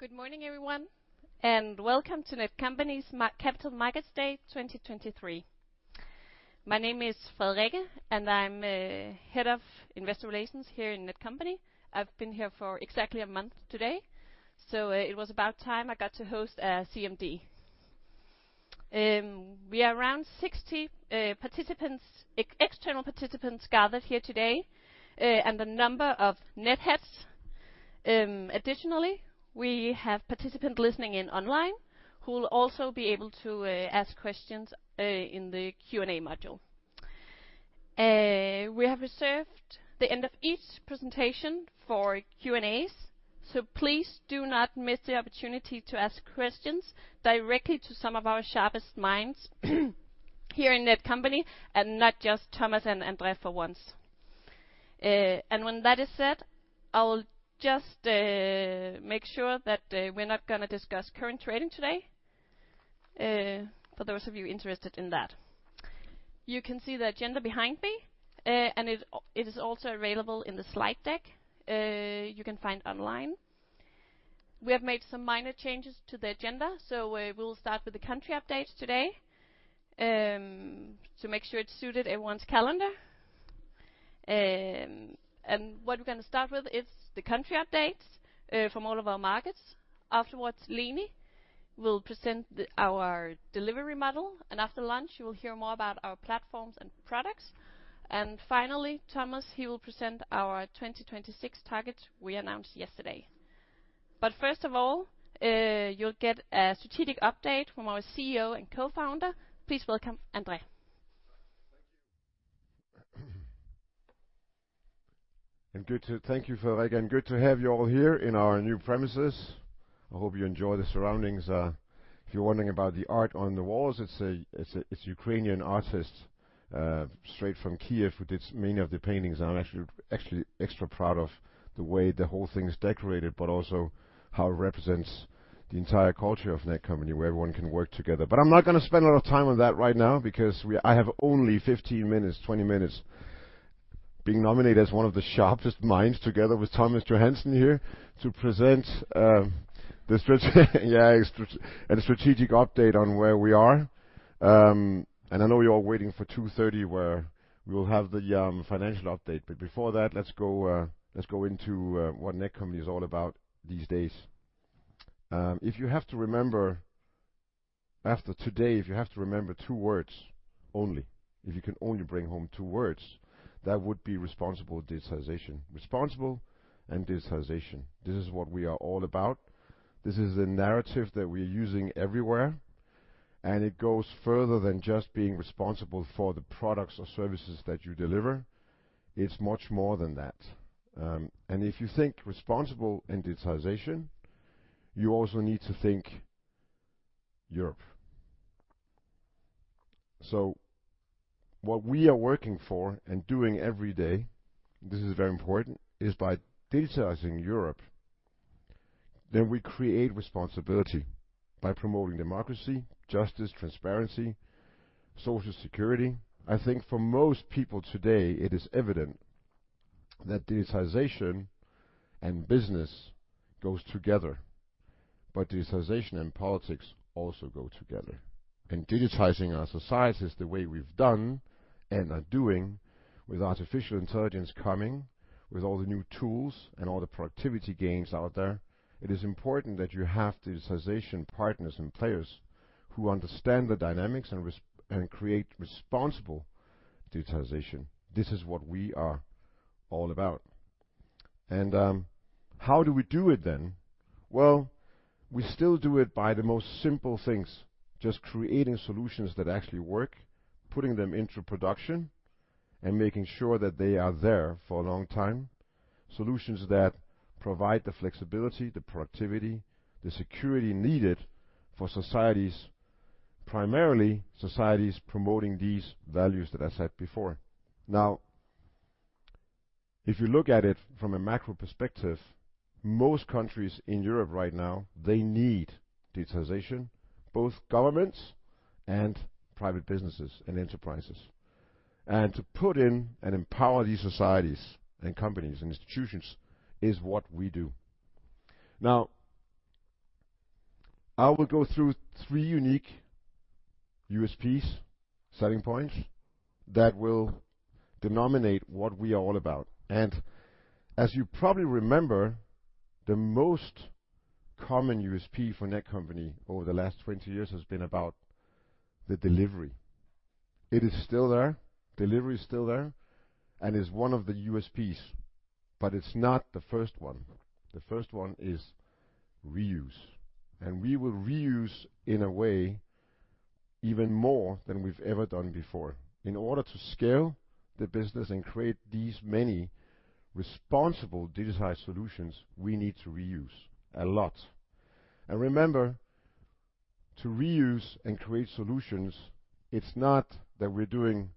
Good morning, everyone, welcome to Netcompany's Capital Markets Day 2023. My name is Frederikke, I'm Head of Investor Relations here in Netcompany. I've been here for exactly a month today, it was about time I got to host a CMD. We are around 60 external participants gathered here today, and a number of Netheads. We have participants listening in online who will also be able to ask questions in the Q&A module. We have reserved the end of each presentation for Q&As, please do not miss the opportunity to ask questions directly to some of our sharpest minds here in Netcompany, and not just Thomas and André for once. When that is said, I will just make sure that we're not gonna discuss current trading today for those of you interested in that. You can see the agenda behind me, and it is also available in the slide deck you can find online. We have made some minor changes to the agenda, we'll start with the country update today to make sure it suited everyone's calendar. What we're gonna start with is the country updates from all of our markets. Afterwards, Leni will present our delivery model, and after lunch, you will hear more about our platforms and products. Finally, Thomas, he will present our 2026 targets we announced yesterday. First of all, you'll get a strategic update from our CEO and co-founder. Please welcome André. Thank you. Thank you, Frederikke, and good to have you all here in our new premises. I hope you enjoy the surroundings. If you're wondering about the art on the walls, it's a Ukrainian artist straight from Kiev, who did many of the paintings. I'm actually extra proud of the way the whole thing is decorated, but also how it represents the entire culture of Netcompany, where everyone can work together. I'm not gonna spend a lot of time on that right now because I have only 15 minutes, 20 minutes, being nominated as one of the sharpest minds, together with Thomas Johansen here, to present a strategic update on where we are. I know you're all waiting for 2:30, where we will have the financial update, but before that, let's go into what Netcompany is all about these days. If you have to remember, after today, if you have to remember two words only, if you can only bring home two words, that would be responsible digitization. Responsible and digitization. This is what we are all about. This is the narrative that we are using everywhere, and it goes further than just being responsible for the products or services that you deliver. It's much more than that. If you think responsible and digitization, you also need to think Europe. What we are working for and doing every day, this is very important, is by digitizing Europe, then we create responsibility by promoting democracy, justice, transparency, social security. I think for most people today, it is evident that digitization and business goes together, but digitization and politics also go together. Digitizing our society is the way we've done and are doing with artificial intelligence coming, with all the new tools and all the productivity gains out there. It is important that you have digitization partners and players who understand the dynamics and create responsible digitization. This is what we are all about. How do we do it, then? Well, we still do it by the most simple things, just creating solutions that actually work, putting them into production, and making sure that they are there for a long time. Solutions that provide the flexibility, the productivity, the security needed for societies, primarily societies promoting these values that I said before. If you look at it from a macro perspective, most countries in Europe right now, they need digitization, both governments and private businesses and enterprises. To put in and empower these societies and companies and institutions is what we do. I will go through three unique USPs, selling points, that will denominate what we are all about. As you probably remember, the most common USP for Netcompany over the last 20 years has been about the delivery. It is still there. Delivery is still there, and it's one of the USPs, but it's not the first one. The first one is reuse, and we will reuse in a way even more than we've ever done before. In order to scale the business and create these many responsible digitized solutions, we need to reuse a lot. Remember, to reuse and create solutions, it's not that we're doing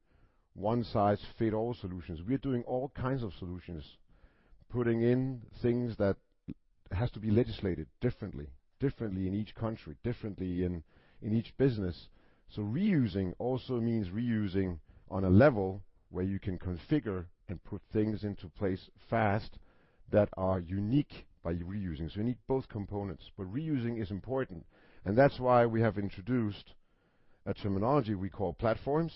one-size-fits-all solutions. We are doing all kinds of solutions, putting in things that has to be legislated differently in each country, differently in each business. Reusing also means reusing on a level where you can configure and put things into place fast that are unique by reusing. You need both components, but reusing is important, and that's why we have introduced a terminology we call platforms.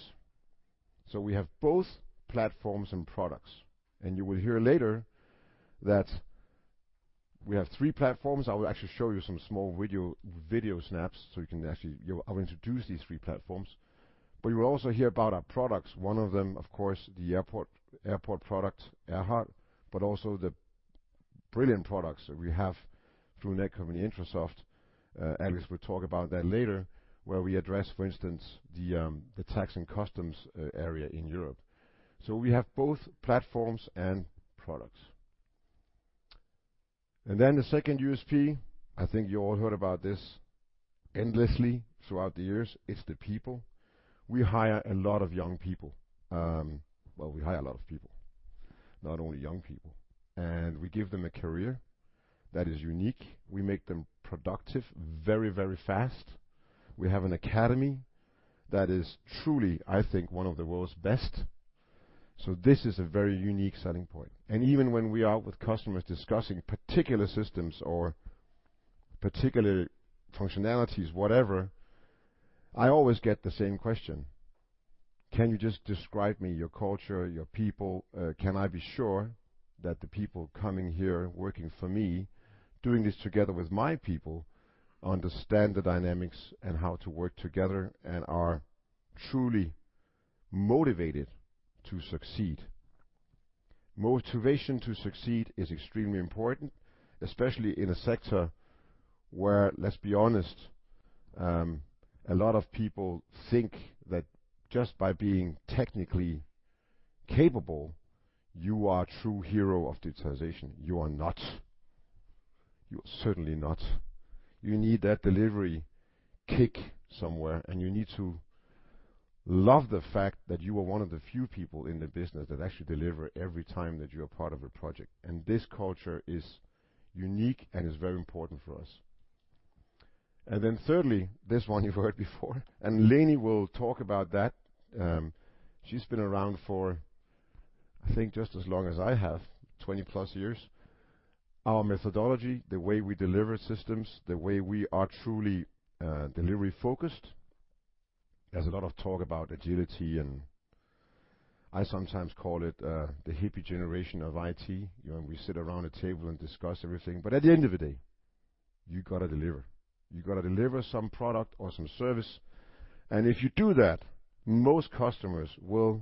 We have both platforms and products, and you will hear later that we have three platforms. I'll introduce these three platforms, but you will also hear about our products. One of them, of course, the airport product, AIRHART, but also the brilliant products that we have through Netcompany- Intrasoft. Alex will talk about that later, where we address, for instance, the the tax and customs area in Europe. We have both platforms and products. Then the second USP, I think you all heard about this endlessly throughout the years, it's the people. We hire a lot of young people. Well, we hire a lot of people, not only young people, and we give them a career that is unique. We make them productive very, very fast. We have an academy that is truly, I think, one of the world's best. This is a very unique selling point. Even when we are out with customers discussing particular systems or particular functionalities, whatever, I always get the same question: "Can you just describe me your culture, your people? Can I be sure that the people coming here, working for me, doing this together with my people, understand the dynamics and how to work together and are truly motivated to succeed?" Motivation to succeed is extremely important, especially in a sector where, let's be honest, a lot of people think that just by being technically capable, you are a true hero of digitization. You are not. You are certainly not. You need that delivery kick somewhere, and you need to love the fact that you are one of the few people in the business that actually deliver every time that you are part of a project, and this culture is unique and is very important for us. Then thirdly, this one you've heard before, and Leni will talk about that. She's been around for, I think, just as long as I have, 20+ years. Our methodology, the way we deliver systems, the way we are truly delivery-focused. There's a lot of talk about agility, I sometimes call it the hippie generation of IT. You know, we sit around a table and discuss everything, at the end of the day, you gotta deliver. You gotta deliver some product or some service, if you do that, most customers will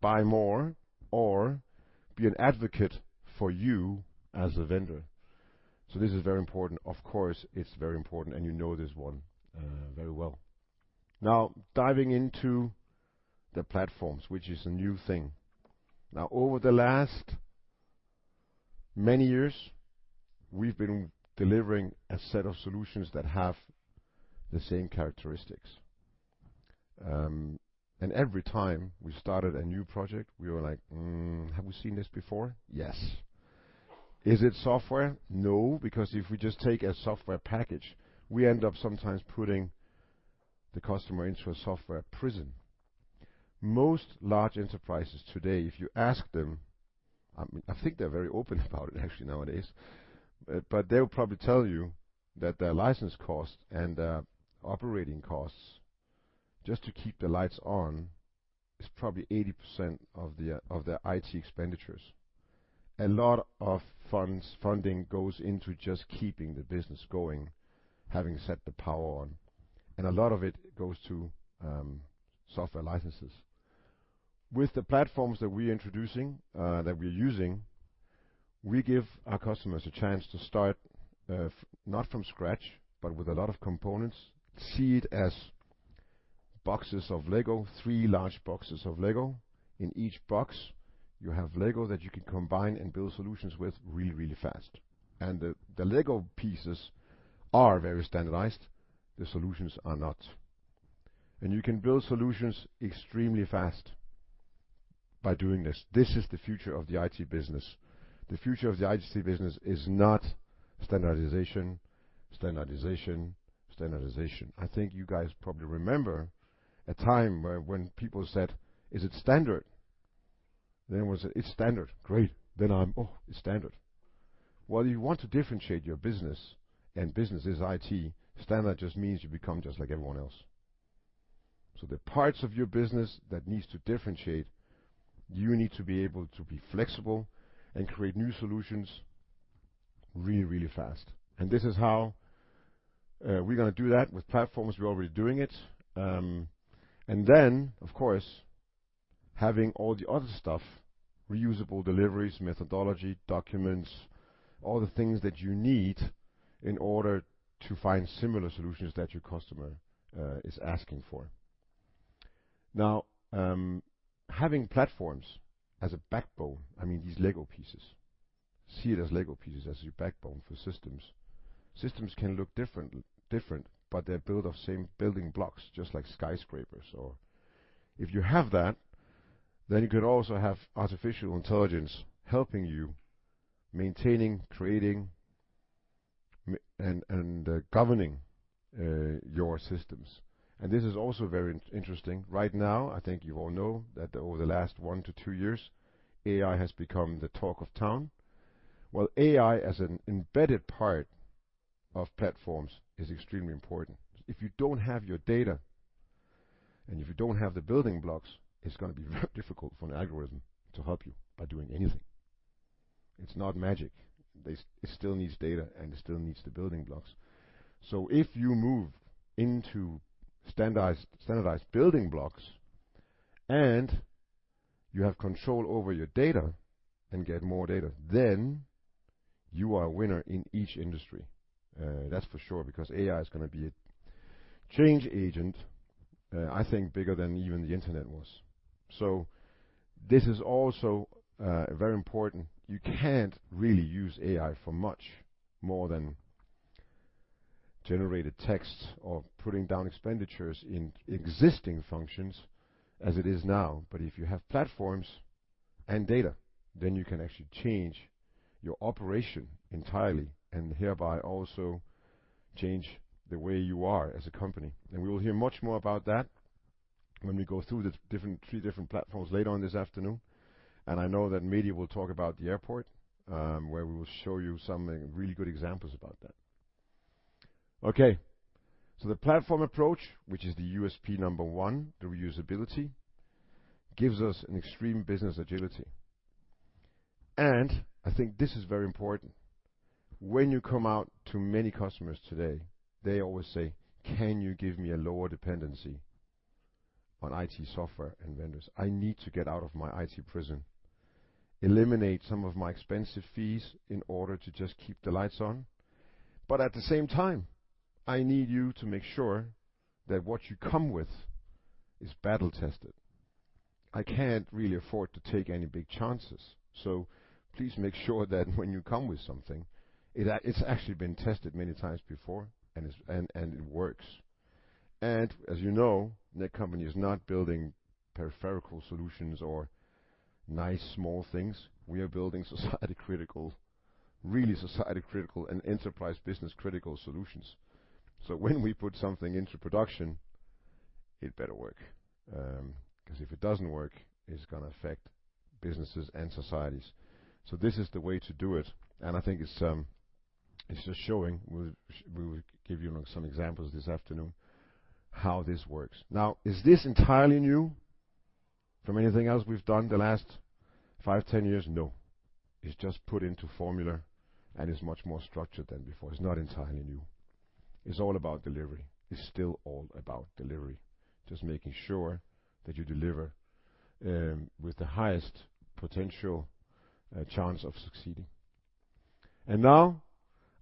buy more or be an advocate for you as a vendor. This is very important. Of course, it's very important, you know this one very well. Diving into the platforms, which is a new thing. Over the last many years, we've been delivering a set of solutions that have the same characteristics. Every time we started a new project, we were like, "Hmm, have we seen this before? Yes." Is it software? No, because if we just take a software package, we end up sometimes putting the customer into a software prison. Most large enterprises today, if you ask them, I think they're very open about it actually nowadays, but they will probably tell you that their license costs and their operating costs, just to keep the lights on, is probably 80% of their IT expenditures. A lot of funding goes into just keeping the business going, having set the power on, and a lot of it goes to software licenses. With the platforms that we're introducing, that we're using, we give our customers a chance to start, not from scratch, but with a lot of components. See it as boxes of Lego, three large boxes of Lego. In each box, you have Lego that you can combine and build solutions with really, really fast. The Lego pieces are very standardized, the solutions are not. You can build solutions extremely fast by doing this. This is the future of the IT business. The future of the IT business is not standardization, standardization. I think you guys probably remember a time where when people said, "Is it standard?" Then was, "It's standard." "Great! Then I'm... Oh, it's standard." While you want to differentiate your business, and business is IT, standard just means you become just like everyone else. The parts of your business that needs to differentiate, you need to be able to be flexible and create new solutions really, really fast. This is how we're gonna do that with platforms. We're already doing it. And then, of course, having all the other stuff, reusable deliveries, methodology, documents, all the things that you need in order to find similar solutions that your customer is asking for. Now, having platforms as a backbone, I mean, these Lego pieces, see it as Lego pieces, as your backbone for systems. Systems can look differently, different, but they're built of same building blocks, just like skyscrapers. You can also have artificial intelligence helping you maintaining, creating, and governing your systems. This is also very interesting. Right now, I think you all know that over the last one to two years, AI has become the talk of town. Well, AI as an embedded part of platforms is extremely important. If you don't have your data, and if you don't have the building blocks, it's gonna be very difficult for an algorithm to help you by doing anything. It's not magic. It still needs data, and it still needs the building blocks. If you move into standardized building blocks, and you have control over your data and get more data, then you are a winner in each industry. That's for sure, because AI is gonna be a change agent, I think, bigger than even the internet was. This is also very important. You can't really use AI for much more than generated texts or putting down expenditures in existing functions as it is now. If you have platforms and data, then you can actually change your operation entirely, and hereby also change the way you are as a company. We will hear much more about that when we go through the three different platforms later on this afternoon. I know that Mehdi will talk about the airport, where we will show you some really good examples about that. The platform approach, which is the USP number 1, the reusability, gives us an extreme business agility. I think this is very important. When you come out to many customers today, they always say, "Can you give me a lower dependency on IT software and vendors? I need to get out of my IT prison, eliminate some of my expensive fees in order to just keep the lights on. At the same time, I need you to make sure that what you come with is battle-tested. I can't really afford to take any big chances, please make sure that when you come with something, it's actually been tested many times before, and it works. As you know, Netcompany is not building peripheral solutions or nice small things. We are building society-critical, really society-critical and enterprise business-critical solutions. When we put something into production, it better work. 'Cause if it doesn't work, it's gonna affect businesses and societies. This is the way to do it, and I think it's just showing, we will give you some examples this afternoon, how this works. Is this entirely new from anything else we've done the last five, 10 years? No. It's just put into formula, and it's much more structured than before. It's not entirely new. It's all about delivery. It's still all about delivery. Just making sure that you deliver with the highest potential chance of succeeding. Now,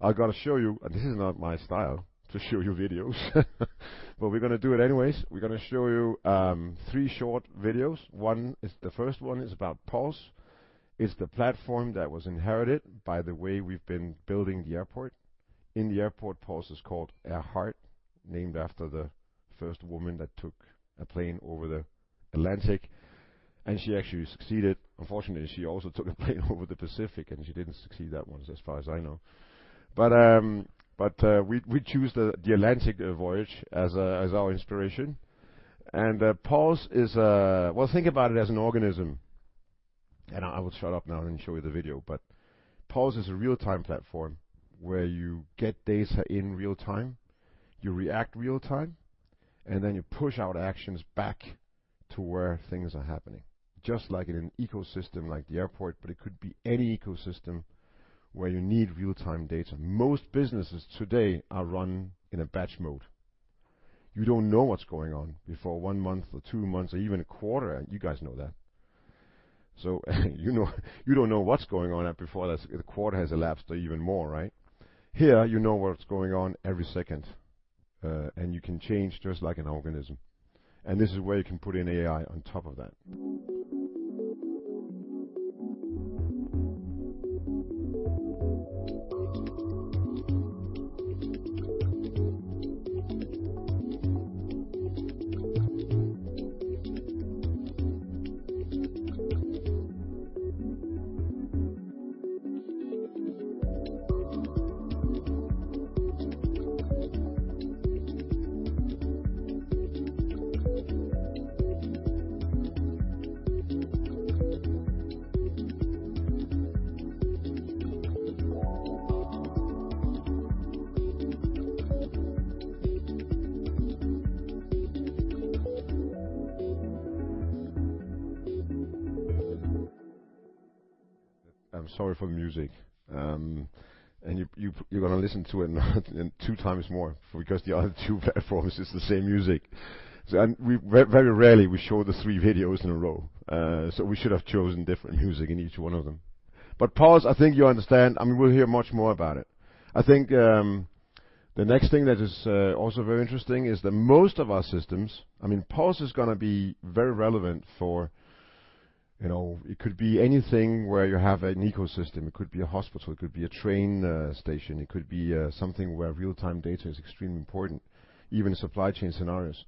I've got to show you, and this is not my style to show you videos, but we're gonna do it anyways. We're gonna show you three short videos. The first one is about PULSE. It's the platform that was inherited by the way we've been building the airport. In the airport, PULSE is called AIRHART, named after the first woman that took a plane over the Atlantic, and she actually succeeded. Unfortunately, she also took a plane over the Pacific, and she didn't succeed that one, as far as I know. We choose the Atlantic voyage as our inspiration. Well, think about it as an organism, and I will shut up now and show you the video. PULSE is a real time platform where you get data in real time, you react real time, and then you push out actions back to where things are happening. Just like in an ecosystem like the airport, but it could be any ecosystem where you need real time data. Most businesses today are run in a batch mode. You don't know what's going on before one month or two months or even a quarter, and you guys know that. You know, you don't know what's going on before the quarter has elapsed or even more, right? Here, you know what's going on every second, and you can change just like an organism. This is where you can put in AI on top of that. I'm sorry for the music. You, you're gonna listen to it, two times more because the other two platforms is the same music. We very rarely show the three videos in a row, so we should have chosen different music in each one of them. PULSE, I think you understand, I mean, we'll hear much more about it. I think, the next thing that is also very interesting is that most of our systems, I mean, PULSE is gonna be very relevant. You know, it could be anything where you have an ecosystem. It could be a hospital, it could be a train station, it could be something where real-time data is extremely important, even supply chain scenarios.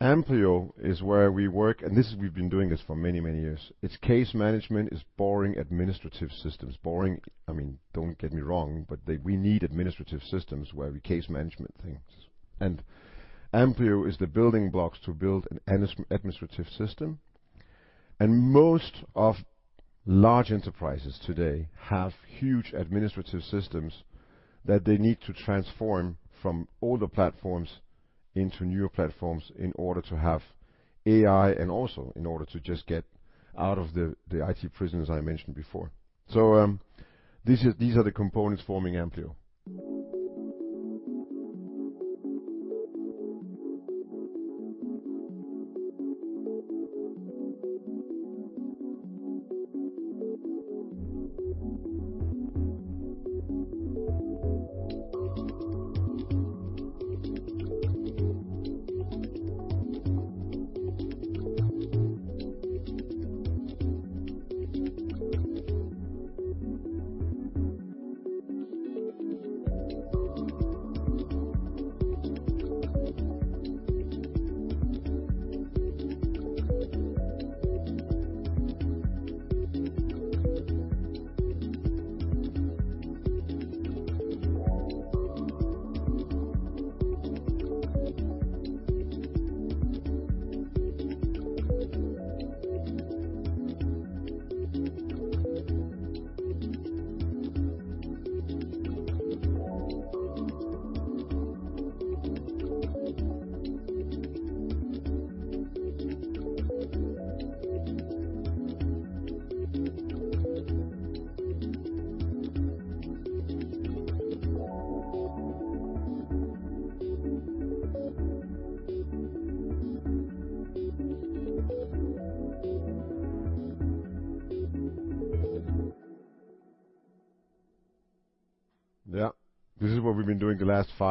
AMPLIO is where we work, and this is, we've been doing this for many, many years. It's case management, it's boring administrative systems. Boring, I mean, don't get me wrong, but we need administrative systems where we case management things. AMPLIO is the building blocks to build an administrative system. Most of large enterprises today have huge administrative systems that they need to transform from older platforms into newer platforms in order to have AI, and also in order to just get out of the IT prison, as I mentioned before. These are the components forming AMPLIO.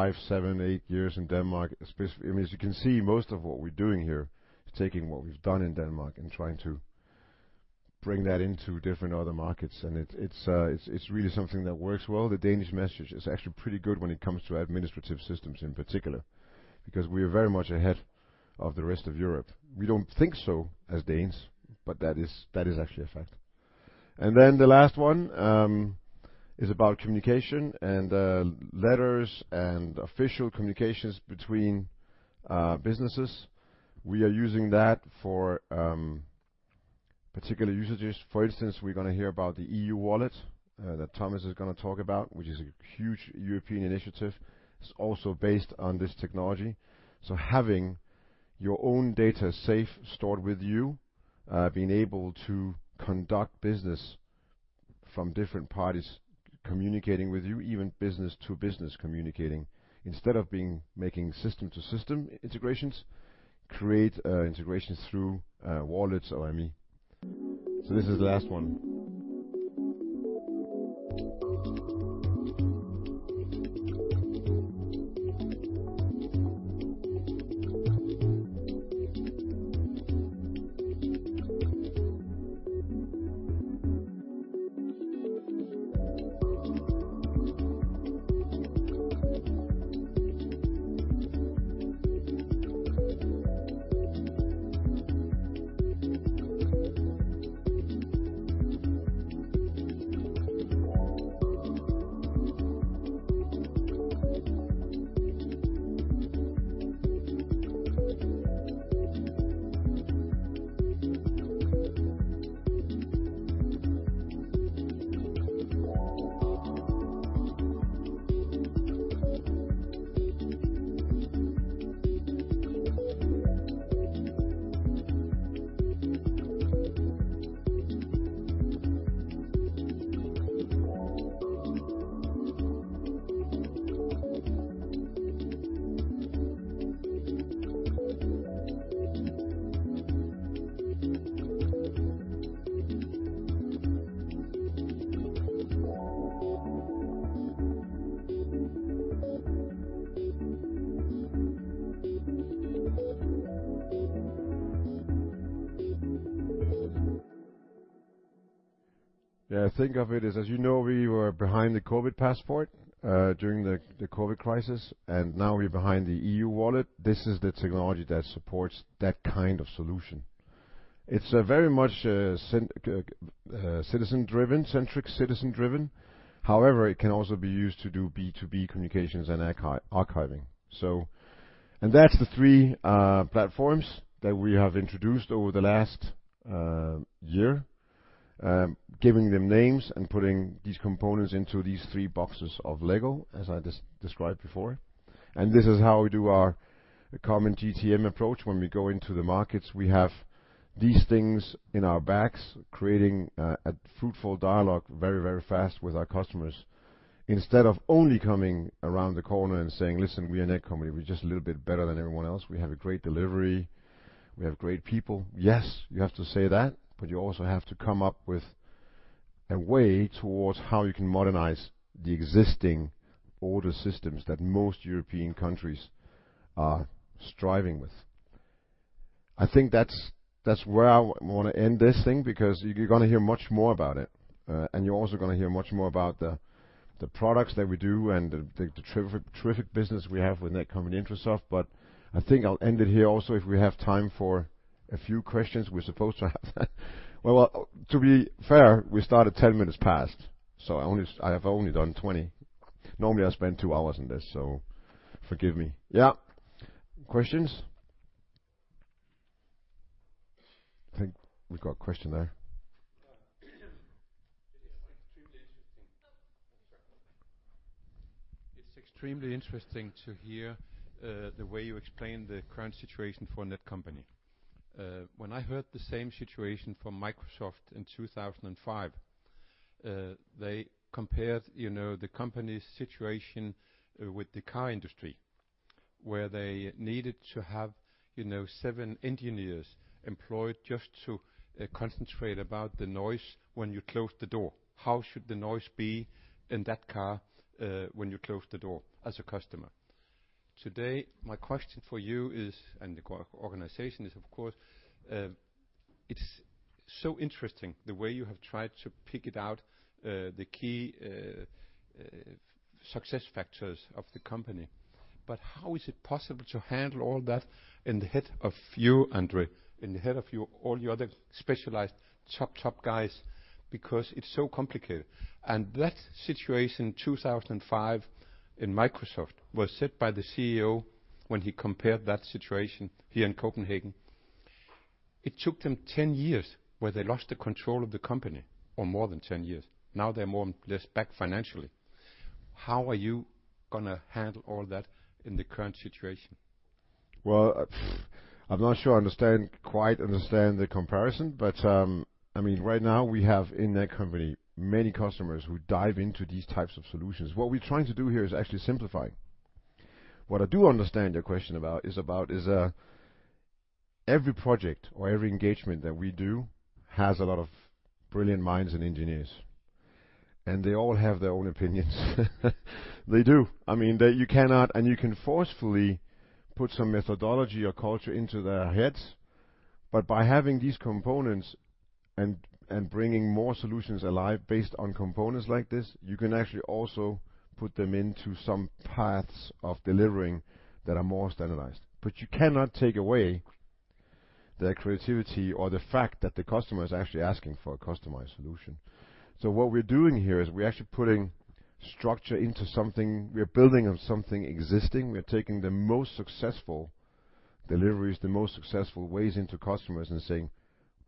Yeah, this is what we've been doing the last five, seven, eight years in Denmark, I mean, as you can see, most of what we're doing here is taking what we've done in Denmark and trying to bring that into different other markets, it's really something that works well. The Danes message is actually pretty good when it comes to administrative systems in particular, because we are very much ahead of the rest of Europe. We don't think so as Danes, but that is actually a fact. The last one is about communication and letters and official communications between businesses. We are using that for particular usages. For instance, we're gonna hear about the EU wallet that Thomas is gonna talk about, which is a huge European initiative. It's also based on this technology. Having your own data safe, stored with you, being able to conduct business from different parties, communicating with you, even business to business communicating, instead of making system to system integrations, create integrations through wallets or AMI. This is the last one. Think of it as, you know, we were behind the COVID-19 passport during the COVID crisis. Now we're behind the EU wallet. This is the technology that supports that kind of solution. It's a very much citizen-driven, centric, citizen-driven. It can also be used to do B2B communications and archiving. That's the three platforms that we have introduced over the last year. Giving them names and putting these components into these three boxes of Lego, as I described before. This is how we do our common GTM approach. When we go into the markets, we have these things in our bags, creating a fruitful dialogue very, very fast with our customers. Instead of only coming around the corner and saying, "Listen, we are Netcompany. We're just a little bit better than everyone else. We have a great delivery. We have great people." Yes, you have to say that, but you also have to come up with a way towards how you can modernize the existing older systems that most European countries are striving with. I think that's where I wanna end this thing, because you're gonna hear much more about it. And you're also gonna hear much more about the products that we do and the terrific business we have with Netcompany- Intrasoft. I think I'll end it here also, if we have time for a few questions, we're supposed to have. To be fair, we started 10 minutes past, so I have only done 20. Normally, I spend 2 hours on this, so forgive me. Questions? I think we've got a question there. It is extremely interesting. Sorry. It's extremely interesting to hear the way you explain the current situation for Netcompany. When I heard the same situation from Microsoft in 2005, they compared, you know, the company's situation with the car industry, where they needed to have, you know, seven engineers employed just to concentrate about the noise when you close the door. How should the noise be in that car when you close the door, as a customer? Today, my question for you is, the organization is, of course, it's so interesting the way you have tried to pick it out, the key success factors of the company. How is it possible to handle all that in the head of you, André, in the head of you, all the other specialized top guys, because it's so complicated? That situation, 2005 in Microsoft, was set by the CEO when he compared that situation here in Copenhagen. It took them 10 years, where they lost the control of the company, or more than 10 years. Now, they're more or less back financially. How are you gonna handle all that in the current situation? I'm not sure I understand, quite understand the comparison, but, I mean, right now we have in Netcompany, many customers who dive into these types of solutions. What we're trying to do here is actually simplify. What I do understand your question about, is about, is every project or every engagement that we do has a lot of brilliant minds and engineers, and they all have their own opinions. They do. I mean, you cannot. You can forcefully put some methodology or culture into their heads, but by having these components and bringing more solutions alive based on components like this, you can actually also put them into some paths of delivering that are more standardized. You cannot take away their creativity or the fact that the customer is actually asking for a customized solution. What we're doing here is we're actually putting structure into something. We're building on something existing. We're taking the most successful deliveries, the most successful ways into customers and saying,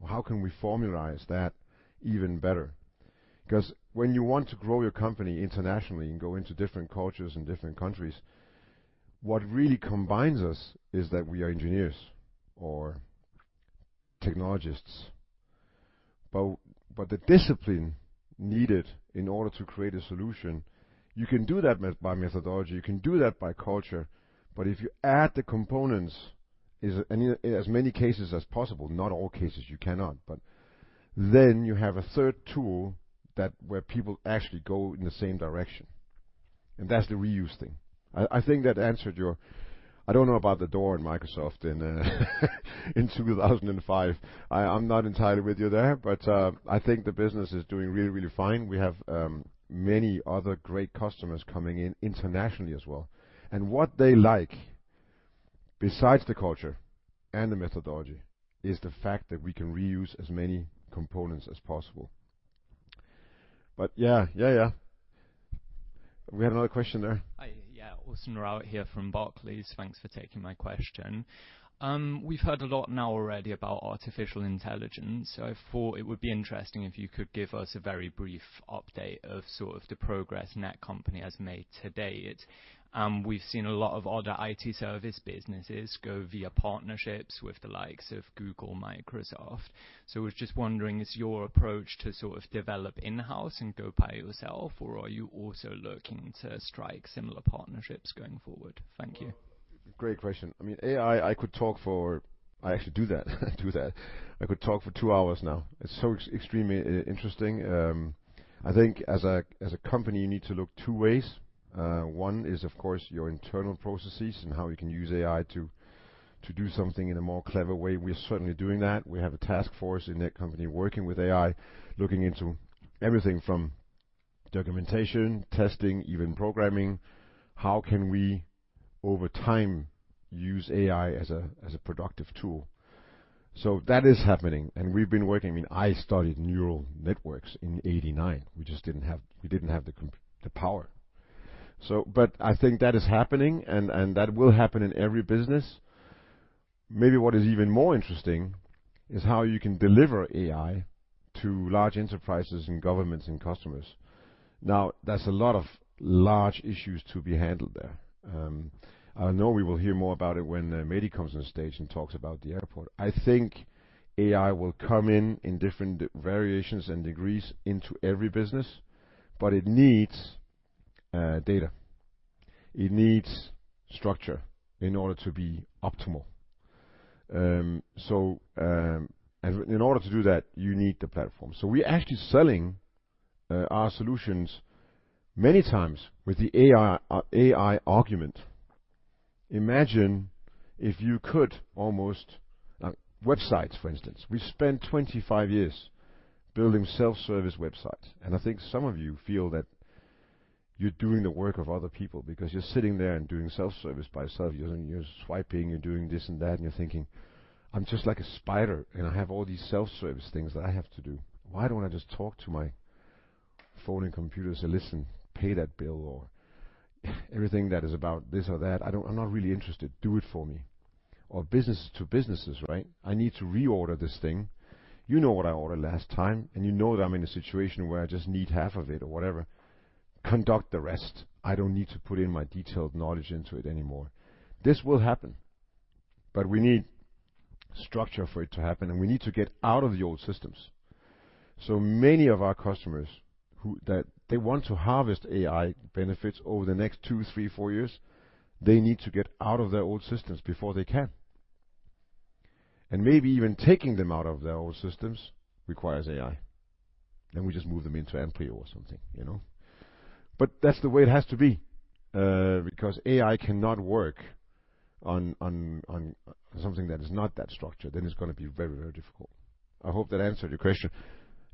well, how can we formulize that even better? When you want to grow your company internationally and go into different cultures and different countries, what really combines us is that we are engineers or technologists. The discipline needed in order to create a solution, you can do that by methodology, you can do that by culture, but if you add the components, is in as many cases as possible, not all cases, you cannot, but then you have a third tool that where people actually go in the same direction, and that's the reuse thing. I think that answered your... I don't know about the door in Microsoft in 2005. I'm not entirely with you there. I think the business is doing really, really fine. We have many other great customers coming in internationally as well. What they like, besides the culture and the methodology, is the fact that we can reuse as many components as possible. Yeah. Yeah, yeah. We have another question there. Hi. Yeah, [Oson Raut] here from Barclays. Thanks for taking my question. We've heard a lot now already about artificial intelligence. I thought it would be interesting if you could give us a very brief update of sort of the progress Netcompany has made to date. We've seen a lot of other IT service businesses go via partnerships with the likes of Google, Microsoft. I was just wondering, is your approach to sort of develop in-house and go by yourself, or are you also looking to strike similar partnerships going forward? Thank you. Great question. I mean, AI, I could talk for... I actually do that. I do that. I could talk for 2 hours now. It's so extremely interesting. I think as a company, you need to look 2 ways. One is, of course, your internal processes and how you can use AI to do something in a more clever way. We're certainly doing that. We have a task force in Netcompany working with AI, looking into everything from documentation, testing, even programming. How can we, over time, use AI as a productive tool? That is happening, and we've been working... I mean, I started neural networks in 89. We just didn't have the power. I think that is happening, and that will happen in every business. Maybe what is even more interesting is how you can deliver AI to large enterprises and governments and customers. Now, there's a lot of large issues to be handled there. I know we will hear more about it when Mahdi comes on stage and talks about the airport. I think AI will come in different variations and degrees into every business, but it needs data.... It needs structure in order to be optimal. In order to do that, you need the platform. We're actually selling our solutions many times with the AI AI argument. Imagine if you could almost websites, for instance. We spent 25 years building self-service websites, and I think some of you feel that you're doing the work of other people because you're sitting there and doing self-service by yourself. You're swiping, you're doing this and that, and you're thinking, "I'm just like a spider, and I have all these self-service things that I have to do. Why don't I just talk to my phone and computer and say, 'Listen, pay that bill,' or everything that is about this or that, I'm not really interested. Do it for me." Businesses to businesses, right? "I need to reorder this thing. You know what I ordered last time, and you know that I'm in a situation where I just need half of it or whatever. Conduct the rest. I don't need to put in my detailed knowledge into it anymore." This will happen, but we need structure for it to happen, and we need to get out of the old systems. Many of our customers who that... They want to harvest AI benefits over the next two, three, four years, they need to get out of their old systems before they can. Maybe even taking them out of their old systems requires AI. We just move them into AMPLIO or something, you know? That's the way it has to be because AI cannot work on something that is not that structured, then it's gonna be very, very difficult. I hope that answered your question.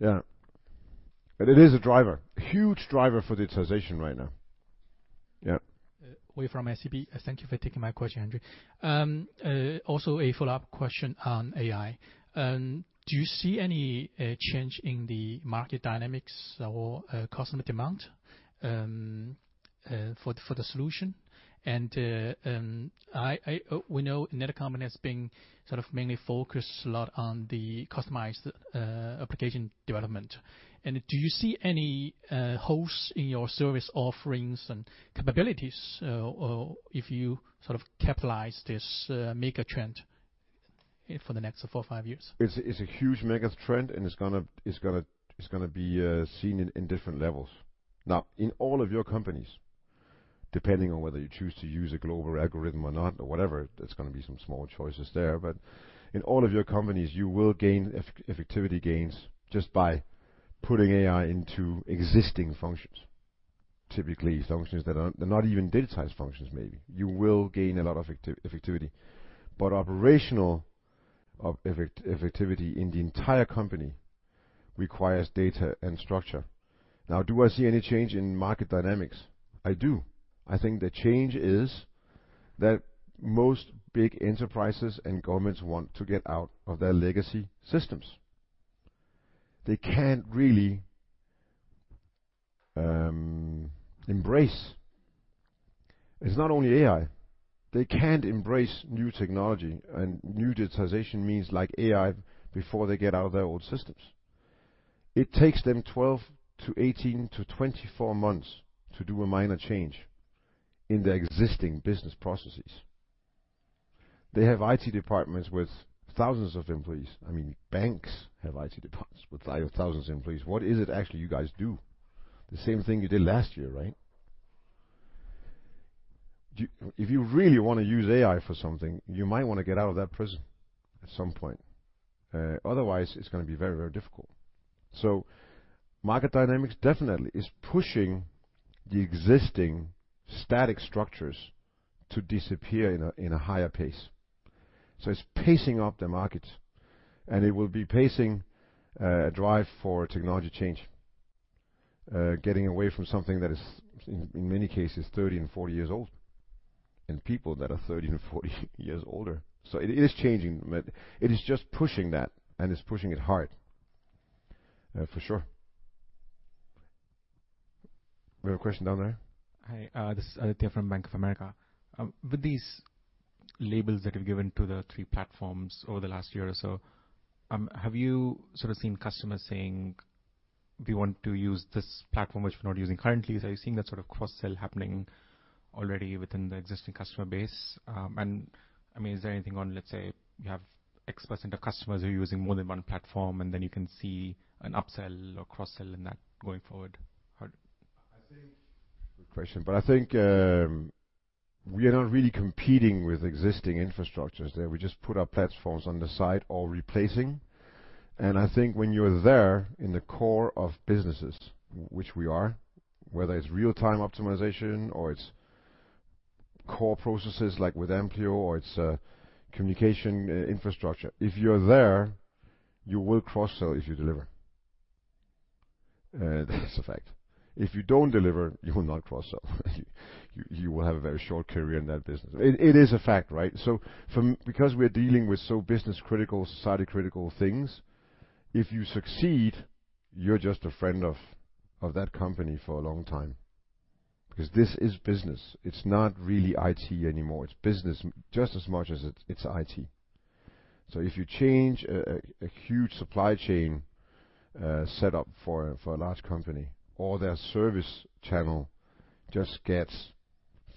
Yeah. It is a driver, huge driver for digitization right now. Yeah. Yiwei from SEB. Thank you for taking my question, André. Also a follow-up question on AI. Do you see any change in the market dynamics or customer demand for the solution? We know Netcompany has been sort of mainly focused a lot on the customized application development. Do you see any holes in your service offerings and capabilities, or if you sort of capitalize this mega trend for the next four, five years? It's a huge mega trend, it's gonna be seen in different levels. Now, in all of your companies, depending on whether you choose to use a global algorithm or not or whatever, there's gonna be some small choices there. In all of your companies, you will gain effectivity gains just by putting AI into existing functions. Typically, functions that are not even digitized functions, maybe. You will gain a lot of effectivity. Operational effectivity in the entire company requires data and structure. Now, do I see any change in market dynamics? I do. I think the change is that most big enterprises and governments want to get out of their legacy systems. They can't really embrace. It's not only AI, they can't embrace new technology and new digitization means like AI, before they get out of their old systems. It takes them 12 to 18 to 24 months to do a minor change in their existing business processes. They have IT departments with thousands of employees. I mean, banks have IT departments with thousands of employees. What is it actually you guys do? The same thing you did last year, right? If you really want to use AI for something, you might want to get out of that prison at some point, otherwise, it's gonna be very, very difficult. Market dynamics definitely is pushing the existing static structures to disappear in a higher pace. It's pacing up the market, and it will be pacing a drive for technology change, getting away from something that is, in many cases, 30 and 40 years old, and people that are 30 and 40 years older. It is changing, but it is just pushing that, and it's pushing it hard for sure. We have a question down there. Hi, this is Aditya from Bank of America. With these labels that you've given to the 3 platforms over the last year or so, have you sort of seen customers saying: "We want to use this platform, which we're not using currently?" Are you seeing that sort of cross-sell happening already within the existing customer base? I mean, is there anything on, let's say, you have X% of customers who are using more than 1 platform, and then you can see an upsell or cross-sell in that going forward? I think we are not really competing with existing infrastructures there. We just put our platforms on the side or replacing. I think when you're there in the core of businesses, which we are, whether it's real-time optimization or it's core processes like with AMPLIO or it's a communication infrastructure, if you're there, you will cross-sell if you deliver. That's a fact. If you don't deliver, you will not cross-sell. You will have a very short career in that business. It is a fact, right? Because we're dealing with so business-critical, society-critical things, if you succeed, you're just a friend of that company for a long time, because this is business. It's not really IT anymore. It's business, just as much as it's IT. If you change a huge supply chain set up for a large company, or their service channel just gets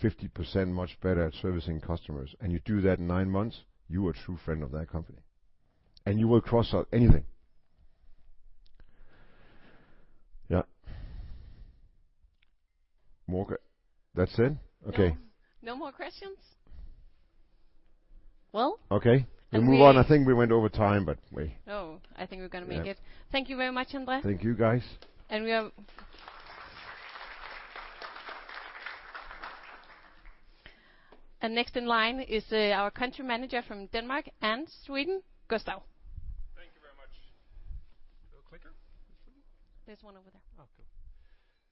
50% much better at servicing customers, and you do that in nine months, you are a true friend of that company. You will cross-sell anything. Yeah. That's it? Okay. No, no more questions? Okay. I think we move on. I think we went over time, but I think we're gonna make it. Yes. Thank you very much, André. Thank you, guys. Next in line is our Country Manager from Denmark and Sweden, Gustaf. Thank you very much. No clicker? There's one over there. Cool.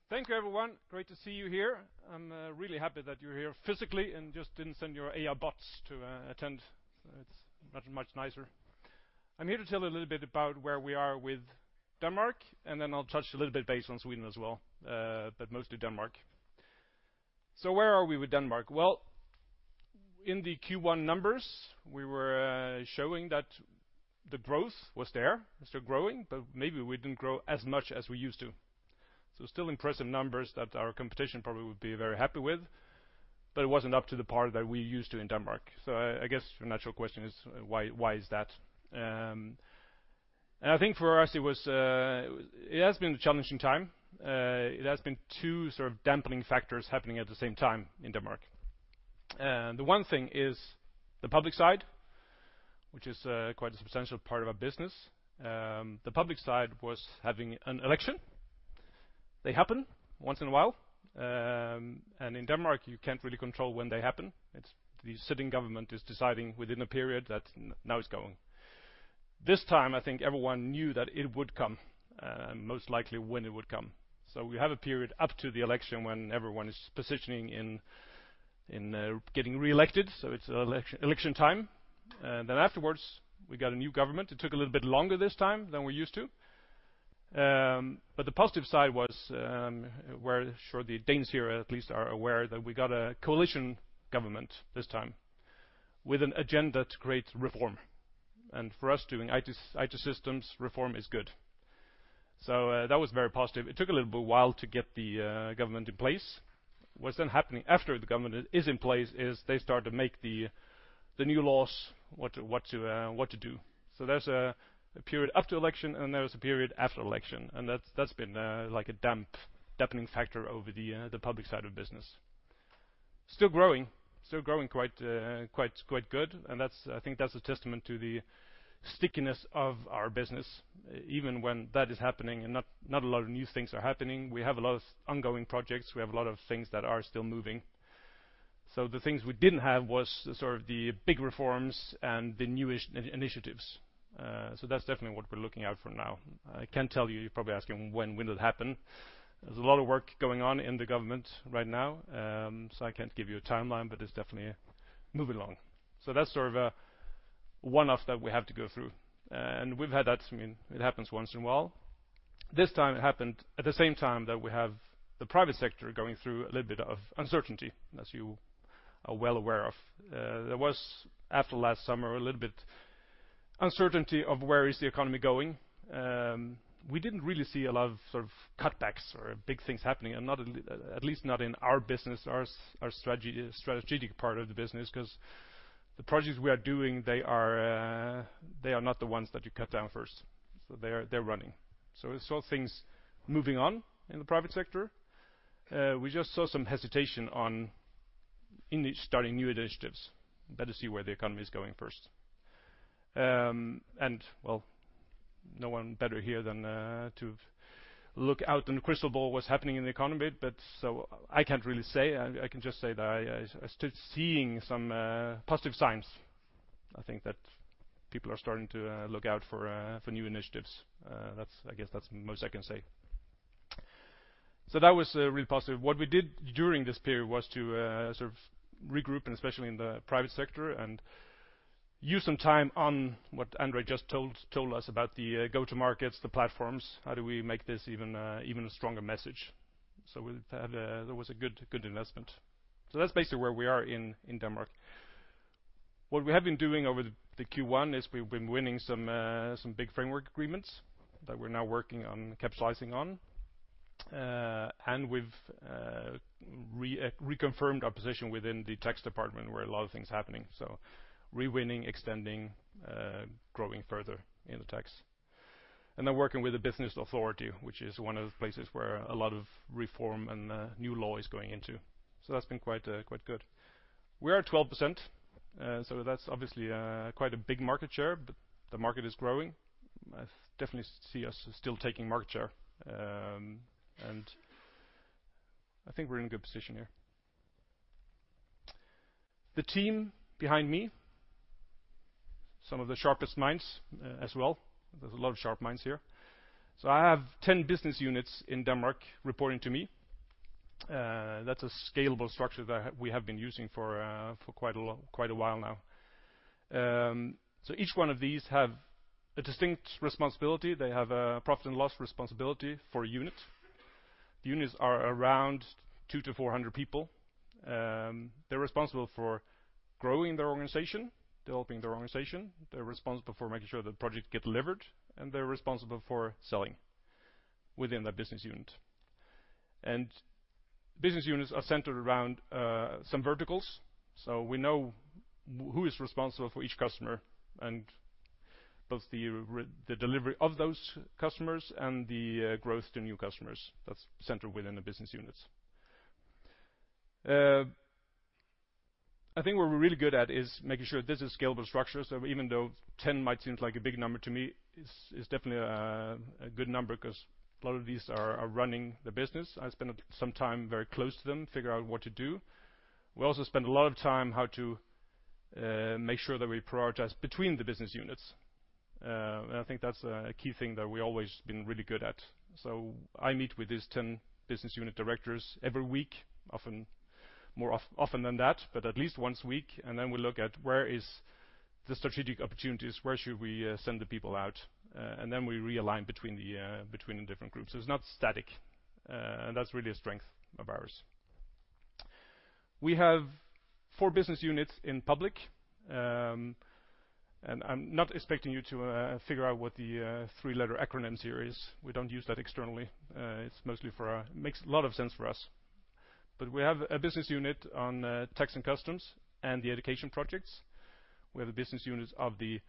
Thank you, everyone. Great to see you here. I'm really happy that you're here physically and just didn't send your AI bots to attend. It's much, much nicer. I'm here to tell you a little bit about where we are with Denmark, then I'll touch a little bit base on Sweden as well, but mostly Denmark. Where are we with Denmark? Well, in the Q1 numbers, we were showing that the growth was there, still growing, but maybe we didn't grow as much as we used to. Still impressive numbers that our competition probably would be very happy with, but it wasn't up to the par that we used to in Denmark. I guess the natural question is: why is that? I think for us, it has been a challenging time. It has been 2 sort of dampening factors happening at the same time in Denmark. The one thing is the public side, which is quite a substantial part of our business. The public side was having an election. They happen once in a while. In Denmark, you can't really control when they happen. It's the sitting government is deciding within a period that now it's going. This time, I think everyone knew that it would come, and most likely when it would come. We have a period up to the election when everyone is positioning in getting reelected, so it's election time. Afterwards, we got a new government. It took a little bit longer this time than we're used to. The positive side was, where, I'm sure, the Danes here at least are aware, that we got a coalition government this time with an agenda to create reform. For us, doing IT systems, reform is good. That was very positive. It took a little while to get the government in place. What's then happening after the government is in place is they start to make the new laws, what to do. There's a period after election, and there is a period after election, and that's been like a dampening factor over the public side of business. Still growing, still growing quite good, and that's, I think that's a testament to the stickiness of our business. Even when that is happening and not a lot of new things are happening, we have a lot of ongoing projects. We have a lot of things that are still moving. The things we didn't have was sort of the big reforms and the newish initiatives. That's definitely what we're looking out for now. I can tell you're probably asking when will it happen? There's a lot of work going on in the government right now, so I can't give you a timeline, but it's definitely moving along. That's sort of a one-off that we have to go through, and we've had that, I mean, it happens once in a while. This time it happened at the same time that we have the private sector going through a little bit of uncertainty, as you are well aware of. There was, after last summer, a little bit uncertainty of where is the economy going. We didn't really see a lot of sort of cutbacks or big things happening, and at least not in our business, our strategy, strategic part of the business, 'cause the projects we are doing, they are not the ones that you cut down first, so they're running. We saw things moving on in the private sector. We just saw some hesitation in starting new initiatives. Better see where the economy is going first. Well, no one better here than to look out in the crystal ball what's happening in the economy, but I can't really say. I can just say that I stood seeing some positive signs. I think that people are starting to look out for new initiatives. I guess that's the most I can say. That was really positive. What we did during this period was to sort of regroup, and especially in the private sector, and use some time on what André just told us about the go-to markets, the platforms. How do we make this even a stronger message? We had there was a good investment. That's basically where we are in Denmark. What we have been doing over the Q1 is we've been winning some big framework agreements that we're now working on capitalizing on. And we've reconfirmed our position within the tax department, where a lot of things happening, rewinning, extending, growing further in the tax. Working with the business authority, which is one of the places where a lot of reform and new law is going into. That's been quite good. We are at 12%, so that's obviously quite a big market share, but the market is growing. I definitely see us still taking market share, and I think we're in a good position here. The team behind me, some of the sharpest minds as well. There's a lot of sharp minds here. I have 10 business units in Denmark reporting to me. That's a scalable structure that we have been using for quite a long while now. Each one of these have a distinct responsibility. They have a profit and loss responsibility for a unit. The units are around 2 to 400 people. They're responsible for growing their organization, developing their organization. They're responsible for making sure the projects get delivered, and they're responsible for selling within that business unit. Business units are centered around some verticals, so we know who is responsible for each customer, and both the delivery of those customers and the growth to new customers. That's centered within the business units. I think what we're really good at is making sure this is scalable structure. Even though 10 might seem like a big number to me, it's definitely a good number because a lot of these are running the business. I spend some time very close to them, figure out what to do. We also spend a lot of time how to make sure that we prioritize between the business units. I think that's a key thing that we always been really good at. I meet with these 10 business unit directors every week, often more often than that, but at least once a week. We look at where is the strategic opportunities, where should we send the people out, and then we realign between the between the different groups. It's not static, and that's really a strength of ours. We have 4 business units in public, I'm not expecting you to figure out what the 3-letter acronym here is. We don't use that externally. It's mostly makes a lot of sense for us. We have a business unit on tax and customs and the education projects. We have a business units of the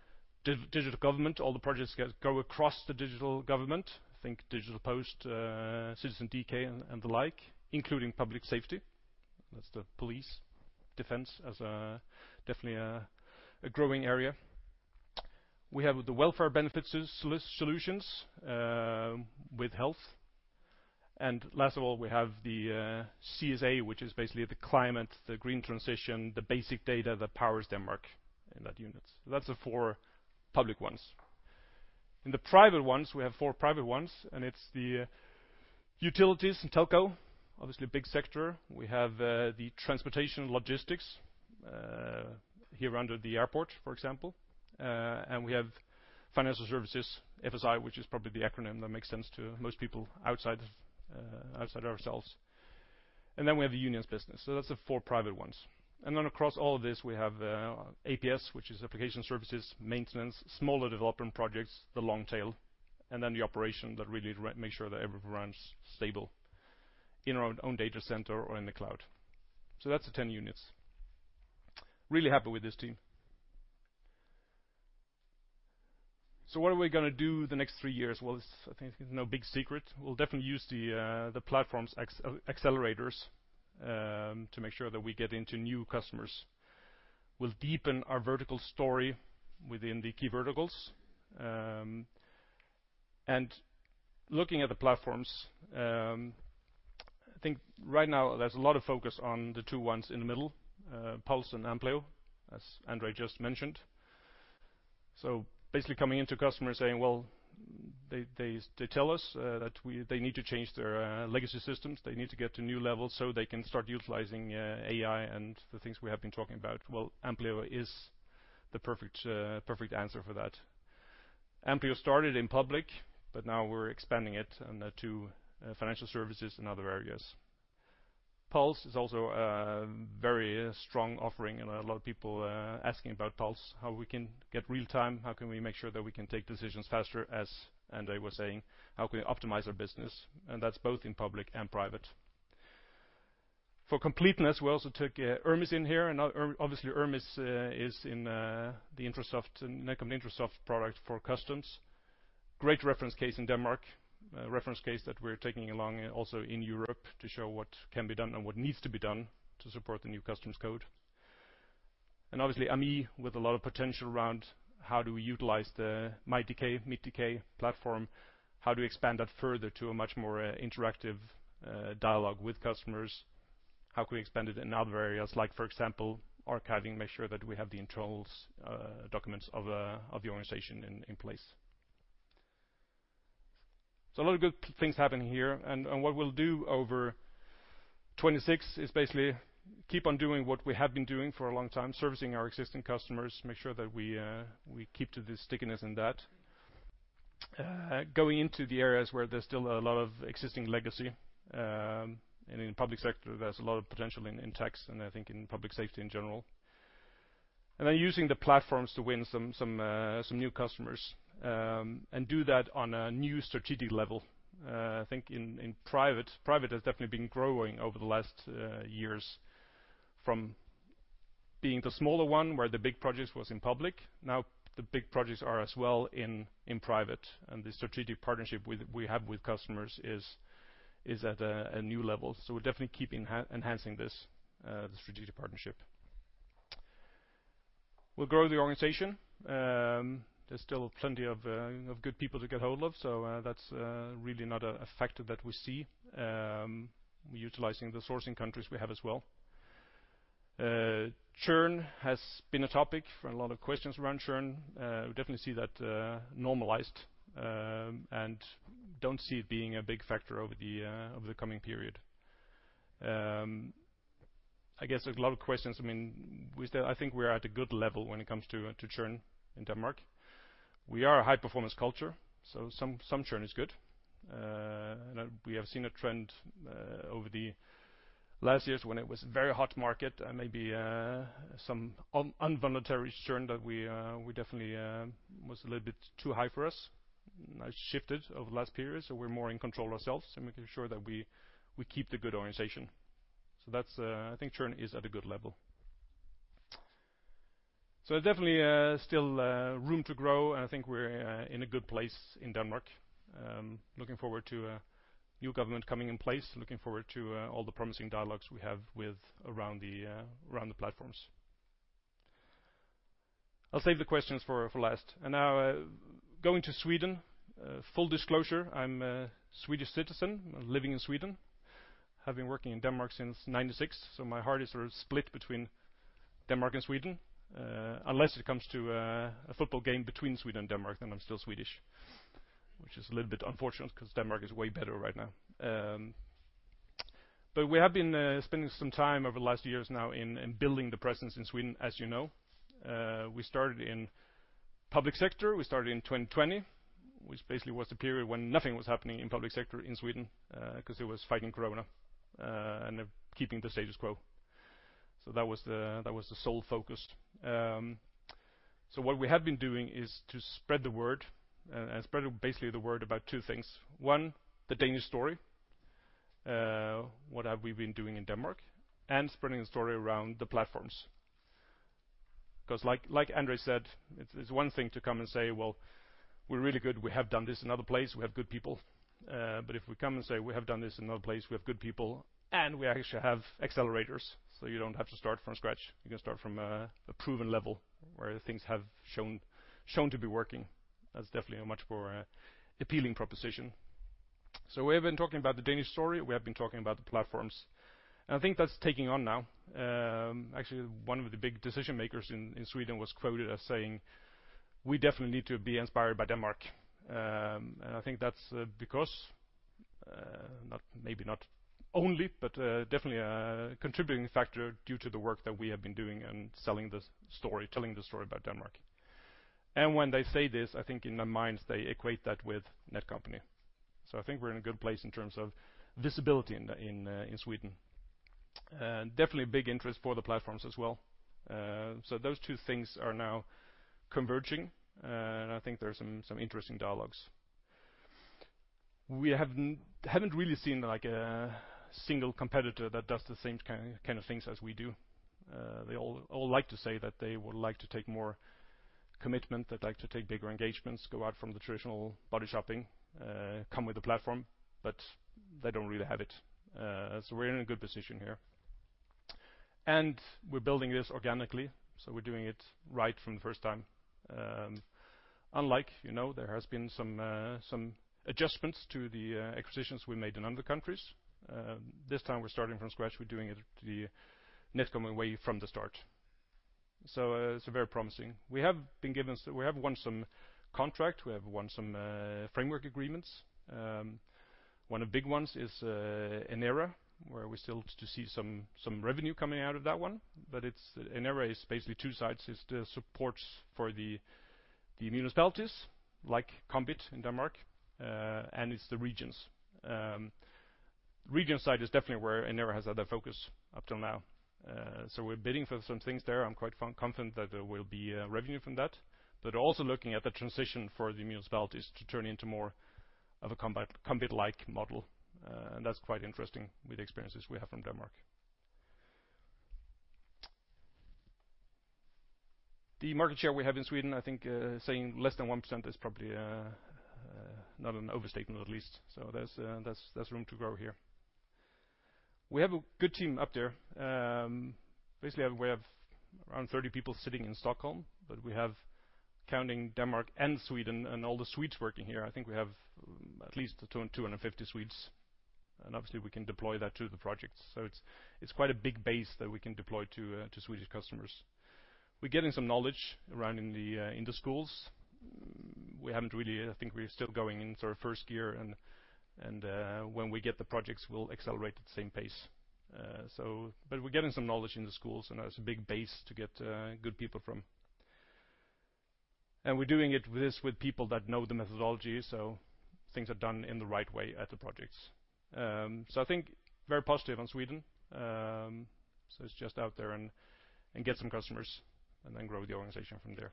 digital government. All the projects that go across the digital government, think Digital Post, borger.dk, and the like, including public safety. That's the police, defense as a definitely a growing area. We have the welfare benefits is solutions with health. Last of all, we have the CSA, which is basically the climate, the green transition, the basic data that powers Denmark in that unit. That's the four public ones. In the private ones, we have four private ones, and it's the utilities and telco, obviously a big sector. We have the transportation and logistics here under the airport, for example, and we have financial services, FSI, which is probably the acronym that makes sense to most people outside ourselves. We have the unions business. That's the four private ones. Across all of this, we have APS, which is application services, maintenance, smaller development projects, the long tail, and the operation that really make sure that everything runs stable in our own data center or in the cloud. That's the 10 units. Really happy with this team. What are we gonna do the next three years? I think it's no big secret. We'll definitely use the platforms accelerators to make sure that we get into new customers. We'll deepen our vertical story within the key verticals. Looking at the platforms, I think right now there's a lot of focus on the 2 ones in the middle, PULSE and AMPLIO, as André just mentioned. Basically coming into customers saying, well, they tell us that they need to change their legacy systems. They need to get to new levels so they can start utilizing AI and the things we have been talking about. Well, AMPLIO is the perfect answer for that. AMPLIO started in public, but now we're expanding it on the two financial services and other areas. PULSE is also a very strong offering, a lot of people asking about PULSE, how we can get real-time, how can we make sure that we can take decisions faster, as André was saying, how can we optimize our business? That's both in public and private. For completeness, we also took ERMIS in here. ERMIS is in the Intrasoft product for customs. Great reference case in Denmark, reference case that we're taking along also in Europe to show what can be done and what needs to be done to support the new customs code. Obviously, AMI, with a lot of potential around how do we utilize the mit.dk platform, how do we expand that further to a much more interactive dialogue with customers? How can we expand it in other areas, like, for example, archiving, make sure that we have the internals, documents of the organization in place. A lot of good things happening here. What we'll do over 26 is basically keep on doing what we have been doing for a long time, servicing our existing customers, make sure that we keep to the stickiness in that. Going into the areas where there's still a lot of existing legacy, and in public sector, there's a lot of potential in tax, and I think in public safety in general. Using the platforms to win some new customers, and do that on a new strategic level. I think in private has definitely been growing over the last years from being the smaller one, where the big projects was in public. Now, the big projects are as well in private, and the strategic partnership we have with customers is at a new level. We're definitely keeping enhancing this, the strategic partnership. We'll grow the organization. There's still plenty of good people to get ahold of, so that's really not a factor that we see utilizing the sourcing countries we have as well. Churn has been a topic for a lot of questions around churn. We definitely see that normalized and don't see it being a big factor over the coming period. I guess there's a lot of questions. I mean, I think we're at a good level when it comes to churn in Denmark. We are a high-performance culture, so some churn is good. We have seen a trend Last year when it was a very hot market, and maybe some unvoluntary churn that we definitely was a little bit too high for us. Now it's shifted over the last period, so we're more in control ourselves and making sure that we keep the good orientation. That's, I think churn is at a good level. Definitely, still room to grow, and I think we're in a good place in Denmark. Looking forward to a new government coming in place, looking forward to all the promising dialogues we have with around the around the platforms. I'll save the questions for last. Now, going to Sweden. Full disclosure, I'm a Swedish citizen living in Sweden. I have been working in Denmark since 1996, so my heart is sort of split between Denmark and Sweden. Unless it comes to a football game between Sweden and Denmark, then I'm still Swedish, which is a little bit unfortunate because Denmark is way better right now. We have been spending some time over the last years now in building the presence in Sweden, as you know. We started in public sector. We started in 2020, which basically was the period when nothing was happening in public sector in Sweden, 'cause it was fighting Corona and keeping the status quo. That was the sole focus. What we have been doing is to spread the word, and spread basically the word about 2 things: one, the Danes story, what have we been doing in Denmark, and spreading the story around the platforms. 'Cause like André said, it's one thing to come and say, "Well, we're really good. We have done this another place. We have good people." But if we come and say, "We have done this another place, we have good people, and we actually have accelerators, so you don't have to start from scratch, you can start from a proven level where things have shown to be working," that's definitely a much more appealing proposition. We have been talking about the Danes story, we have been talking about the platforms, I think that's taking on now. Actually, one of the big decision makers in Sweden was quoted as saying, "We definitely need to be inspired by Denmark." I think that's because not maybe not only, but definitely a contributing factor due to the work that we have been doing and selling the story, telling the story about Denmark. When they say this, I think in their minds, they equate that with Netcompany. I think we're in a good place in terms of visibility in Sweden. Definitely big interest for the platforms as well. Those two things are now converging, and I think there are some interesting dialogues. We haven't really seen, like, a single competitor that does the same kind of things as we do. They all like to say that they would like to take more commitment, they'd like to take bigger engagements, go out from the traditional body shopping, come with a platform, but they don't really have it. We're in a good position here. We're building this organically, so we're doing it right from the first time. Unlike, you know, there has been some adjustments to the acquisitions we made in other countries. This time we're starting from scratch. We're doing it the Netcompany way from the start. It's very promising. We have won some contract, we have won some framework agreements. One of the big ones is Inera, where we still have to see some revenue coming out of that one. It's, Inera is basically two sides. It's the supports for the municipalities, like KOMBIT in Denmark, and it's the regions. Region side is definitely where Inera has had their focus up till now. We're bidding for some things there. I'm quite confident that there will be revenue from that, but also looking at the transition for the municipalities to turn into more of a KOMBIT-like model, and that's quite interesting with the experiences we have from Denmark. The market share we have in Sweden, I think, saying less than 1% is probably not an overstatement, at least. There's room to grow here. We have a good team up there. Basically, we have around 30 people sitting in Stockholm. We have, counting Denmark and Sweden, and all the Swedes working here, I think we have at least 250 Swedes, and obviously, we can deploy that to the projects. It's quite a big base that we can deploy to Swedish customers. We're getting some knowledge around in the schools. We haven't really. I think we're still going into our 1st year, and when we get the projects, we'll accelerate at the same pace. We're getting some knowledge in the schools, and it's a big base to get good people from. We're doing it with people that know the methodology, so things are done in the right way at the projects. I think very positive on Sweden. It's just out there and get some customers, and then grow the organization from there.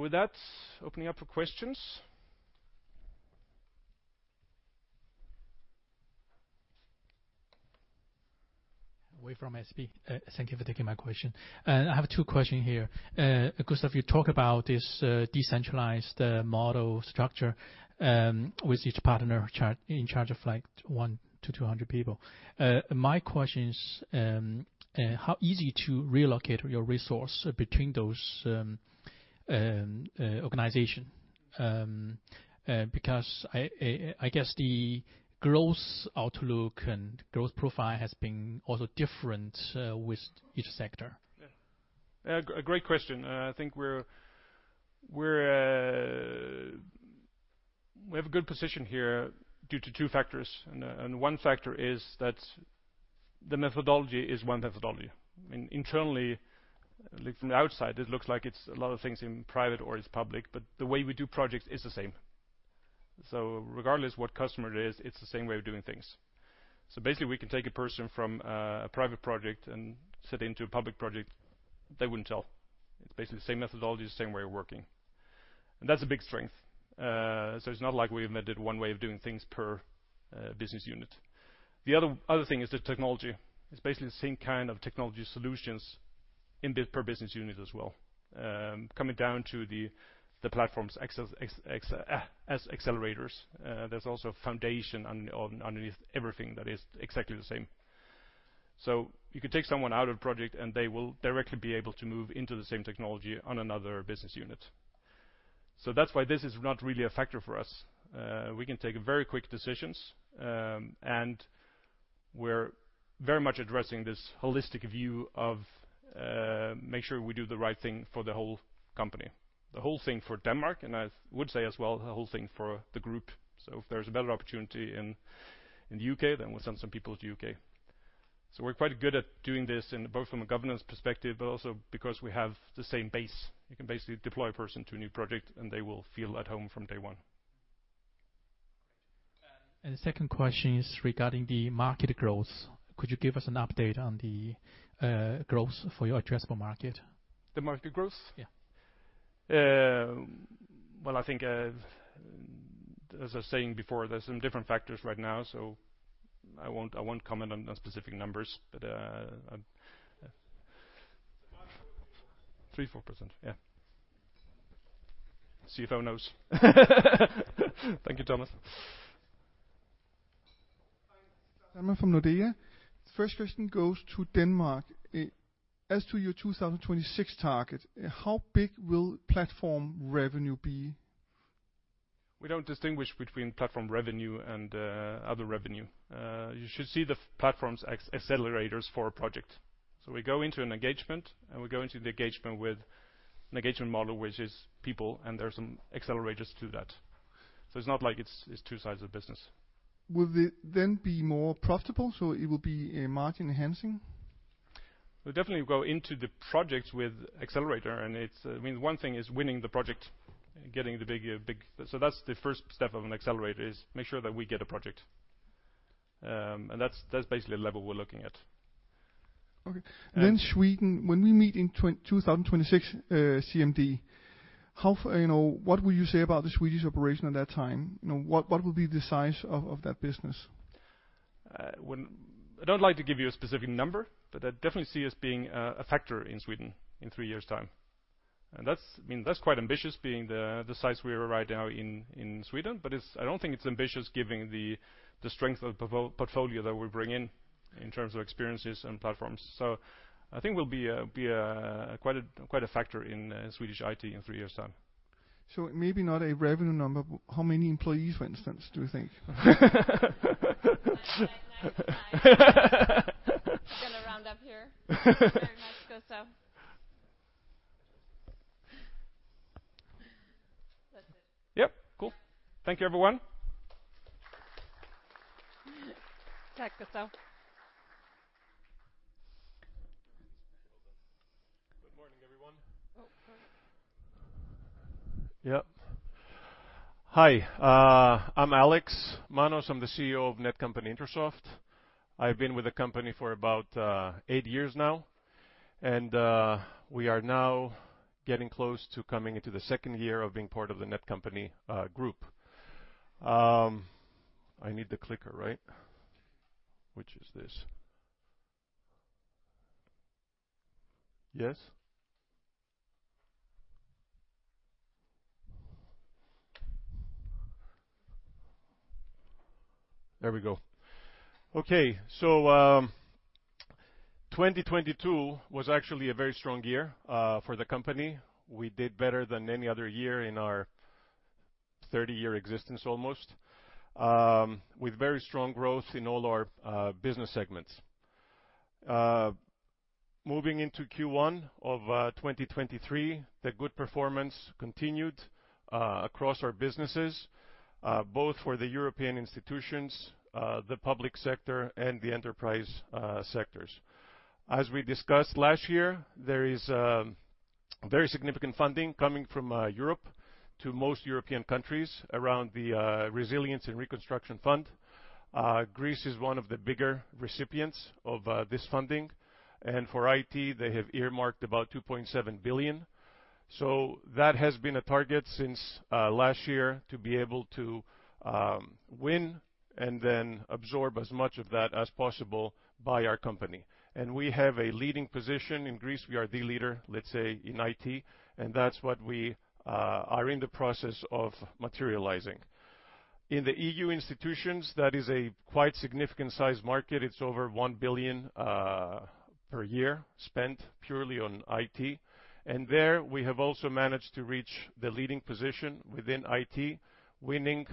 With that, opening up for questions. Yiwei from SEB. Thank you for taking my question. I have two questions here. If you talk about this decentralized model structure, with each partner in charge of, like, 100-200 people, my question is, how easy to reallocate your resources between those organizations? I guess the growth outlook and growth profile has been also different with each sector. Yeah. A great question. I think we have a good position here due to two factors. The methodology is one methodology. I mean, internally, like from the outside, it looks like it's a lot of things in private or it's public, the way we do projects is the same. Regardless what customer it is, it's the same way of doing things. Basically, we can take a person from a private project and set into a public project. They wouldn't tell. It's basically the same methodology, the same way of working. That's a big strength. It's not like we invented one way of doing things per business unit. The other thing is the technology. It's basically the same kind of technology solutions in bit per business unit as well. Coming down to the platforms as accelerators. There's also a foundation underneath everything that is exactly the same. You could take someone out of project, and they will directly be able to move into the same technology on another business unit. That's why this is not really a factor for us. We can take very quick decisions, and we're very much addressing this holistic view of make sure we do the right thing for the whole company, the whole thing for Denmark, and I would say as well, the whole thing for the Group. If there's a better opportunity in the UK, then we'll send some people to UK. We're quite good at doing this in both from a governance perspective, but also because we have the same base. You can basically deploy a person to a new project, and they will feel at home from day one. The second question is regarding the market growth. Could you give us an update on the growth for your addressable market? The market growth? Yeah. Well, I think, as I was saying before, there's some different factors right now, so I won't comment on specific numbers, but. 3, 4%. 3%, 4%. Yeah. CFO knows. Thank you, Thomas. Hi, Claus from Nordea. First question goes to Denmark. As to your 2026 target, how big will platform revenue be? We don't distinguish between platform revenue and other revenue. You should see the platforms as accelerators for a project. We go into an engagement, and we go into the engagement with an engagement model, which is people, and there are some accelerators to that. It's not like it's two sides of the business. Will it then be more profitable? It will be a margin enhancing? We'll definitely go into the project with accelerator, it's, I mean, one thing is winning the project. That's the first step of an accelerator, is make sure that we get a project. That's basically the level we're looking at. Okay. And- Sweden, when we meet in 2026, CMD, how you know, what will you say about the Swedish operation at that time? You know, what will be the size of that business? When I don't like to give you a specific number, but I definitely see us being a factor in Sweden in three years' time. That's, I mean, that's quite ambitious being the size we are right now in Sweden, but I don't think it's ambitious, given the strength of the portfolio that we bring in terms of experiences and platforms. I think we'll be a quite a factor in [Swedish] IT in three years' time. Maybe not a revenue number, but how many employees, for instance, do you think? Gonna round up here. Very nice, Gustaf. That's it. Yep. Cool. Thank you, everyone. Thank you, Gustaf. Good morning, everyone. Oh, sorry. Yep. Hi, I'm Alex Manos. I'm the CEO of Netcompany- Intrasoft. I've been with the company for about 8 years now, and we are now getting close to coming into the second year of being part of the Netcompany Group. I need the clicker, right? Which is this. Yes. There we go. 2022 was actually a very strong year for the company. We did better than any other year in our 30-year existence, almost, with very strong growth in all our business segments. Moving into Q1 of 2023, the good performance continued across our businesses, both for the European institutions, the public sector, and the enterprise sectors. As we discussed last year, there is very significant funding coming from Europe to most European countries around the Resilience and Reconstruction Fund. Greece is one of the bigger recipients of this funding, and for IT, they have earmarked about 2.7 billion. That has been a target since last year, to be able to win and then absorb as much of that as possible by our company. We have a leading position in Greece. We are the leader, let's say, in IT, and that's what we are in the process of materializing. In the EU institutions, that is a quite significant size market. It's over 1 billion per year, spent purely on IT, and there, we have also managed to reach the leading position within IT, winning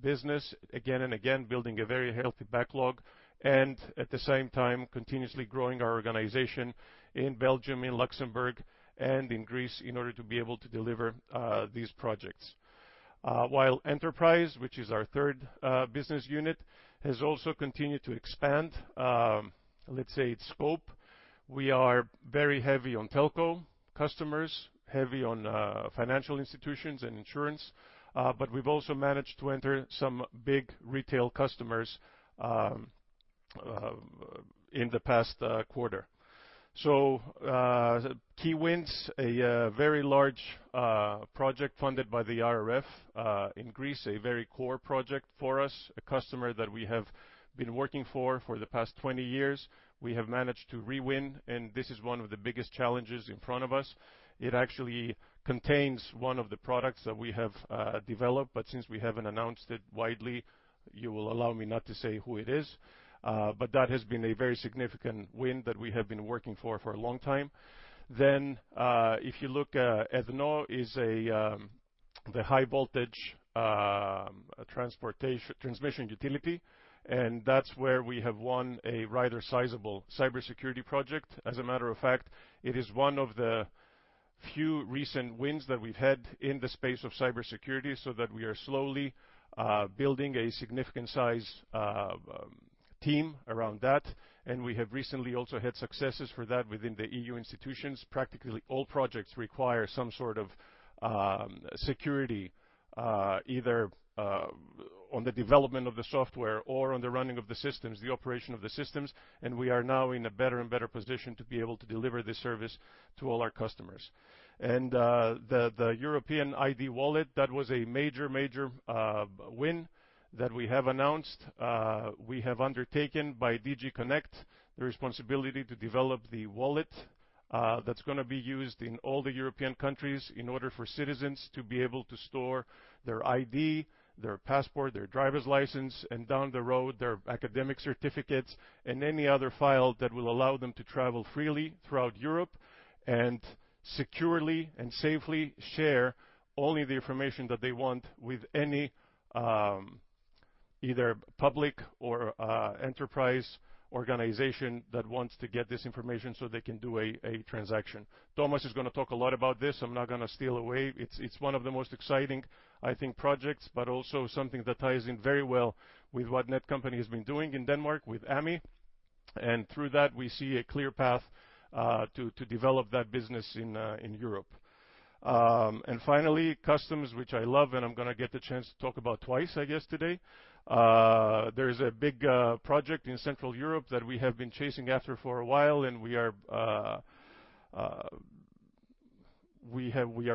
business again and again, building a very healthy backlog, and at the same time, continuously growing our organization in Belgium, in Luxembourg, and in Greece in order to be able to deliver these projects. While Enterprise, which is our third business unit, has also continued to expand, let's say, its scope. We are very heavy on telco customers, heavy on financial institutions and insurance, but we've also managed to enter some big retail customers in the past quarter. Key wins, a very large project funded by the RRF in Greece, a very core project for us. A customer that we have been working for for the past 20 years, we have managed to re-win. This is one of the biggest challenges in front of us. It actually contains one of the products that we have developed, but since we haven't announced it widely, you will allow me not to say who it is. That has been a very significant win that we have been working for a long time. If you look at ADNOR is a the high voltage transportation, transmission utility. That's where we have won a rather sizable cybersecurity project. As a matter of fact, it is one of the few recent wins that we've had in the space of cybersecurity. We are slowly building a significant size team around that. We have recently also had successes for that within the EU institutions. Practically all projects require some sort of security, either on the development of the software or on the running of the systems, the operation of the systems, and we are now in a better and better position to be able to deliver this service to all our customers. The European ID wallet, that was a major win that we have announced. We have undertaken by DG CONNECT, the responsibility to develop the wallet that's gonna be used in all the European countries in order for citizens to be able to store their ID, their passport, their driver's license, and down the road, their academic certificates, and any other file that will allow them to travel freely throughout Europe, and securely and safely share only the information that they want with any either public or enterprise organization that wants to get this information so they can do a transaction. Thomas is gonna talk a lot about this. I'm not gonna steal away. It's one of the most exciting, I think, projects, but also something that ties in very well with what Netcompany has been doing in Denmark with AMI, and through that, we see a clear path to develop that business in Europe. Finally, customs, which I love, and I'm gonna get the chance to talk about twice, I guess, today. There's a big project in Central Europe that we have been chasing after for a while, and we are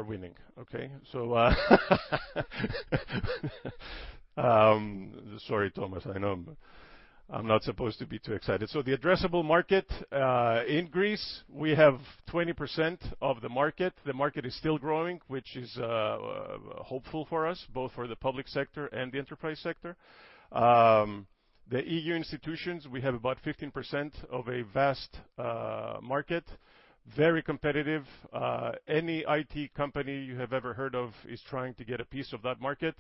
winning, okay? Sorry, Thomas, I know I'm not supposed to be too excited. The addressable market in Greece, we have 20% of the market. The market is still growing, which is hopeful for us, both for the public sector and the enterprise sector. The EU institutions, we have about 15% of a vast market, very competitive. Any IT company you have ever heard of is trying to get a piece of that market,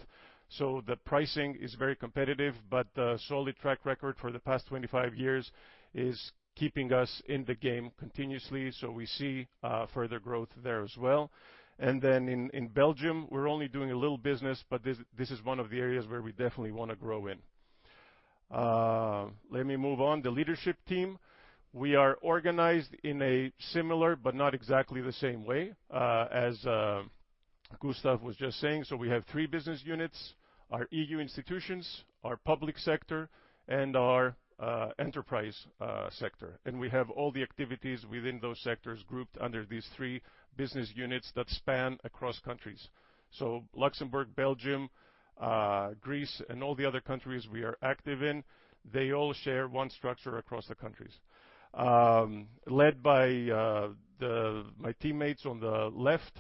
so the pricing is very competitive, but a solid track record for the past 25 years is keeping us in the game continuously, so we see further growth there as well. In Belgium, we're only doing a little business, but this is one of the areas where we definitely wanna grow in. Let me move on. The leadership team, we are organized in a similar, but not exactly the same way, as Gustav was just saying. We have 3 business units, our EU institutions, our public sector, and our enterprise sector. We have all the activities within those sectors grouped under these three business units that span across countries. Luxembourg, Belgium, Greece, and all the other countries we are active in, they all share one structure across the countries. Led by the, my teammates on the left,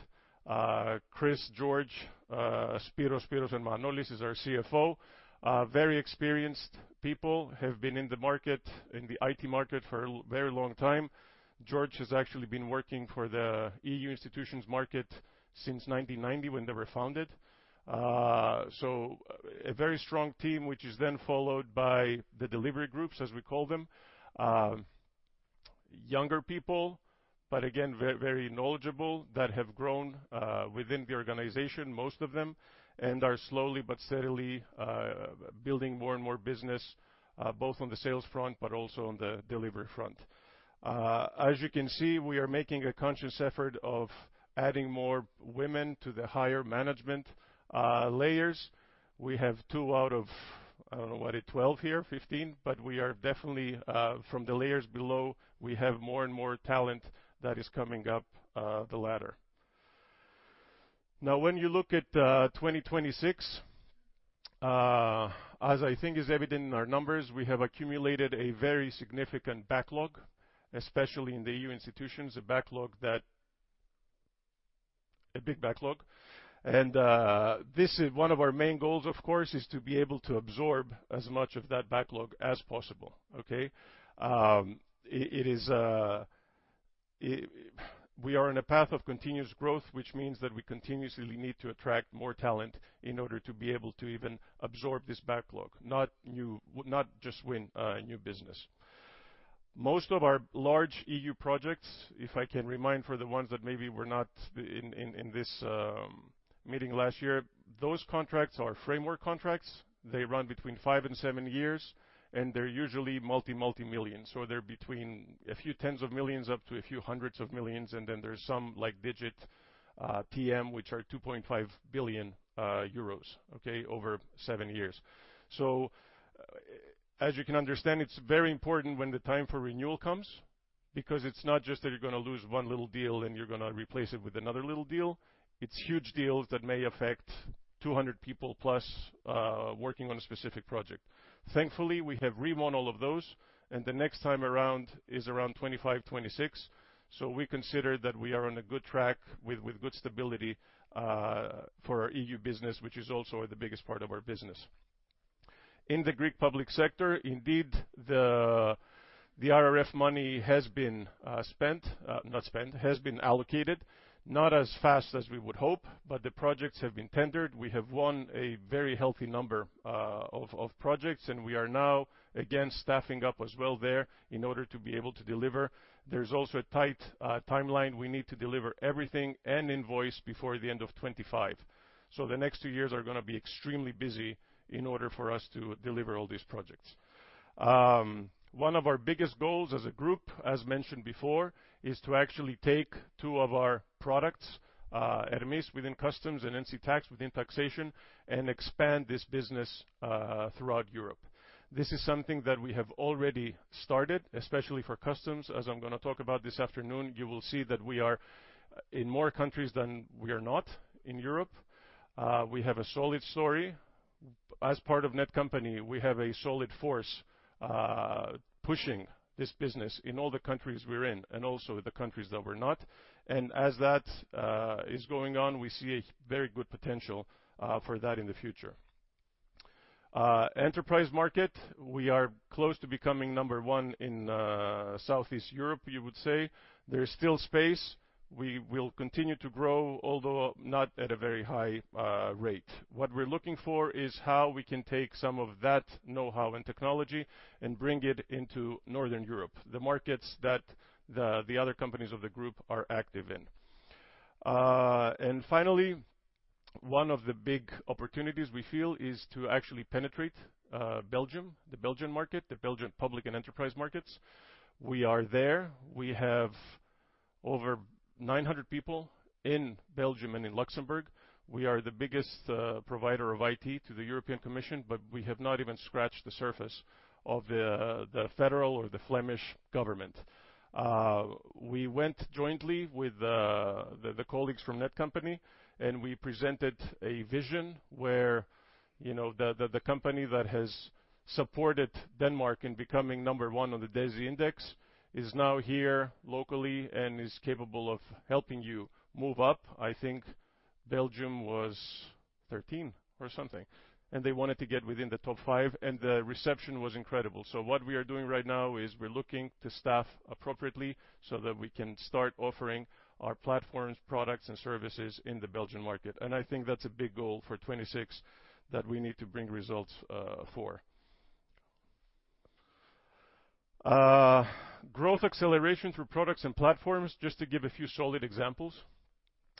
Chris, George, Spyros, and Manolis is our CFO. Very experienced people, have been in the market, in the IT market for a very long time. George has actually been working for the EU institutions market since 1990, when they were founded. A very strong team, which is then followed by the delivery groups, as we call them. Younger people, but again, very knowledgeable, that have grown within the organization, most of them, and are slowly but steadily building more and more business, both on the sales front, but also on the delivery front. As you can see, we are making a conscious effort of adding more women to the higher management layers. We have two out of, I don't know, what is it? 12 here, 15, but we are definitely from the layers below, we have more and more talent that is coming up the ladder. When you look at 2026, as I think is evident in our numbers, we have accumulated a very significant backlog, especially in the EU institutions. A big backlog. This is one of our main goals, of course, is to be able to absorb as much of that backlog as possible, okay. It is a path of continuous growth, which means that we continuously need to attract more talent in order to be able to even absorb this backlog, not just win new business. Most of our large EU projects, if I can remind for the ones that maybe were not in this meeting last year, those contracts are framework contracts. They run between five and seven years, and they're usually multi-million. They're between a few tens of millions up to a few hundreds of millions, and then there's some like DIGIT PM, which are 2.5 billion euros, okay. Over 7 years. As you can understand, it's very important when the time for renewal comes, because it's not just that you're gonna lose 1 little deal and you're gonna replace it with another little deal. It's huge deals that may affect 200 people, plus, working on a specific project. Thankfully, we have re-won all of those, and the next time around is around 25, 26. We consider that we are on a good track with good stability for our EU business, which is also the biggest part of our business. In the Greek public sector, indeed, the RRF money has been spent, not spent, has been allocated, not as fast as we would hope, but the projects have been tendered. We have won a very healthy number of projects, we are now, again, staffing up as well there in order to be able to deliver. There's also a tight timeline. We need to deliver everything and invoice before the end of 25. The next two years are gonna be extremely busy in order for us to deliver all these projects. One of our biggest goals as a group, as mentioned before, is to actually take 2 of our products, Hermes within customs and NC Tax within taxation, expand this business throughout Europe. This is something that we have already started, especially for customs. As I'm gonna talk about this afternoon, you will see that we are in more countries than we are not in Europe. We have a solid story. As part of Netcompany, we have a solid force pushing this business in all the countries we're in, and also the countries that we're not. As that is going on, we see a very good potential for that in the future. Enterprise market, we are close to becoming number one in Southeast Europe, you would say. There is still space. We will continue to grow, although not at a very high rate. What we're looking for is how we can take some of that know-how and technology and bring it into Northern Europe, the markets that the other companies of the group are active in. Finally, one of the big opportunities we feel is to actually penetrate Belgium, the Belgian market, the Belgian public and enterprise markets. We are there. We have over 900 people in Belgium and in Luxembourg. We are the biggest provider of IT to the European Commission. We have not even scratched the surface of the federal or the Flemish Government. We went jointly with the colleagues from Netcompany. We presented a vision where, you know, the company that has supported Denmark in becoming number one on the DESI index is now here locally and is capable of helping you move up. I think Belgium was 13 or something. They wanted to get within the top five. The reception was incredible. What we are doing right now is we're looking to staff appropriately so that we can start offering our platforms, products, and services in the Belgian market. I think that's a big goal for 26 that we need to bring results for. Growth acceleration through products and platforms, just to give a few solid examples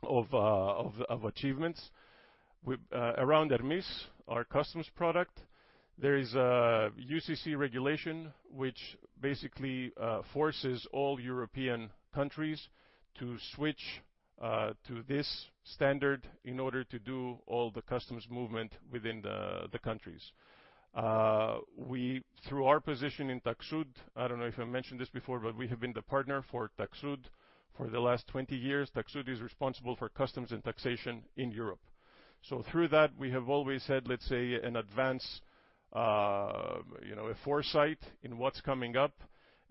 of achievements. Around Hermes, our customs product, there is a UCC regulation, which basically forces all European countries to switch to this standard in order to do all the customs movement within the countries. We, through our position in TAXUD, I don't know if I mentioned this before, but we have been the partner for TAXUD for the last 20 years. TAXUD is responsible for customs and taxation in Europe. Through that, we have always had, let's say, an advance, you know, a foresight in what's coming up.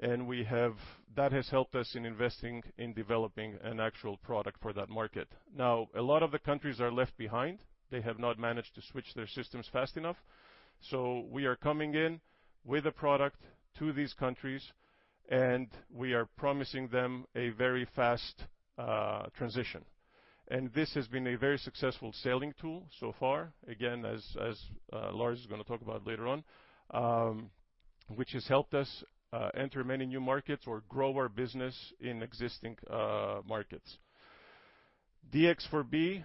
That has helped us in investing, in developing an actual product for that market. A lot of the countries are left behind. They have not managed to switch their systems fast enough. We are coming in with a product to these countries, and we are promising them a very fast transition. This has been a very successful selling tool so far, again, as Lars is gonna talk about later on, which has helped us enter many new markets or grow our business in existing markets. DX4B,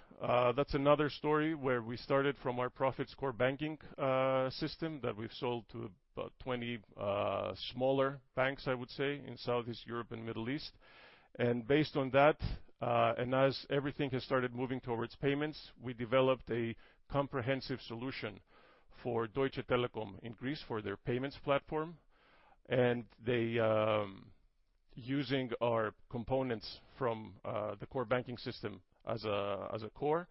that's another story where we started from our profit score banking system that we've sold to about 20 smaller banks, I would say, in Southeast Europe and Middle East. Based on that, and as everything has started moving towards payments, we developed a comprehensive solution for Deutsche Telekom in Greece for their payments platform, and they using our components from the core banking system as a core.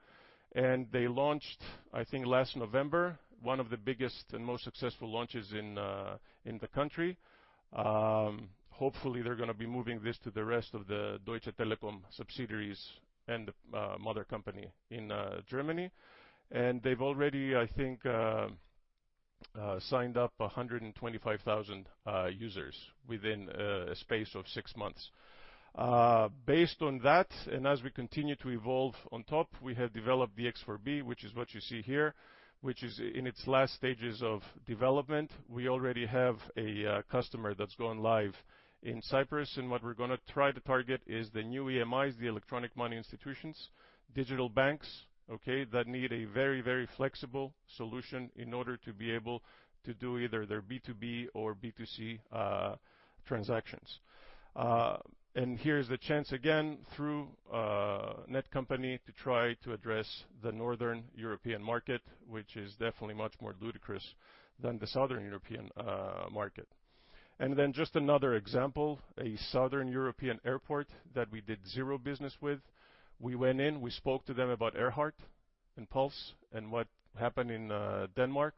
They launched, I think, last November, one of the biggest and most successful launches in the country. Hopefully, they're gonna be moving this to the rest of the Deutsche Telekom subsidiaries and mother company in Germany. They've already, I think, signed up 125,000 users within a space of six months. Based on that, and as we continue to evolve on top, we have developed the DX4B, which is what you see here, which is in its last stages of development. We already have a customer that's gone live in Cyprus, and what we're gonna try to target is the new EMIs, the Electronic Money Institutions, digital banks, okay? That need a very, very flexible solution in order to be able to do either their B2B or B2C transactions. Here's the chance again, through Netcompany, to try to address the Northern European market, which is definitely much more ludicrous than the Southern European market. Just another example, a Southern European airport that we did zero business with. We went in, we spoke to them about AIRHART.... and PULSE and what happened in Denmark,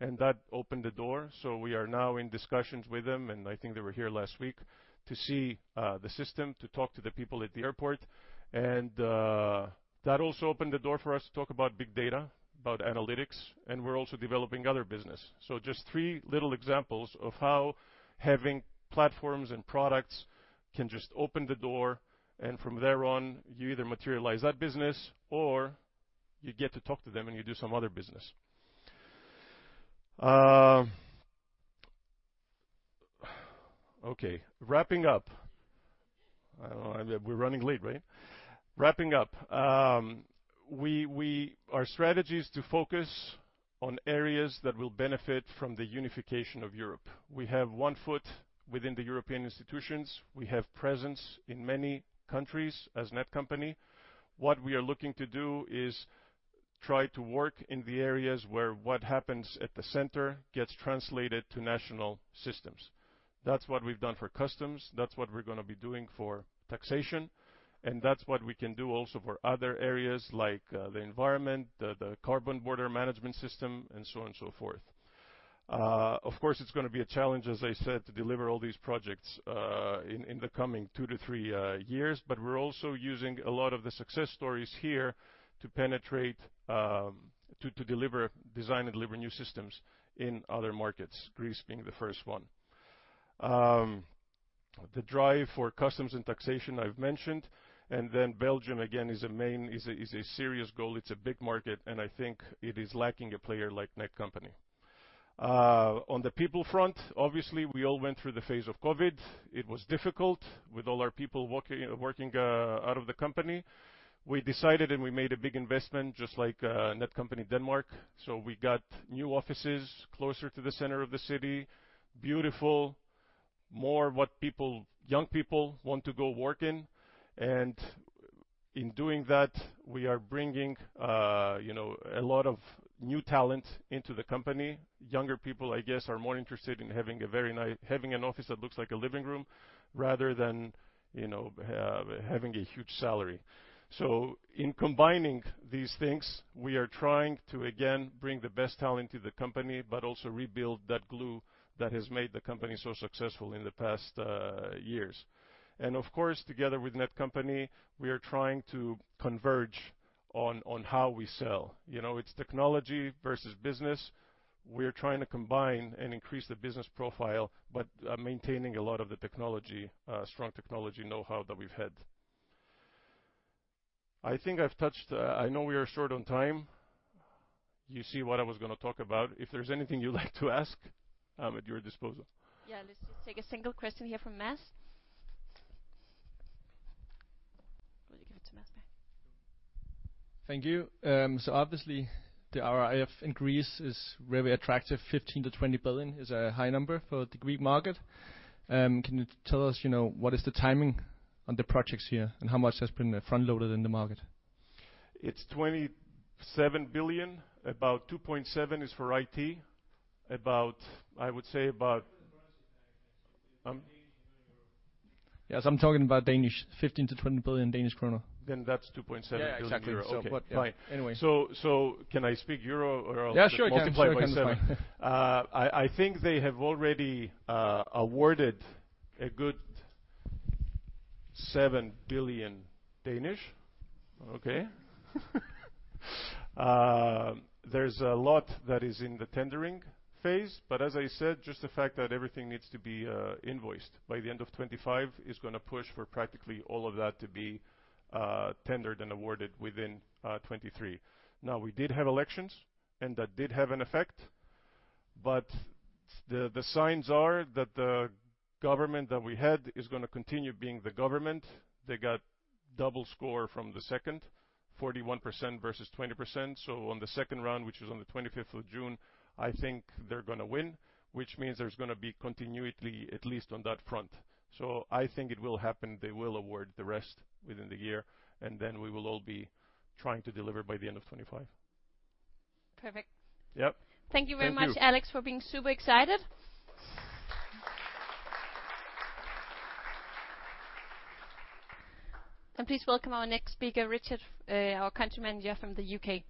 and that opened the door. We are now in discussions with them, and I think they were here last week to see the system, to talk to the people at the airport. That also opened the door for us to talk about big data, about analytics, and we're also developing other business. Just three little examples of how having platforms and products can just open the door, and from there on, you either materialize that business or you get to talk to them, and you do some other business. Okay, wrapping up. I don't know, we're running late, right? Wrapping up, we... Our strategy is to focus on areas that will benefit from the unification of Europe. We have one foot within the European institutions. We have presence in many countries as Netcompany. What we are looking to do is try to work in the areas where what happens at the center gets translated to national systems. That's what we've done for customs, that's what we're gonna be doing for taxation, and that's what we can do also for other areas like the environment, the carbon border management system, and so on and so forth. Of course, it's gonna be a challenge, as I said, to deliver all these projects in the coming two to three years. We're also using a lot of the success stories here to penetrate, to deliver, design and deliver new systems in other markets, Greece being the first one. The drive for customs and taxation I've mentioned, Belgium, again, is a main, is a serious goal. It's a big market, I think it is lacking a player like Netcompany. On the people front, obviously, we all went through the phase of COVID. It was difficult with all our people working out of the company. We decided, we made a big investment, just like Netcompany Denmark, we got new offices closer to the center of the city. Beautiful, more what people, young people want to go work in. In doing that, we are bringing, you know, a lot of new talent into the company. Younger people, I guess, are more interested in having a very having an office that looks like a living room, rather than, you know, having a huge salary. In combining these things, we are trying to, again, bring the best talent to the company, but also rebuild that glue that has made the company so successful in the past years. Of course, together with Netcompany, we are trying to converge on how we sell. You know, it's technology versus business. We're trying to combine and increase the business profile, but maintaining a lot of the technology, strong technology know-how that we've had. I think I've touched. I know we are short on time. You see what I was gonna talk about. If there's anything you'd like to ask, I'm at your disposal. Yeah, let's just take a single question here from Mads. Will you give it to Mads, back? Thank you. Obviously, the RRF in Greece is very attractive. 15 billion-20 billion is a high number for the Greek market. Can you tell us, you know, what is the timing on the projects here, and how much has been front-loaded in the market? It's 27 billion. About 2.7 billion is for IT. I would say. Yes, I'm talking about Danes, 15 billion-20 billion Danish kroner. That's 2.7 billion. Yeah, exactly. Okay, fine. Anyway. Can I speak euro or? Sure you can.... multiply by seven? I think they have already awarded a good DKK 7 billion. Okay? There's a lot that is in the tendering phase, but as I said, just the fact that everything needs to be invoiced by the end of 2025 is gonna push for practically all of that to be tendered and awarded within 2023. We did have elections, and that did have an effect, but the signs are that the government that we had is gonna continue being the government. They got double score from the second, 41% versus 20%. On the second round, which is on the 25th of June, I think they're gonna win, which means there's gonna be continuity, at least on that front. I think it will happen, they will award the rest within the year, and then we will all be trying to deliver by the end of 2025. Perfect. Yep. Thank you very much. Thank you.... Alex, for being super excited. Please welcome our next speaker, Richard, our Country Manager from the U.K.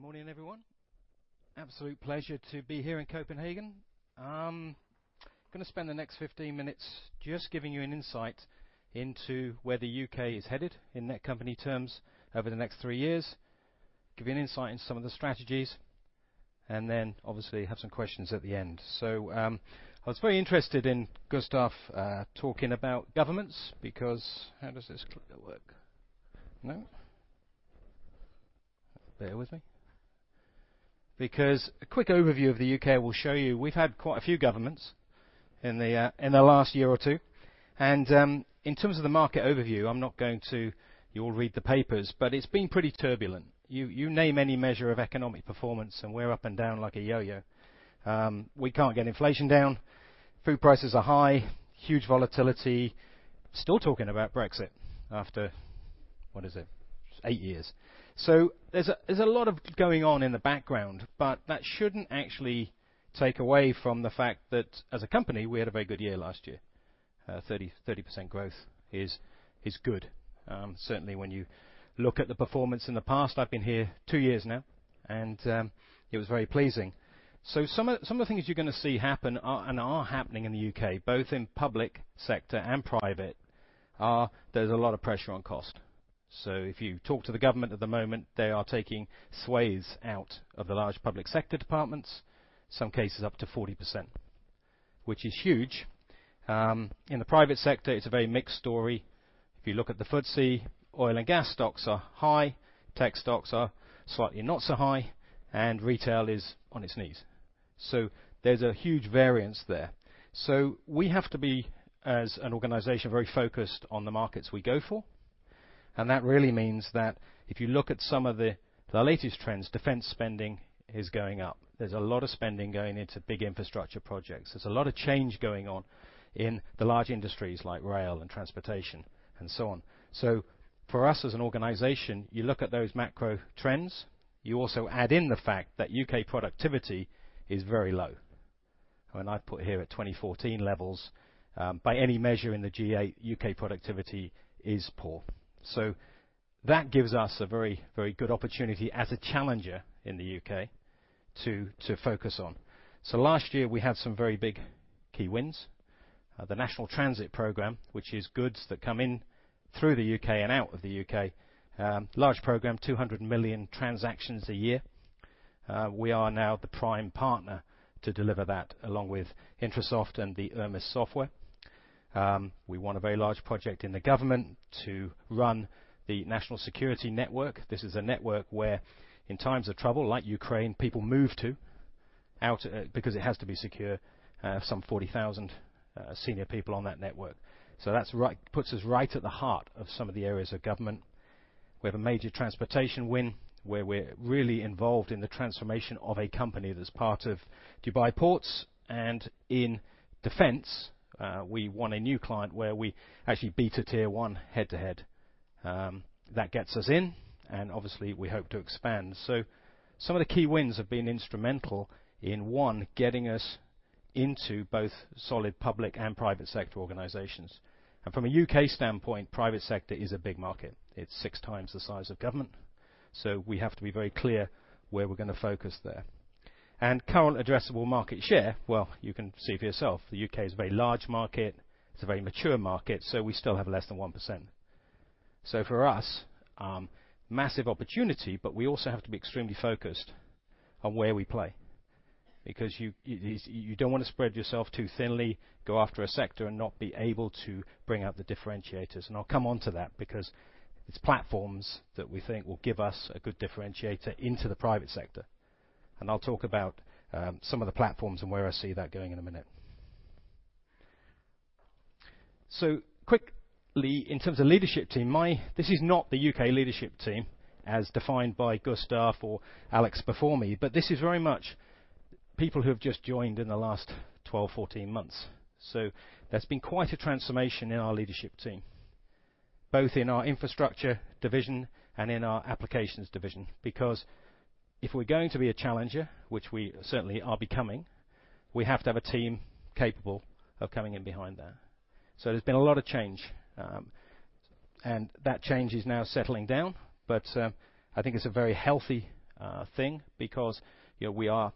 Thank you. Do I need the clicker? It's over there. Good morning, everyone. Absolute pleasure to be here in Copenhagen. Gonna spend the next 15 minutes just giving you an insight into where the U.K. is headed in Netcompany terms over the next three years. Give you an insight into some of the strategies, and then obviously have some questions at the end. I was very interested in Gustaf talking about governments. How does this clicker work? No. Bear with me. A quick overview of the U.K. will show you, we've had quite a few governments in the last year or two. In terms of the market overview, you all read the papers, but it's been pretty turbulent. You, you name any measure of economic performance, and we're up and down like a yo-yo. We can't get inflation down, food prices are high, huge volatility. Still talking about Brexit after... What is it? eight years. There's a lot of going on in the background, but that shouldn't actually take away from the fact that, as a company, we had a very good year last year. 30% growth is good. Certainly, when you look at the performance in the past, I've been here two years now, and it was very pleasing. Some of the things you're gonna see happen are, and are happening in the UK, both in public sector and private, are there's a lot of pressure on cost. If you talk to the government at the moment, they are taking sways out of the large public sector departments, some cases up to 40%, which is huge. In the private sector, it's a very mixed story. If you look at the FTSE, oil and gas stocks are high, tech stocks are slightly not so high, and retail is on its knees. There's a huge variance there. We have to be, as an organization, very focused on the markets we go for, and that really means that if you look at some of the latest trends, defense spending is going up. There's a lot of spending going into big infrastructure projects. There's a lot of change going on in the large industries like rail and transportation and so on. For us, as an organization, you look at those macro trends. You also add in the fact that UK productivity is very low. I've put here at 2014 levels, by any measure in the G8, UK productivity is poor. That gives us a very, very good opportunity as a challenger in the UK to focus on. Last year, we had some very big key wins. The National Transit Program, which is goods that come in through the UK and out of the UK, large program, 200 million transactions a year. We are now the prime partner to deliver that, along with Intrasoft and the ERMIS software. We won a very large project in the government to run the National Security Network. This is a network where, in times of trouble, like Ukraine, people move to out. Because it has to be secure, some 40,000 senior people on that network. That's right, puts us right at the heart of some of the areas of government. We have a major transportation win, where we're really involved in the transformation of a company that's part of Dubai Ports, and in defense, we won a new client where we actually beat a tier one head-to-head. That gets us in, and obviously, we hope to expand. Some of the key wins have been instrumental in, one, getting us into both solid public and private sector organizations. From a UK standpoint, private sector is a big market. It's 6x the size of government, so we have to be very clear where we're gonna focus there. Current addressable market share, well, you can see for yourself, the UK is a very large market. It's a very mature market, so we still have less than 1%. For us, massive opportunity, but we also have to be extremely focused on where we play, because you, it is. You don't want to spread yourself too thinly, go after a sector and not be able to bring out the differentiators. I'll come on to that because it's platforms that we think will give us a good differentiator into the private sector. I'll talk about some of the platforms and where I see that going in a minute. Quickly, in terms of leadership team, this is not the UK leadership team, as defined by Gustaf or Alex before me, but this is very much people who have just joined in the last 12, 14 months. There's been quite a transformation in our leadership team, both in our infrastructure division and in our applications division, because if we're going to be a challenger, which we certainly are becoming, we have to have a team capable of coming in behind that. There's been a lot of change, and that change is now settling down, but I think it's a very healthy thing because, you know, we are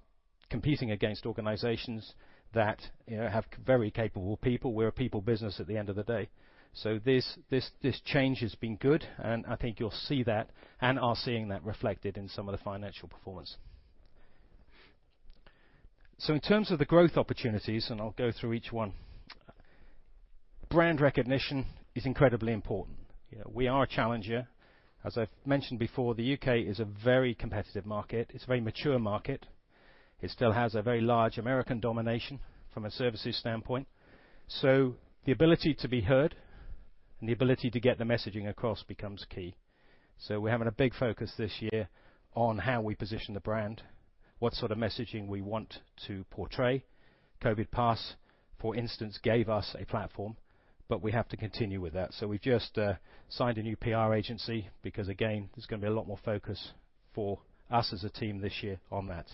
competing against organizations that, you know, have very capable people. We're a people business at the end of the day. This change has been good, and I think you'll see that and are seeing that reflected in some of the financial performance. In terms of the growth opportunities, and I'll go through each one, brand recognition is incredibly important. You know, we are a challenger. As I've mentioned before, the U.K. is a very competitive market. It's a very mature market. It still has a very large American domination from a services standpoint. The ability to be heard and the ability to get the messaging across becomes key. We're having a big focus this year on how we position the brand, what sort of messaging we want to portray. COVID Pass, for instance, gave us a platform, but we have to continue with that. We've just signed a new PR agency because, again, there's gonna be a lot more focus for us as a team this year on that.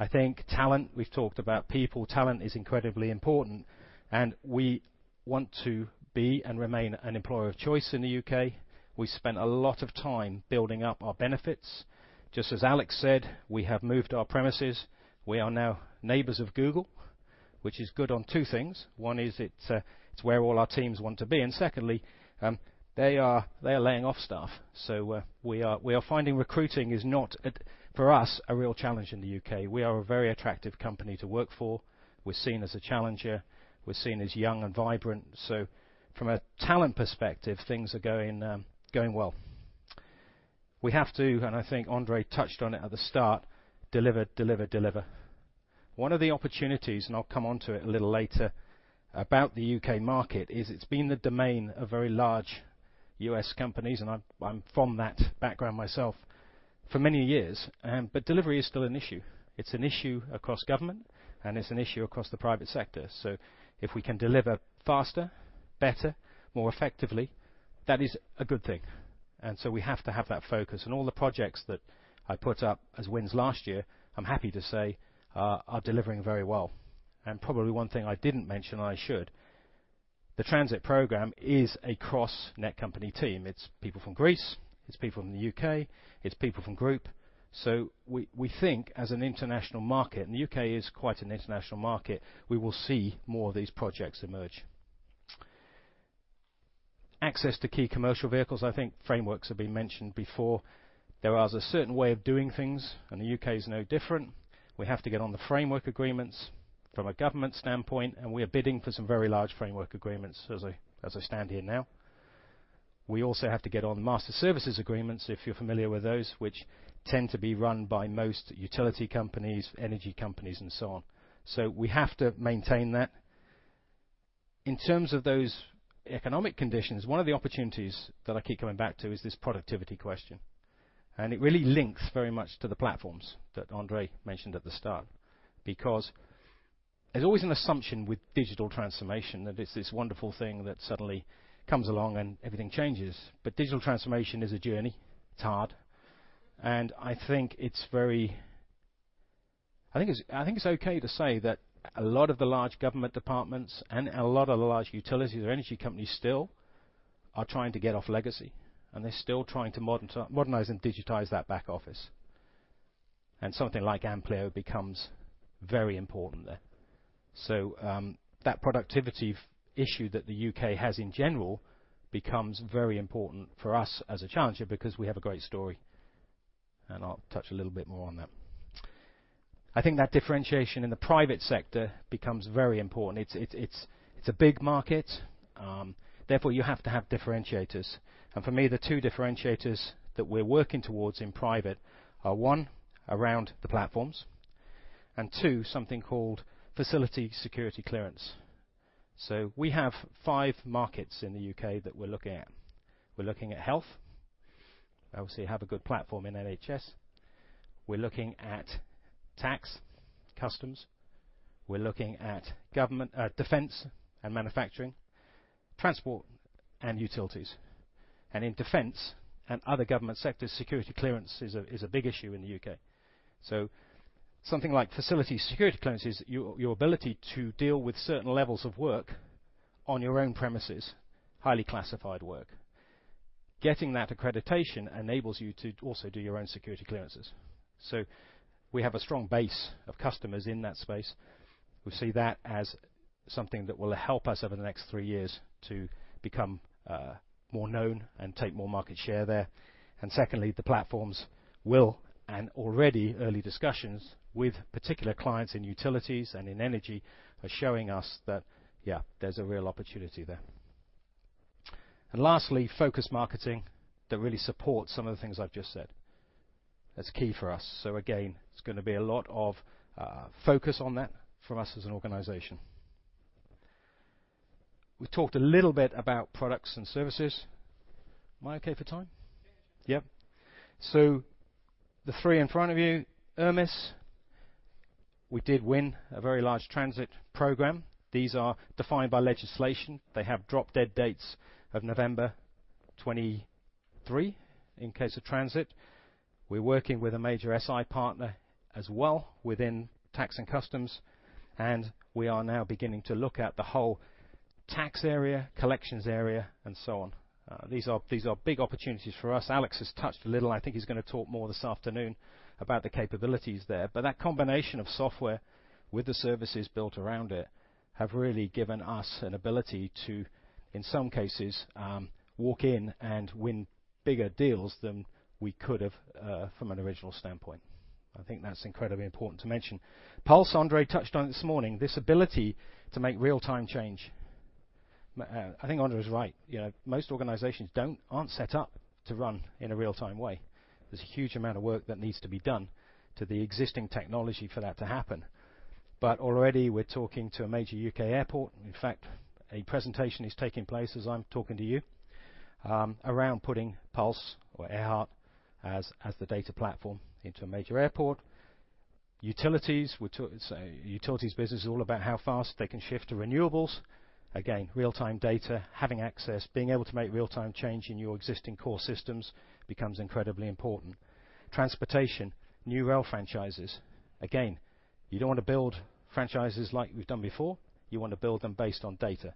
I think talent, we've talked about people, talent is incredibly important, and we want to be and remain an employer of choice in the U.K. We spent a lot of time building up our benefits. Just as Alex said, we have moved our premises. We are now neighbors of Google, which is good on two things. One is it's where all our teams want to be, and secondly, they are laying off staff. We are finding recruiting is not a real challenge in the UK. We are a very attractive company to work for. We're seen as a challenger. We're seen as young and vibrant. From a talent perspective, things are going well. We have to, and I think André touched on it at the start, deliver, deliver. One of the opportunities, and I'll come on to it a little later, about the UK market, is it's been the domain of very large U.S. companies, and I'm from that background myself. for many years, Delivery is still an issue. It's an issue across government, and it's an issue across the private sector. If we can deliver faster, better, more effectively, that is a good thing. We have to have that focus. All the projects that I put up as wins last year, I'm happy to say, are delivering very well. Probably one thing I didn't mention and I should. The Transit Program is a cross-Netcompany team. It's people from Greece, it's people from the U.K., it's people from Group. We think as an international market, and the U.K. is quite an international market, we will see more of these projects emerge. Access to key commercial vehicles, I think frameworks have been mentioned before. There are a certain way of doing things, and the U.K. is no different. We have to get on the framework agreements from a government standpoint, and we are bidding for some very large framework agreements as I stand here now. We also have to get on master services agreements, if you're familiar with those, which tend to be run by most utility companies, energy companies, and so on. We have to maintain that. In terms of those economic conditions, one of the opportunities that I keep coming back to is this productivity question, and it really links very much to the platforms that André mentioned at the start. There's always an assumption with digital transformation that it's this wonderful thing that suddenly comes along and everything changes. Digital transformation is a journey. It's hard, and I think it's very... I think it's okay to say that a lot of the large government departments and a lot of the large utilities or energy companies still are trying to get off legacy, and they're still trying to modernize and digitize that back office. Something like AMPLIO becomes very important there. That productivity issue that the UK has in general becomes very important for us as a challenger because we have a great story, and I'll touch a little bit more on that. I think that differentiation in the private sector becomes very important. It's a big market, therefore, you have to have differentiators. For me, the two differentiators that we're working towards in private are, one, around the platforms, and two, something called Facility Security Clearance. We have 5 markets in the UK that we're looking at. We're looking at health. Obviously, have a good platform in NHS. We're looking at tax, customs. We're looking at government, defense and manufacturing, transport, and utilities. In defense and other government sectors, security clearance is a big issue in the UK. Something like Facility Security Clearance is your ability to deal with certain levels of work on your own premises, highly classified work. Getting that accreditation enables you to also do your own security clearances. We have a strong base of customers in that space. We see that as something that will help us over the next three years to become more known and take more market share there. Secondly, the platforms will and already early discussions with particular clients in utilities and in energy are showing us that, yeah, there's a real opportunity there. Lastly, focus marketing that really supports some of the things I've just said. That's key for us. Again, it's gonna be a lot of focus on that for us as an organization. We've talked a little bit about products and services. Am I okay for time? Yeah, sure. Yep. The three in front of you, ERMIS, we did win a very large transit program. These are defined by legislation. They have drop dead dates of November 23 in case of transit. We're working with a major SI partner as well within Tax and Customs, and we are now beginning to look at the whole tax area, collections area, and so on. These are big opportunities for us. Alex has touched a little. I think he's gonna talk more this afternoon about the capabilities there, but that combination of software with the services built around it have really given us an ability to, in some cases, walk in and win bigger deals than we could have from an original standpoint. I think that's incredibly important to mention. PULSE, André touched on this morning, this ability to make real-time change. I think André is right. You know, most organizations aren't set up to run in a real-time way. There's a huge amount of work that needs to be done to the existing technology for that to happen. Already, we're talking to a major U.K. airport. In fact, a presentation is taking place as I'm talking to you, around putting PULSE or AIRHART as the data platform into a major airport. Utilities, we talk... Utilities business is all about how fast they can shift to renewables. Again, real-time data, having access, being able to make real-time change in your existing core systems becomes incredibly important. Transportation, new rail franchises. You don't want to build franchises like we've done before. You want to build them based on data.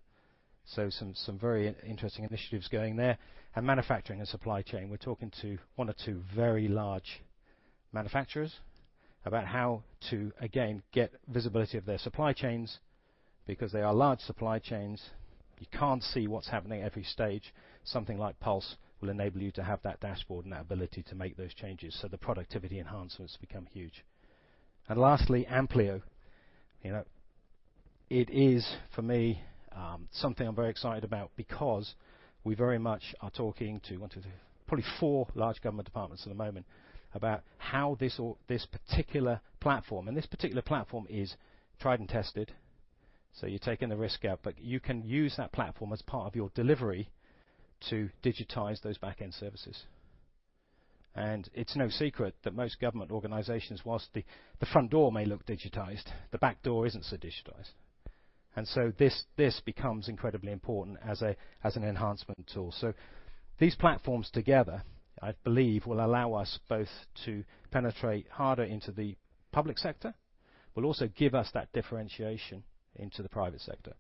Some very interesting initiatives going there. Manufacturing and supply chain. We're talking to one or two very large manufacturers about how to, again, get visibility of their supply chains. They are large supply chains, you can't see what's happening at every stage. Something like PULSE will enable you to have that dashboard and that ability to make those changes, so the productivity enhancements become huge. Lastly, AMPLIO. You know, it is, for me, something I'm very excited about because we very much are talking to one, two... Probably four large government departments at the moment about how this or this particular platform, and this particular platform is tried and tested. You're taking the risk out, but you can use that platform as part of your delivery to digitize those back-end services. It's no secret that most government organizations, whilst the front door may look digitized, the back door isn't so digitized. This becomes incredibly important as an enhancement tool. These platforms together, I believe, will allow us both to penetrate harder into the public sector, will also give us that differentiation into the private sector.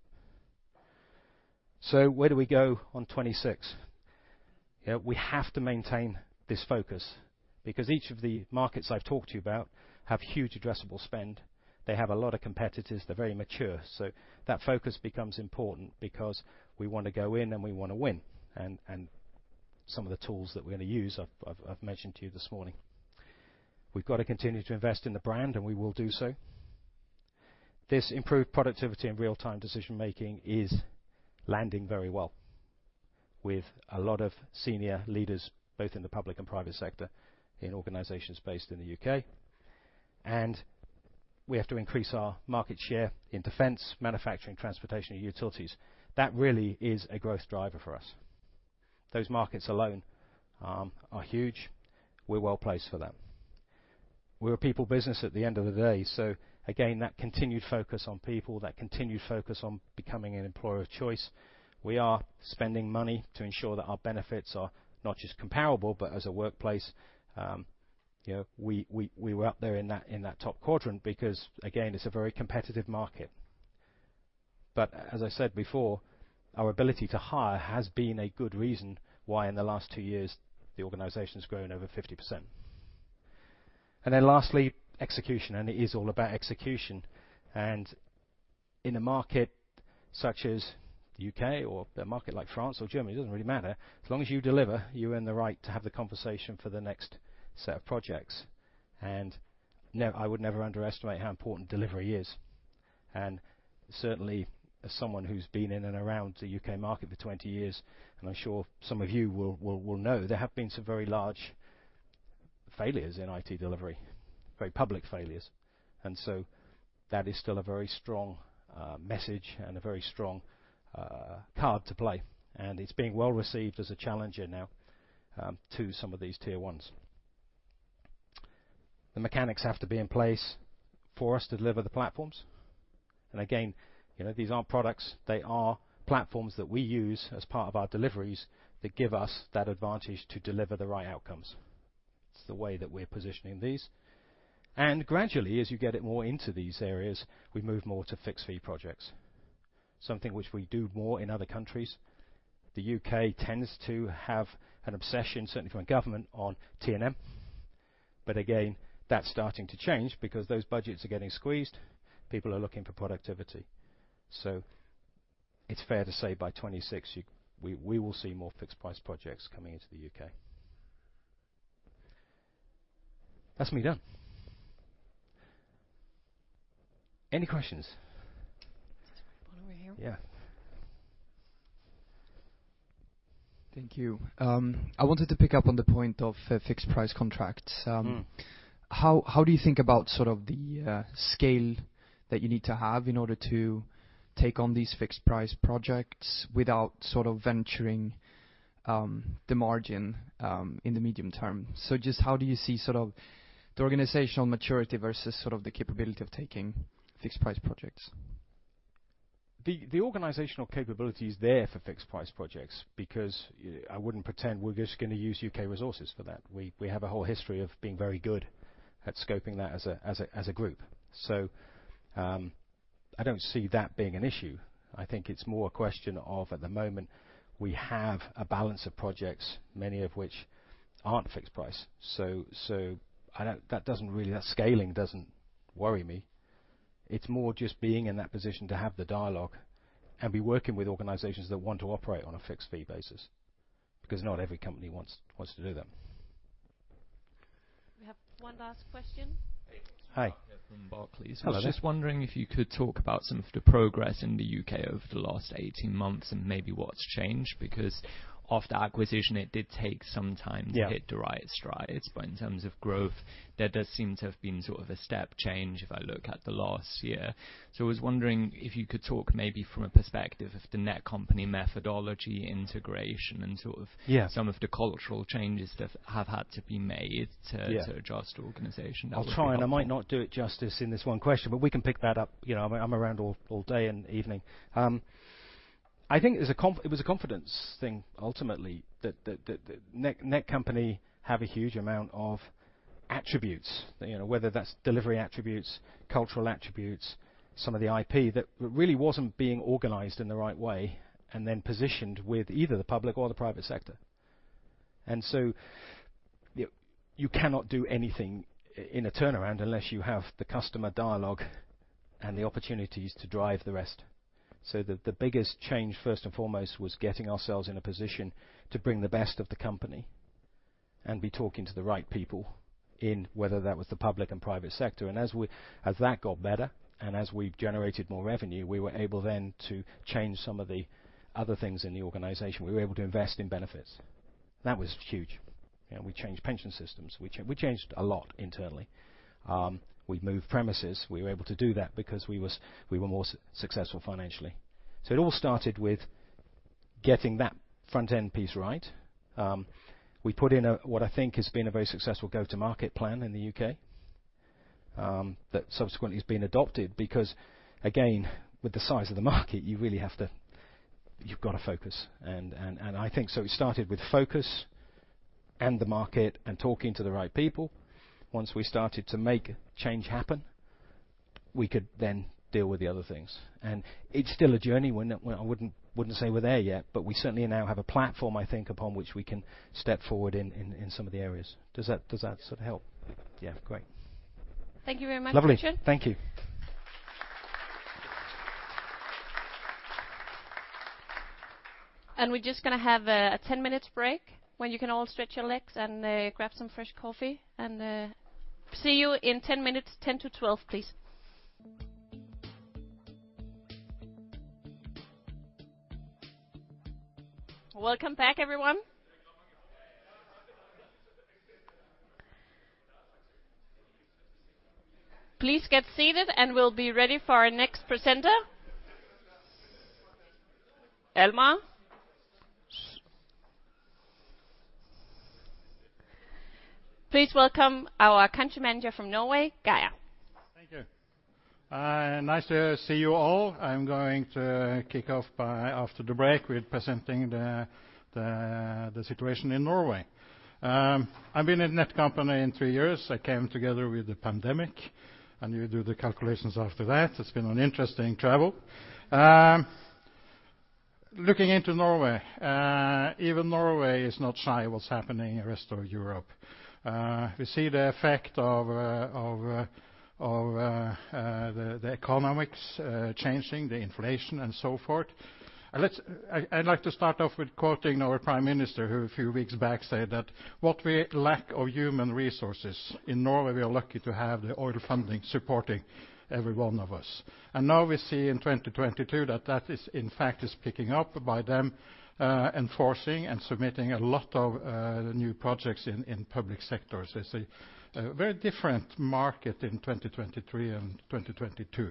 Where do we go on 2026? Yeah, we have to maintain this focus because each of the markets I've talked to you about have huge addressable spend. They have a lot of competitors. They're very mature, so that focus becomes important because we want to go in, and we want to win, and some of the tools that we're going to use I've mentioned to you this morning. We've got to continue to invest in the brand, and we will do so. This improved productivity and real-time decision-making is landing very well with a lot of senior leaders, both in the public and private sector, in organizations based in the UK. We have to increase our market share in defense, manufacturing, transportation, and utilities. That really is a growth driver for us. Those markets alone are huge. We're well placed for that. We're a people business at the end of the day. Again, that continued focus on people, that continued focus on becoming an employer of choice. We are spending money to ensure that our benefits are not just comparable, but as a workplace, you know, we were up there in that top quadrant because, again, it's a very competitive market. As I said before, our ability to hire has been a good reason why, in the last 2 years, the organization's grown over 50%. Lastly, execution, and it is all about execution. In a market such as UK or a market like France or Germany, it doesn't really matter. As long as you deliver, you earn the right to have the conversation for the next set of projects. I would never underestimate how important delivery is, and certainly as someone who's been in and around the UK market for 20 years, and I'm sure some of you will know, there have been some very large failures in IT delivery, very public failures. That is still a very strong message and a very strong card to play, and it's being well received as a challenger now to some of these tier ones. The mechanics have to be in place for us to deliver the platforms. Again, you know, these aren't products. They are platforms that we use as part of our deliveries that give us that advantage to deliver the right outcomes. It's the way that we're positioning these. Gradually, as you get it more into these areas, we move more to fixed-fee projects, something which we do more in other countries. The UK tends to have an obsession, certainly from a government, on T&M. Again, that's starting to change because those budgets are getting squeezed. People are looking for productivity. It's fair to say by 2026, you... We will see more fixed-price projects coming into the UK. That's me done. Any questions? There's one over here. Yeah. Thank you. I wanted to pick up on the point of fixed-price contracts. Mm. How do you think about sort of the scale that you need to have in order to take on these fixed-price projects without sort of venturing the margin in the medium term? Just how do you see sort of the organizational maturity versus sort of the capability of taking fixed-price projects? The organizational capability is there for fixed-price projects because I wouldn't pretend we're just going to use U.K. resources for that. We have a whole history of being very good at scoping that as a group. I don't see that being an issue. I think it's more a question of, at the moment, we have a balance of projects, many of which aren't fixed price. I don't. That scaling doesn't worry me. It's more just being in that position to have the dialogue and be working with organizations that want to operate on a fixed-fee basis, because not every company wants to do that. We have one last question. Hey. Hi. From Barclays. Hello. I was just wondering if you could talk about some of the progress in the UK over the last 18 months and maybe what's changed, because after acquisition, it did take some time. Yeah... to hit the right strides. In terms of growth, there does seem to have been sort of a step change if I look at the last year. I was wondering if you could talk maybe from a perspective of the Netcompany methodology, integration, and sort of... Yeah some of the cultural changes that have had to be made. Yeah to adjust the organization? That would be helpful. I'll try, and I might not do it justice in this one question, but we can pick that up. You know, I'm around all day and evening. I think it was a confidence thing, ultimately, that Netcompany have a huge amount of attributes, you know, whether that's delivery attributes, cultural attributes, some of the IP, that really wasn't being organized in the right way and then positioned with either the public or the private sector. You cannot do anything in a turnaround unless you have the customer dialogue and the opportunities to drive the rest. The biggest change, first and foremost, was getting ourselves in a position to bring the best of the company and be talking to the right people in, whether that was the public and private sector. As that got better and as we generated more revenue, we were able then to change some of the other things in the organization. We were able to invest in benefits. That was huge. We changed pension systems, we changed a lot internally. We moved premises. We were able to do that because we were more successful financially. It all started with getting that front-end piece right. We put in a, what I think has been a very successful go-to-market plan in the UK, that subsequently has been adopted, because, again, with the size of the market, you've got to focus. I think we started with focus, and the market, and talking to the right people. Once we started to make change happen, we could then deal with the other things. It's still a journey, when, well, I wouldn't say we're there yet, but we certainly now have a platform, I think, upon which we can step forward in some of the areas. Does that sort of help? Yeah. Great. Thank you very much, Richard. Lovely. Thank you. We're just gonna have a 10 minutes break, when you can all stretch your legs and grab some fresh coffee. See you in 10 minutes. 10 to 12, please. Welcome back, everyone. Please get seated, and we'll be ready for our next presenter. Almer? Please welcome our country manager from Norway, Geir. Thank you. Nice to see you all. I'm going to kick off by after the break with presenting the situation in Norway. I've been in Netcompany three years. I came together with the pandemic, and you do the calculations after that. It's been an interesting travel. Looking into Norway, even Norway is not shy what's happening in the rest of Europe. We see the effect of the economics changing, the inflation, and so forth. I'd like to start off with quoting our Prime Minister, who a few weeks back said that what we lack of human resources in Norway, we are lucky to have the oil funding supporting every one of us. Now we see in 2022, that that is, in fact, picking up by them enforcing and submitting a lot of new projects in public sectors. It's a very different market in 2023 and 2022.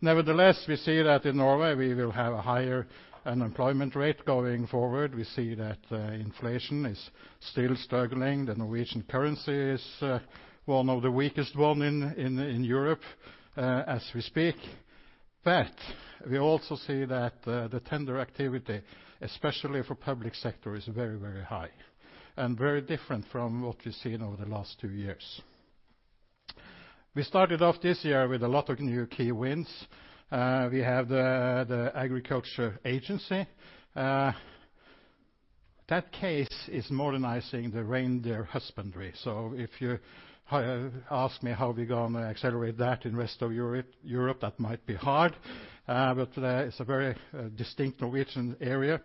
Nevertheless, we see that in Norway we will have a higher unemployment rate going forward. We see that inflation is still struggling. The Norwegian currency is one of the weakest one in Europe as we speak. We also see that the tender activity, especially for public sector, is very, very high and very different from what we've seen over the last two years. We started off this year with a lot of new key wins. We have the Norwegian Agriculture Agency. That case is modernizing the reindeer husbandry, so if you ask me how we're gonna accelerate that in rest of Europe, that might be hard. It's a very distinct Norwegian area.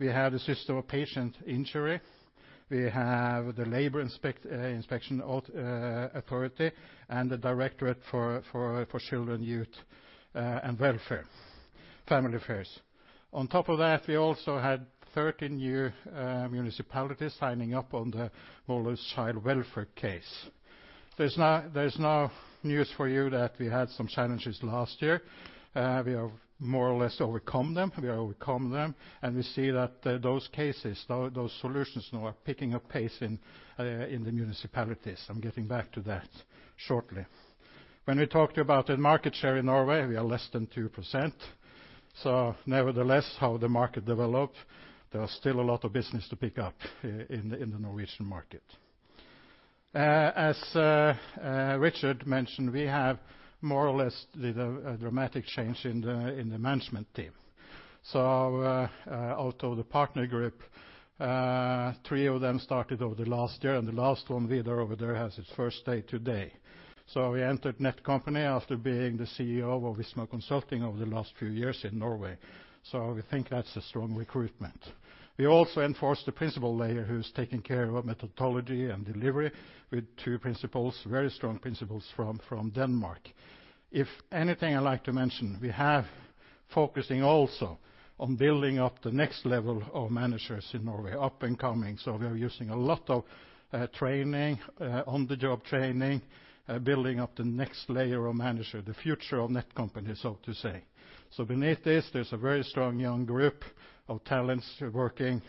We have a system of patient injury. We have the Norwegian Labour Inspection Authority, and the Norwegian Directorate for Children, Youth and Family Affairs. On top of that, we also had 13 new municipalities signing up on the Molde child welfare case. There's now news for you that we had some challenges last year. We have more or less overcome them. We have overcome them, and we see that those cases, those solutions now are picking up pace in the municipalities. I'm getting back to that shortly. When we talked about the market share in Norway, we are less than 2%. Nevertheless, how the market developed, there are still a lot of business to pick up in the Norwegian market. As Richard mentioned, we have more or less the dramatic change in the management team. Out of the partner group, 3 of them started over the last year, and the last one, Vidar, over there, has his first day today. He entered Netcompany after being the CEO of Visma Consulting over the last few years in Norway. We think that's a strong recruitment. We also enforced the principal layer, who's taking care of our methodology and delivery with 2 principals, very strong principals from Denmark. If anything, I'd like to mention, we have focusing also on building up the next level of managers in Norway, up and coming, we are using a lot of training, on-the-job training, building up the next layer of manager, the future of Netcompany, so to say. Beneath this, there's a very strong young group of talents working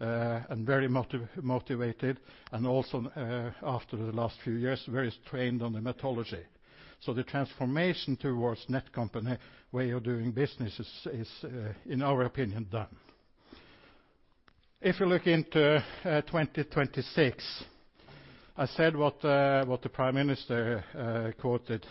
and very motivated, and also, after the last few years, very trained on the methodology. The transformation towards Netcompany way of doing business is, in our opinion, done. If you look into 2026, I said what the Prime Minister quoted.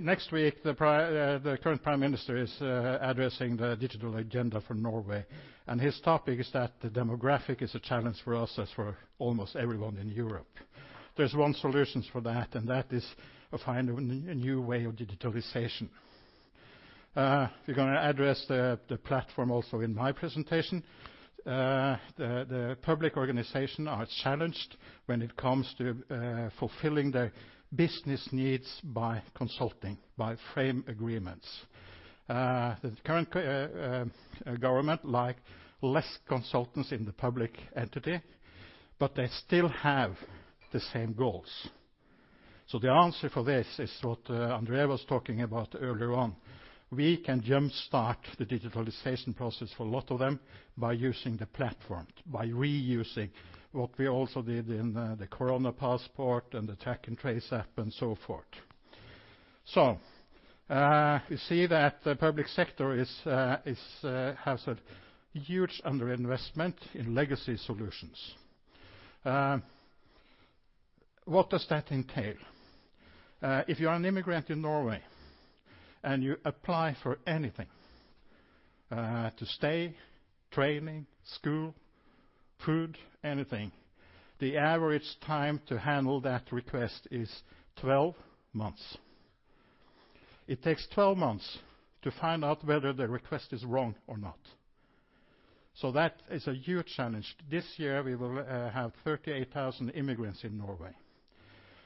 Next week, the current Prime Minister is addressing the digital agenda for Norway, and his topic is that the demographic is a challenge for us, as for almost everyone in Europe. There's one solutions for that, and that is find a new way of digitalization. We're gonna address the platform also in my presentation. The public organization are challenged when it comes to fulfilling the business needs by consulting, by frame agreements. The current government like less consultants in the public entity, but they still have the same goals. The answer for this is what André was talking about earlier on. We can jump start the digitalization process for a lot of them by using the platform, by reusing what we also did in the Corona passport and the track and trace app and so forth. We see that the public sector is has a huge underinvestment in legacy solutions. What does that entail? If you are an immigrant in Norway and you apply for anything, to stay, training, school, food, anything, the average time to handle that request is 12 months. It takes 12 months to find out whether the request is wrong or not. That is a huge challenge. This year, we will have 38,000 immigrants in Norway.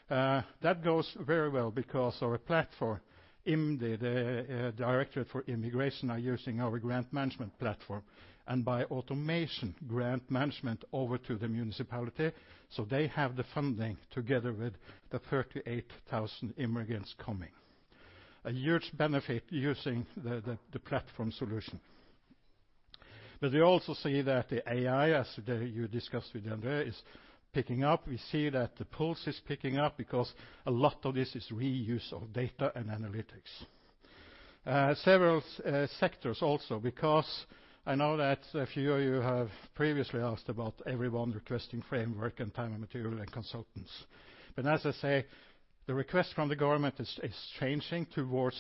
That goes very well because our platform, UDI, the Directorate of Immigration, are using our grant management platform and by automation, grant management over to the municipality, so they have the funding together with the 38,000 immigrants coming. A huge benefit using the platform solution. We also see that the AI, as today you discussed with André, is picking up. We see that the PULSE is picking up because a lot of this is reuse of data and analytics. Several sectors also, because I know that a few of you have previously asked about everyone requesting framework and time and material and consultants. As I say, the request from the government is changing towards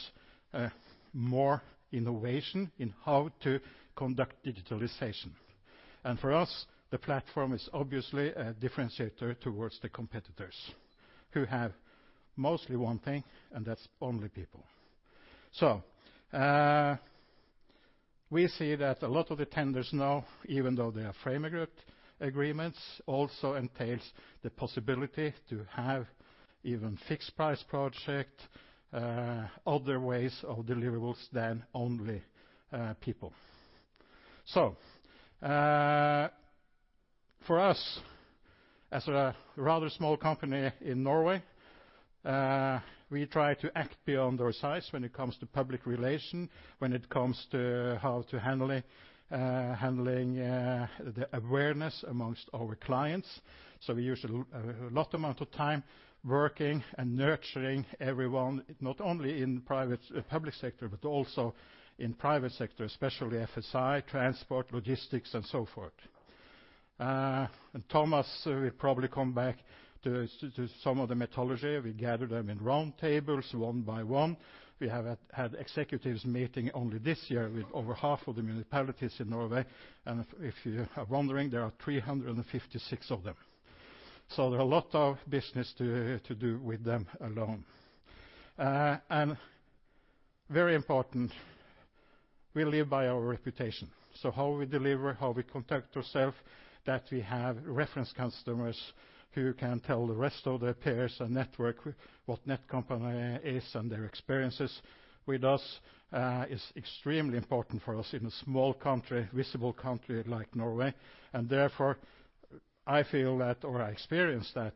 more innovation in how to conduct digitalization. For us, the platform is obviously a differentiator towards the competitors, who have mostly one thing, and that's only people. We see that a lot of the tenders now, even though they are frame agreement, agreements, also entails the possibility to have even fixed price project, other ways of deliverables than only people. For us, as a rather small company in Norway, we try to act beyond our size when it comes to public relation, when it comes to how to handle it, handling, the awareness amongst our clients. We use a lot amount of time working and nurturing everyone, not only in private, public sector, but also in private sector, especially FSI, transport, logistics, and so forth. Thomas will probably come back to some of the methodology. We gather them in round tables, one by one. We have had executives meeting only this year with over half of the municipalities in Norway. If you are wondering, there are 356 of them. There are a lot of business to do with them alone. Very important, we live by our reputation. How we deliver, how we conduct ourselves, that we have reference customers who can tell the rest of their peers and network what Netcompany is and their experiences with us, is extremely important for us in a small country, visible country like Norway. Therefore, I feel that, or I experience that,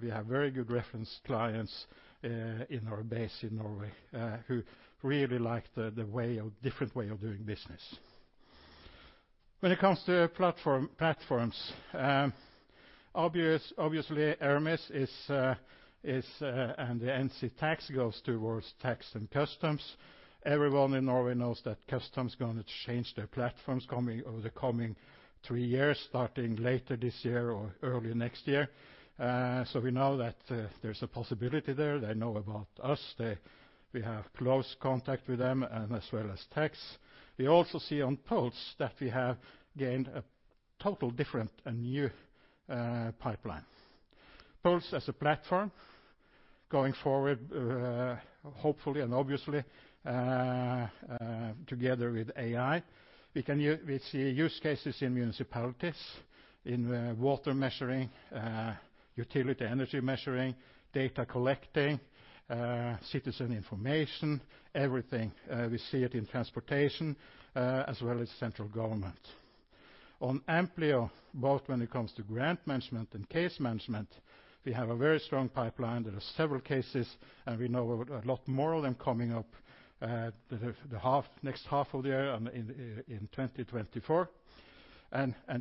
we have very good reference clients in our base in Norway, who really like the different way of doing business. When it comes to platform, platforms, obviously, Hermes is and the NC Tax goes towards tax and customs. Everyone in Norway knows that customs gonna change their platforms coming, over the coming three years, starting later this year or early next year. We know that there's a possibility there. They know about us. We have close contact with them and as well as tax. We also see on PULSE that we have gained a total different and new pipeline. PULSE as a platform, going forward, hopefully and obviously, together with AI. We see use cases in municipalities, in water measuring, utility energy measuring, data collecting, citizen information, everything. We see it in transportation, as well as central government. On AMPLIO, both when it comes to grant management and case management, we have a very strong pipeline. There are several cases, and we know a lot more of them coming up the next half of the year and in 2024.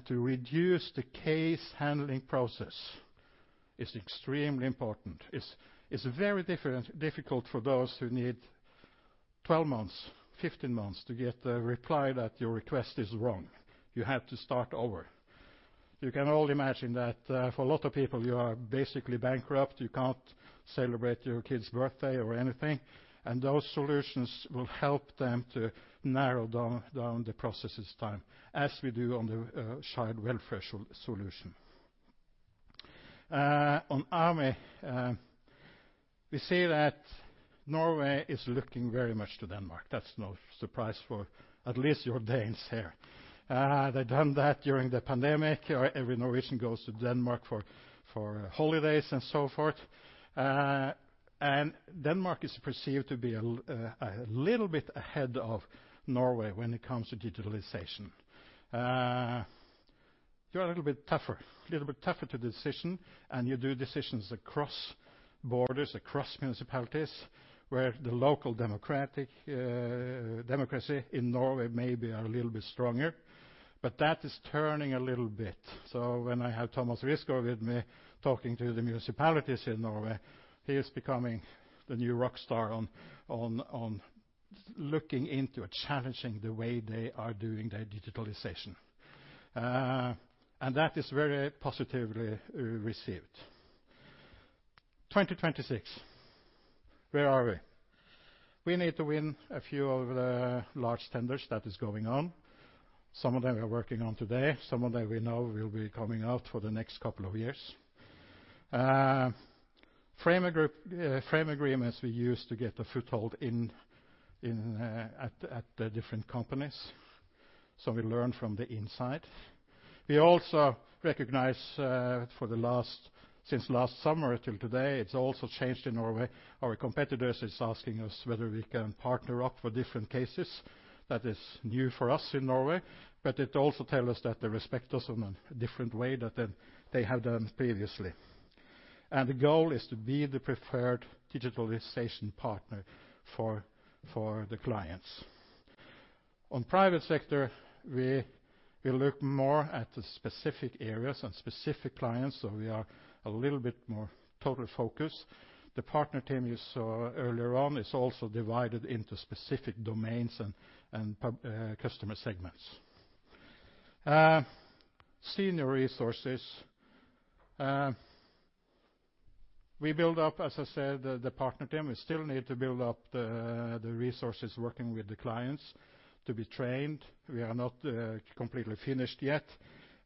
To reduce the case handling process is extremely important. It's very different, difficult for those who need 12 months, 15 months to get the reply that your request is wrong. You have to start over. You can all imagine that, for a lot of people, you are basically bankrupt. You can't celebrate your kid's birthday or anything, and those solutions will help them to narrow down the processes time, as we do on the child welfare solution. On Ami, we see that Norway is looking very much to Denmark. That's no surprise for at least your Danes here. They've done that during the pandemic. Every Norwegian goes to Denmark for holidays and so forth. Denmark is perceived to be a little bit ahead of Norway when it comes to digitalization. You are a little bit tougher, a little bit tougher to decision, and you do decisions across borders, across municipalities, where the local democratic democracy in Norway may be a little bit stronger, but that is turning a little bit. When I have Thomas Risko with me talking to the municipalities in Norway, he is becoming the new rock star on looking into or challenging the way they are doing their digitalization. That is very positively received. 2026, where are we? We need to win a few of the large tenders that is going on. Some of them we are working on today, some of them we know will be coming out for the next couple of years. Frame agreements we use to get a foothold in the different companies, so we learn from the inside. We also recognize, since last summer till today, it's also changed in Norway. Our competitors is asking us whether we can partner up for different cases. That is new for us in Norway, but it also tell us that they respect us in a different way than they have done previously. The goal is to be the preferred digitalization partner for the clients. On private sector, we look more at the specific areas and specific clients, so we are a little bit more total focused. The partner team you saw earlier on is also divided into specific domains and customer segments. Senior resources. We build up, as I said, the partner team. We still need to build up the resources working with the clients to be trained. We are not completely finished yet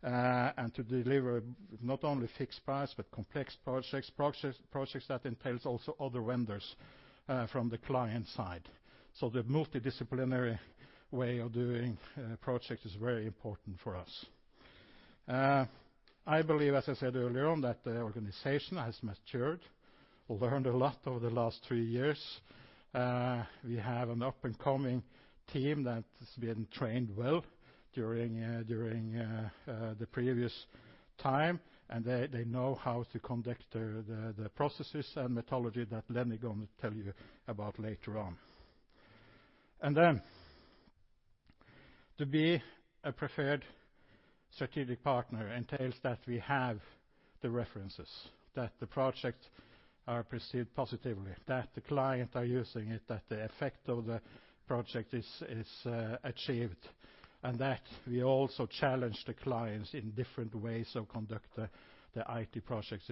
and to deliver not only fixed price, but complex projects that entails also other vendors from the client side. The multidisciplinary way of doing project is very important for us. I believe, as I said earlier on, that the organization has matured, learned a lot over the last three years. We have an up-and-coming team that has been trained well during the previous time, and they know how to conduct the processes and methodology that Leni going to tell you about later on. To be a preferred strategic partner entails that we have the references, that the projects are perceived positively, that the client are using it, that the effect of the project is achieved, and that we also challenge the clients in different ways of conduct the IT projects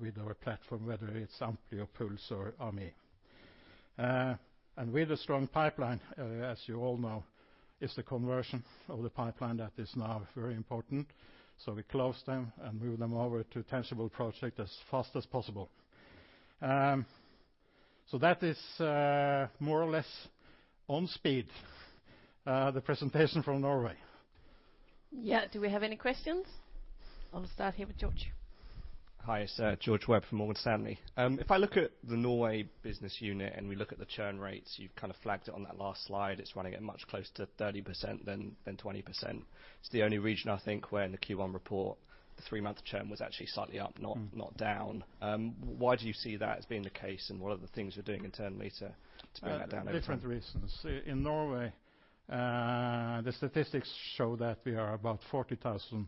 with our platform, whether it's AMPLIO, PULSE or Ami. With a strong pipeline, as you all know, is the conversion of the pipeline that is now very important. We close them and move them over to tangible project as fast as possible. That is more or less on speed, the presentation from Norway. Yeah. Do we have any questions? I'll start here with George. Hi, it's George Webb from Morgan Stanley. If I look at the Norway business unit, and we look at the churn rates, you've kind of flagged it on that last slide, it's running at much closer to 30% than 20%. It's the only region, I think, where in the Q1 report, the 3-month churn was actually slightly up. Mm. -not down. Why do you see that as being the case, and what are the things you're doing internally to bring that down? Different reasons. In Norway, the statistics show that we are about 40,000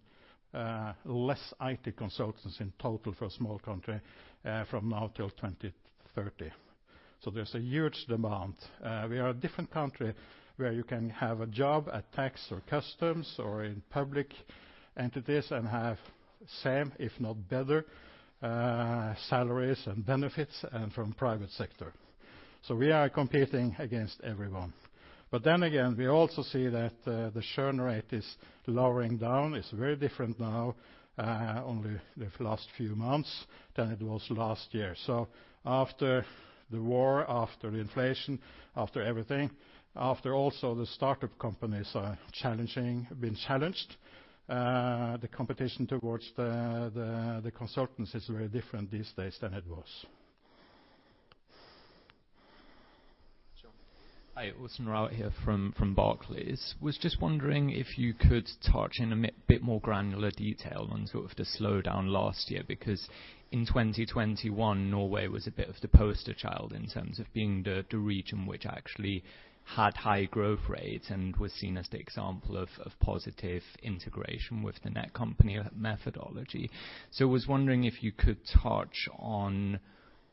less IT consultants in total for a small country, from now till 2030. There's a huge demand. We are a different country, where you can have a job at tax or customs or in public entities and have same, if not better, salaries and benefits than from private sector. We are competing against everyone. We also see that the churn rate is lowering down. It's very different now, only the last few months than it was last year. After the war, after the inflation, after everything, after also the startup companies are challenging, have been challenged, the competition towards the consultants is very different these days than it was. John? Hi, [Austin Rao] here from Barclays. Was just wondering if you could touch in a bit more granular detail on sort of the slowdown last year, because in 2021, Norway was a bit of the poster child in terms of being the region which actually had high growth rates and was seen as the example of positive integration with the Netcompany methodology. I was wondering if you could touch on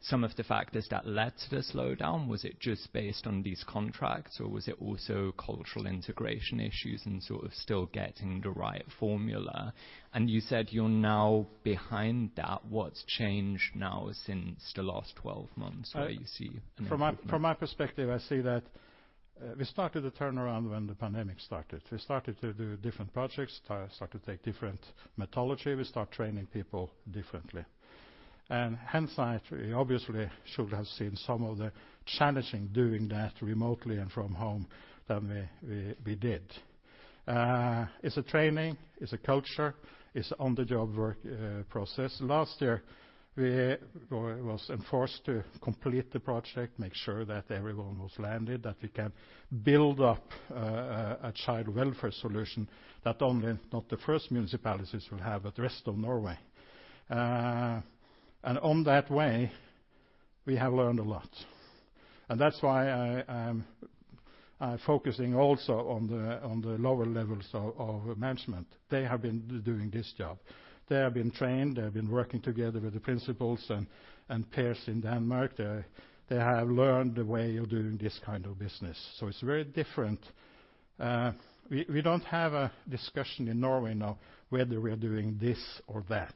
some of the factors that led to the slowdown. Was it just based on these contracts, or was it also cultural integration issues and sort of still getting the right formula? You said you're now behind that. What's changed now since the last 12 months where you see an improvement? From my perspective, I see that we started to turn around when the pandemic started. We started to do different projects, start to take different methodology. We start training people differently. Hindsight, we obviously should have seen some of the challenging doing that remotely and from home than we did. It's a training, it's a culture, it's on-the-job work process. Last year, we were enforced to complete the project, make sure that everyone was landed, that we can build up a child welfare solution, that only, not the first municipalities will have, but the rest of Norway. We have learned a lot, and that's why I am focusing also on the lower levels of management. They have been doing this job. They have been trained, they have been working together with the principals and peers in Denmark. They have learned the way of doing this kind of business. It's very different. We don't have a discussion in Norway now, whether we are doing this or that.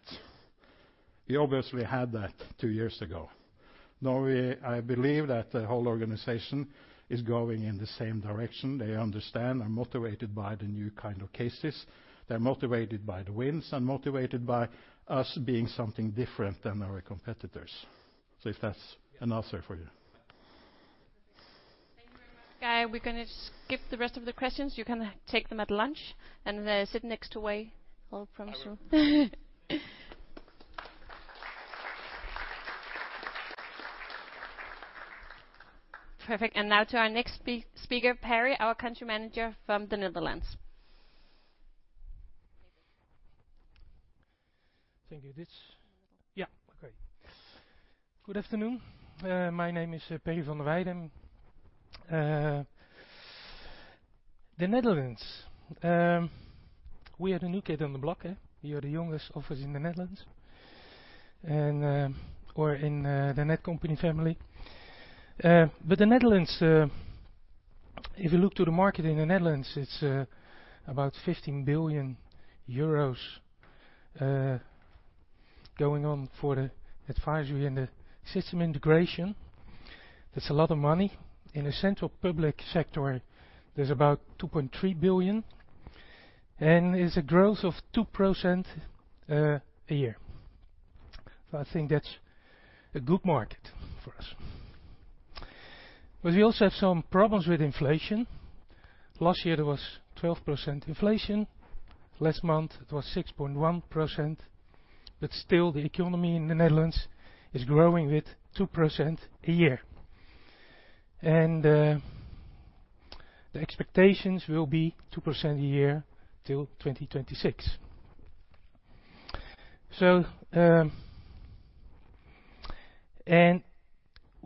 We obviously had that two years ago. I believe that the whole organization is going in the same direction. They understand and motivated by the new kind of cases. They're motivated by the wins and motivated by us being something different than our competitors. If that's an answer for you. Thank you very much, Geir. We're gonna skip the rest of the questions. You can take them at lunch and sit next to Wei. I'll promise you. Perfect, now to our next speaker, Perry, our country manager from the Netherlands. Thank you. This? Good afternoon. My name is Perry van der Weyden. The Netherlands, we are the new kid on the block. We are the youngest office in the Netherlands, or in the Netcompany family. The Netherlands, if you look to the market in the Netherlands, it's about 15 billion euros going on for the advisory and the system integration. That's a lot of money. In the central public sector, there's about 2.3 billion, and it's a growth of 2% a year. I think that's a good market for us. We also have some problems with inflation. Last year, there was 12% inflation. Last month, it was 6.1%, still, the economy in the Netherlands is growing with 2% a year. The expectations will be 2% a year till 2026.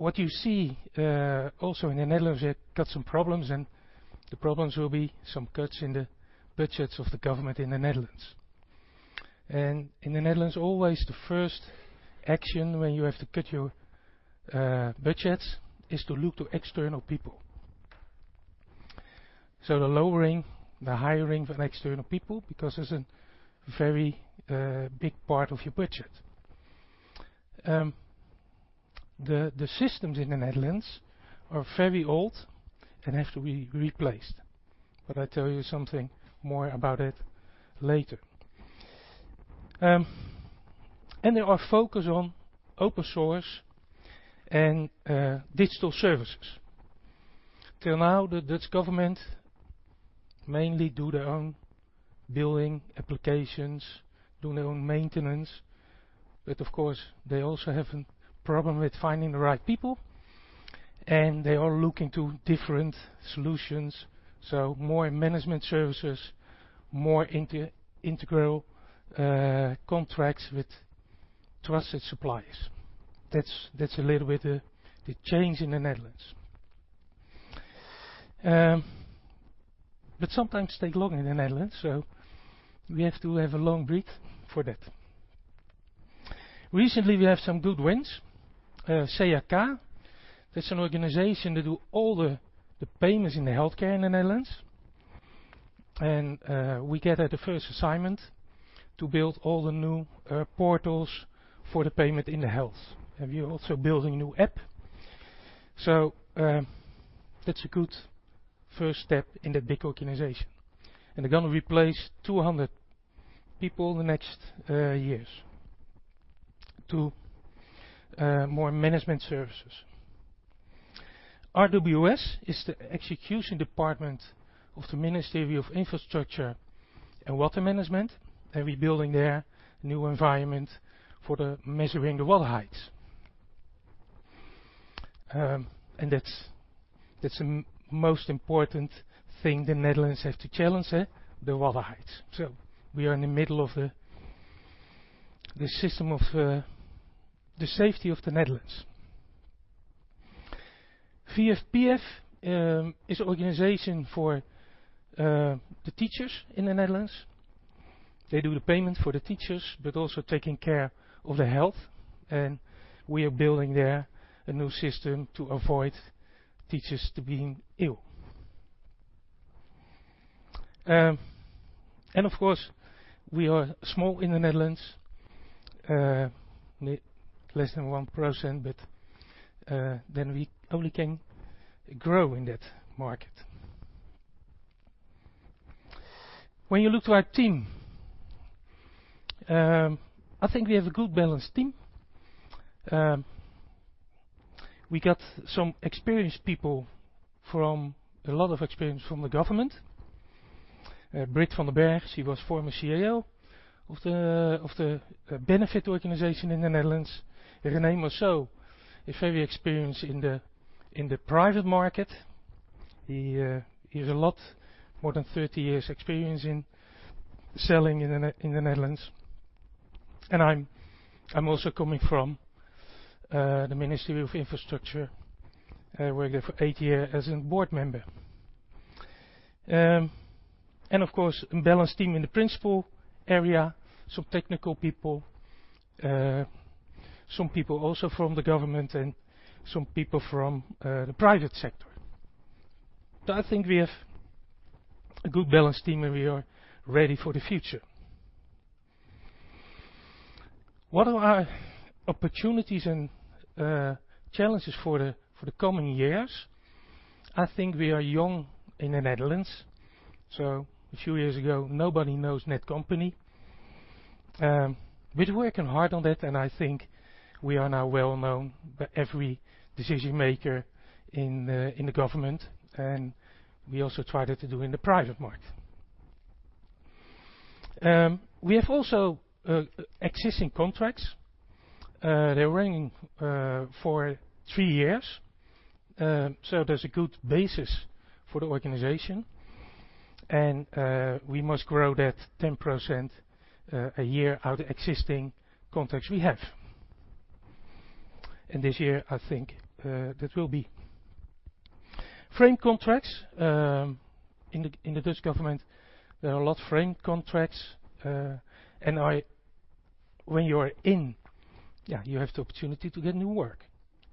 What you see also in the Netherlands, they got some problems, and the problems will be some cuts in the budgets of the government in the Netherlands. In the Netherlands, always the first action when you have to cut your budgets, is to look to external people. The lowering, the hiring of external people, because it's a very big part of your budget. The systems in the Netherlands are very old and have to be replaced, but I tell you something more about it later. There are focus on open source and digital services. Till now, the Dutch government mainly do their own building applications, do their own maintenance, but of course, they also have a problem with finding the right people, and they are looking to different solutions, so more management services, more integral contracts with trusted suppliers. That's a little bit the change in the Netherlands. Sometimes take longer in the Netherlands, so we have to have a long breath for that. Recently, we have some good wins. CAK, that's an organization that do all the payments in the healthcare in the Netherlands. We gather the first assignment to build all the new portals for the payment in the health. We are also building a new app. That's a good first step in the big organization, and they're gonna replace 200 people the next years to more management services. RWS is the execution department of the Ministry of Infrastructure and Water Management, and we're building their new environment for the measuring the water heights. That's the most important thing the Netherlands have to challenge, eh? The water heights. We are in the middle of the system of the safety of the Netherlands. VSPF is organization for the teachers in the Netherlands. They do the payment for the teachers, but also taking care of the health, and we are building there a new system to avoid teachers to being ill. Of course, we are small in the Netherlands, less than 1%. We only can grow in that market. When you look to our team, I think we have a good balanced team. We got some experienced people. A lot of experience from the government. Britt van den Berg, she was former CIO of the benefit organization in the Netherlands. Rene Mossel is very experienced in the private market. He has a lot more than 30 years experience in selling in the Netherlands. I'm also coming from the Ministry of Infrastructure. I worked there for eight years as a board member. Of course, a balanced team in the principal area, some technical people, some people also from the government and some people from the private sector. I think we have a good balanced team, and we are ready for the future. What are our opportunities and challenges for the coming years? I think we are young in the Netherlands, a few years ago, nobody knows Netcompany. We're working hard on that, and I think we are now well known by every decision maker in the government, and we also try to do in the private market. We have also existing contracts. They're running for three years, so there's a good basis for the organization, and we must grow that 10% a year out of existing contracts we have. This year, I think, that will be frame contracts. In the Dutch government, there are a lot of frame contracts, and I... When you are in, yeah, you have the opportunity to get new work,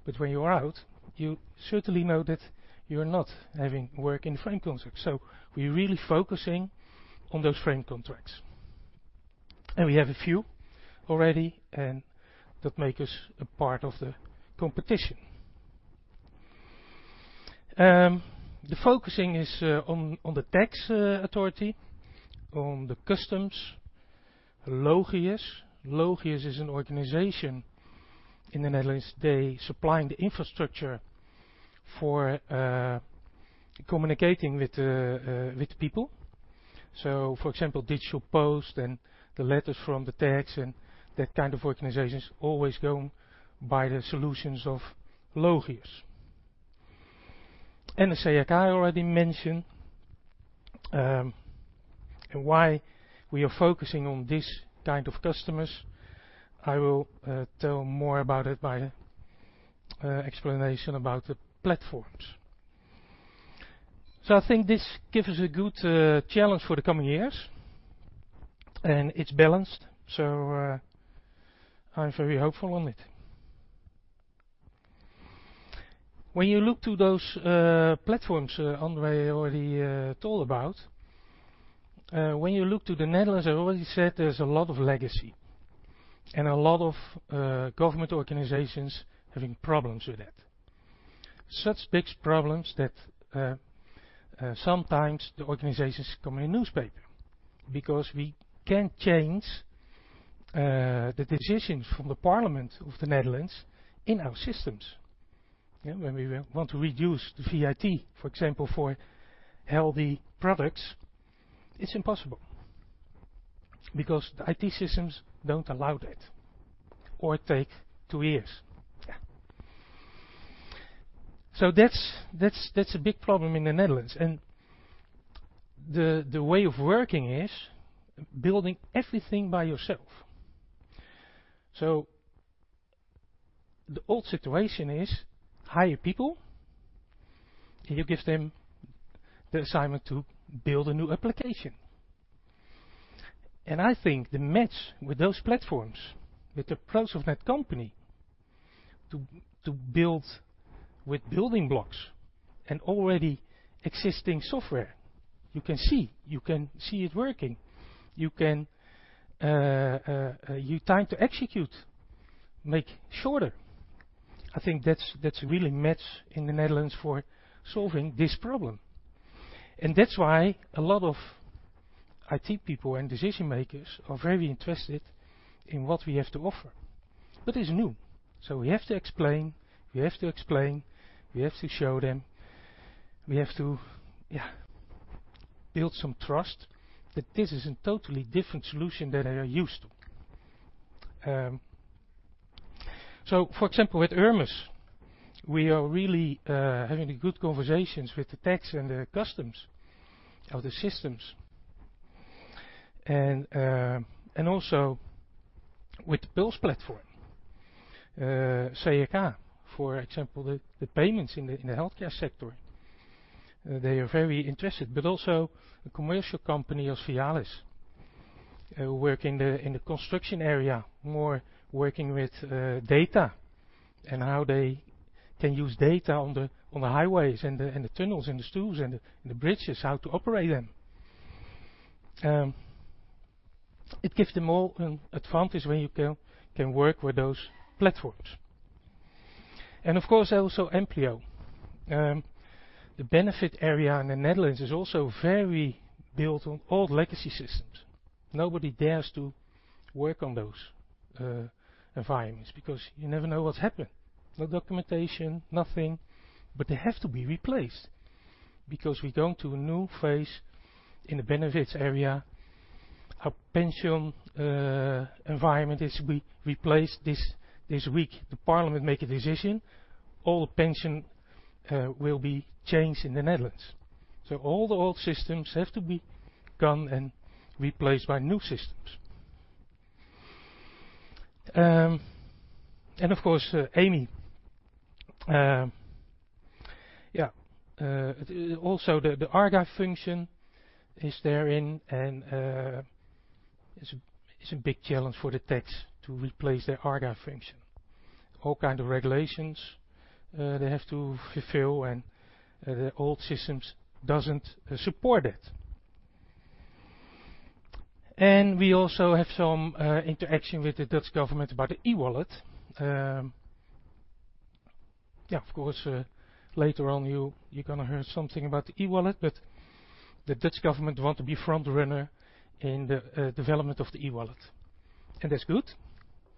but when you are out, you certainly know that you are not having work in frame contracts. We're really focusing on those frame contracts, and we have a few already, and that make us a part of the competition. The focusing is on the tax authority, on the customs. Logius. Logius is an organization in the Netherlands. They supply the infrastructure for communicating with people. For example, Digital Post and the letters from the tax and that kind of organizations always go by the solutions of Logius. The CAK I already mentioned, and why we are focusing on this kind of customers, I will tell more about it by explanation about the platforms. I think this gives us a good challenge for the coming years, and it's balanced, so I'm very hopeful on it. You look to those platforms, André already told about, when you look to the Netherlands, I already said there's a lot of legacy and a lot of government organizations having problems with it. Such big problems that sometimes the organizations come in a newspaper because we can't change the decisions from the Parliament of the Netherlands in our systems. When we want to reduce the VAT, for example, for healthy products, it's impossible because the IT systems don't allow that, or it take two years. Yeah. That's a big problem in the Netherlands, and the way of working is building everything by yourself. The old situation is, hire people, and you give them the assignment to build a new application. I think the match with those platforms, with the pros of Netcompany, to build with building blocks and already existing software, you can see it working. You can, you time to execute, make shorter. I think that's really match in the Netherlands for solving this problem. That's why a lot of IT people and decision makers are very interested in what we have to offer. It's new, so we have to explain, we have to show them, we have to, yeah, build some trust that this is a totally different solution than they are used to. For example, with ERMIS, we are really having good conversations with the tax and the customs of the systems, and also with the bills platform, CAK, for example, the payments in the healthcare sector. They are very interested, but also a commercial company of Vialis work in the construction area, more working with data and how they can use data on the highways and the tunnels, and the stools, and the bridges, how to operate them. It gives them all an advantage when you can work with those platforms. Of course, also AMPLIO. The benefit area in the Netherlands is also very built on old legacy systems. Nobody dares to work on those environments because you never know what's happened. No documentation, nothing. They have to be replaced because we're going to a new phase in the benefits area. Our pension environment is we placed this week, the parliament make a decision. All the pension will be changed in the Netherlands. All the old systems have to be gone and replaced by new systems. Of course, AMI, also the archive function is therein, it's a big challenge for the tax to replace their archive function. All kind of regulations they have to fulfill, the old systems doesn't support it. We also have some interaction with the Dutch Government about the e-wallet. Of course, later on, you're gonna hear something about the e-wallet, the Dutch Government want to be front runner in the development of the e-wallet. That's good.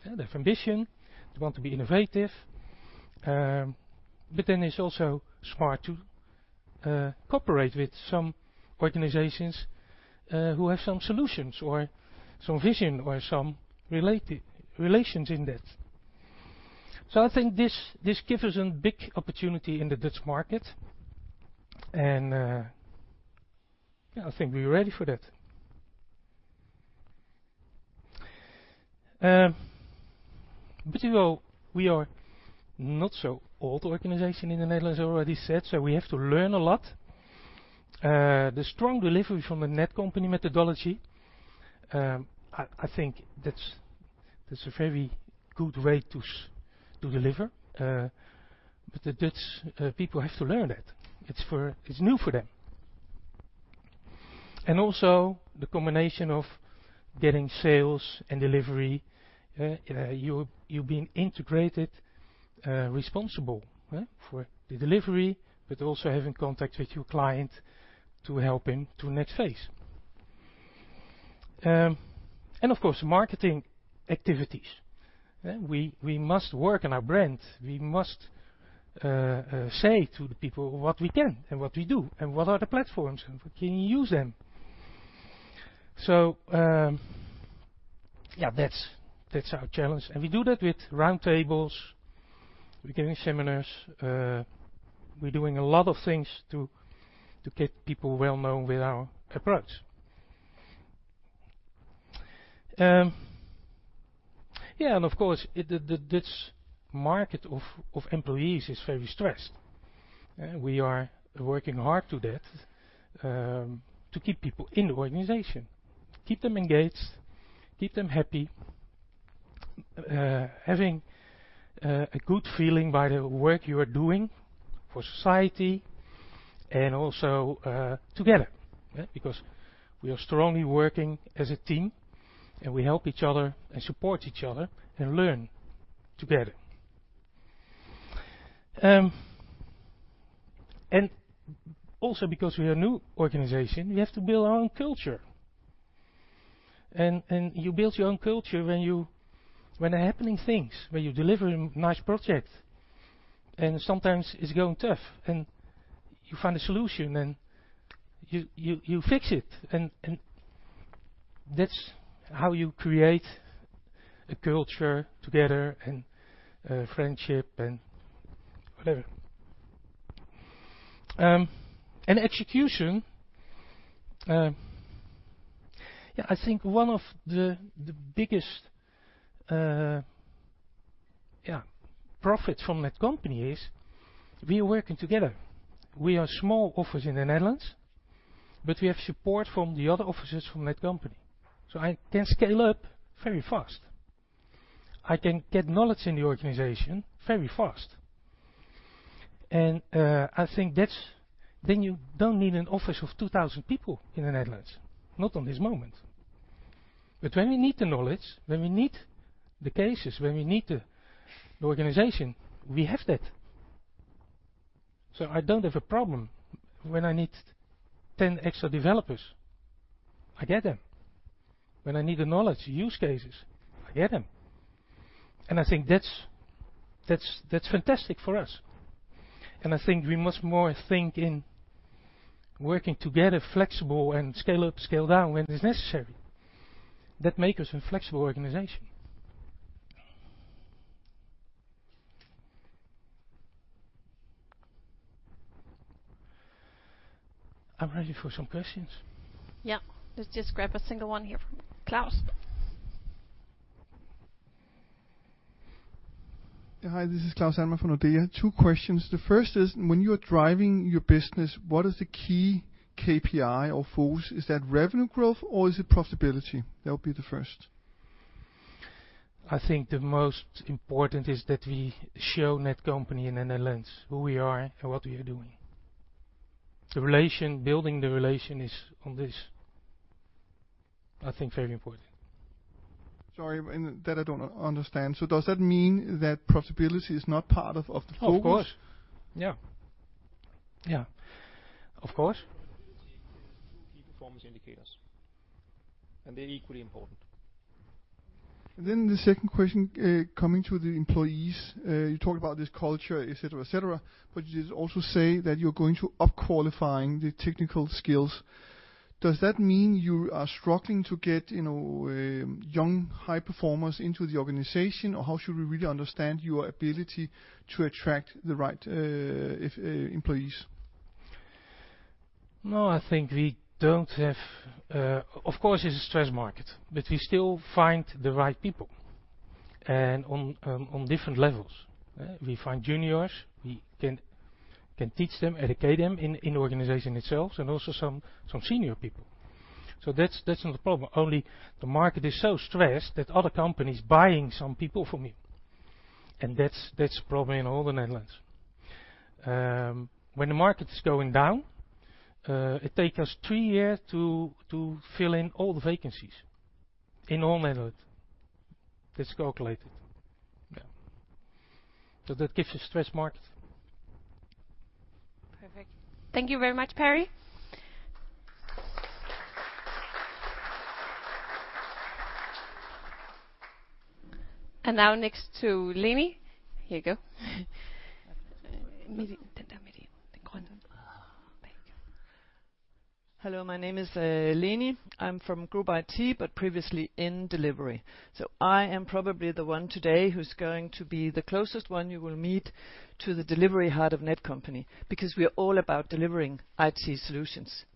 They have ambition. They want to be innovative. Then it's also smart to cooperate with some organizations who have some solutions or some vision or some related relations in that. I think this gives us a big opportunity in the Dutch market, and yeah, I think we're ready for that. You know, we are not so old organization in the Netherlands, already said, so we have to learn a lot. The strong delivery from the Netcompany methodology, I think that's a very good way to deliver, but the Dutch people have to learn that. It's new for them. Also the combination of getting sales and delivery, you've been integrated, responsible for the delivery, but also having contact with your client to help him to next phase. Of course, marketing activities, we must work on our brand. We must say to the people what we can and what we do, and what are the platforms, and we can use them. Yeah, that's our challenge. We do that with roundtables, we're giving seminars, we're doing a lot of things to get people well-known with our approach. Yeah, of course, the Dutch market of employees is very stressed, and we are working hard to that, to keep people in the organization, keep them engaged, keep them happy, having a good feeling by the work you are doing for society and also together, because we are strongly working as a team, and we help each other and support each other and learn together. Also because we are a new organization, we have to build our own culture. You build your own culture when are happening things, when you deliver a nice project, and sometimes it's going tough, and you find a solution, and you fix it, and that's how you create a culture together and friendship and whatever. Execution, I think one of the biggest profit from Netcompany is we are working together. We are small office in the Netherlands, we have support from the other offices from Netcompany. I can scale up very fast. I can get knowledge in the organization very fast. I think that's... You don't need an office of 2,000 people in the Netherlands, not on this moment. When we need the knowledge, when we need the cases, when we need the organization, we have that. I don't have a problem when I need 10 extra developers. I get them. When I need the knowledge, use cases, I get them. I think that's fantastic for us. I think we much more think in working together, flexible and scale up, scale down when it's necessary. That make us a flexible organization. I'm ready for some questions. Yeah. Let's just grab a single one here from Claus. Hi, this is Claus Almer from Nordea. Two questions. The first is: When you are driving your business, what is the key KPI or focus? Is that revenue growth or is it profitability? That would be the first. I think the most important is that we show Netcompany in the Netherlands, who we are and what we are doing. The relation, building the relation is on this, I think, very important. Sorry, that I don't understand. Does that mean that profitability is not part of the focus? Of course. Yeah. Yeah. Of course. Key performance indicators, they're equally important. The second question, coming to the employees. You talked about this culture, et cetera, et cetera, but you just also say that you're going to up qualifying the technical skills. Does that mean you are struggling to get, you know, young, high performers into the organization? Or how should we really understand your ability to attract the right employees? Of course, it's a stressed market, but we still find the right people, and on different levels, yeah. We find juniors, we can teach them, educate them in the organization itself and also some senior people. That's not a problem. Only the market is so stressed that other companies buying some people from you, and that's a problem in all the Netherlands. When the market is going down, it takes us three years to fill in all the vacancies in all Netherlands. That's calculated, yeah. That gives a stressed market. Perfect. Thank you very much, Perry. Now next to Leni. Here you go. Hello, my name is Leni. I'm from Group IT, previously in delivery. I am probably the one today who's going to be the closest one you will meet to the delivery heart of Netcompany, because we are all about delivering IT solutions.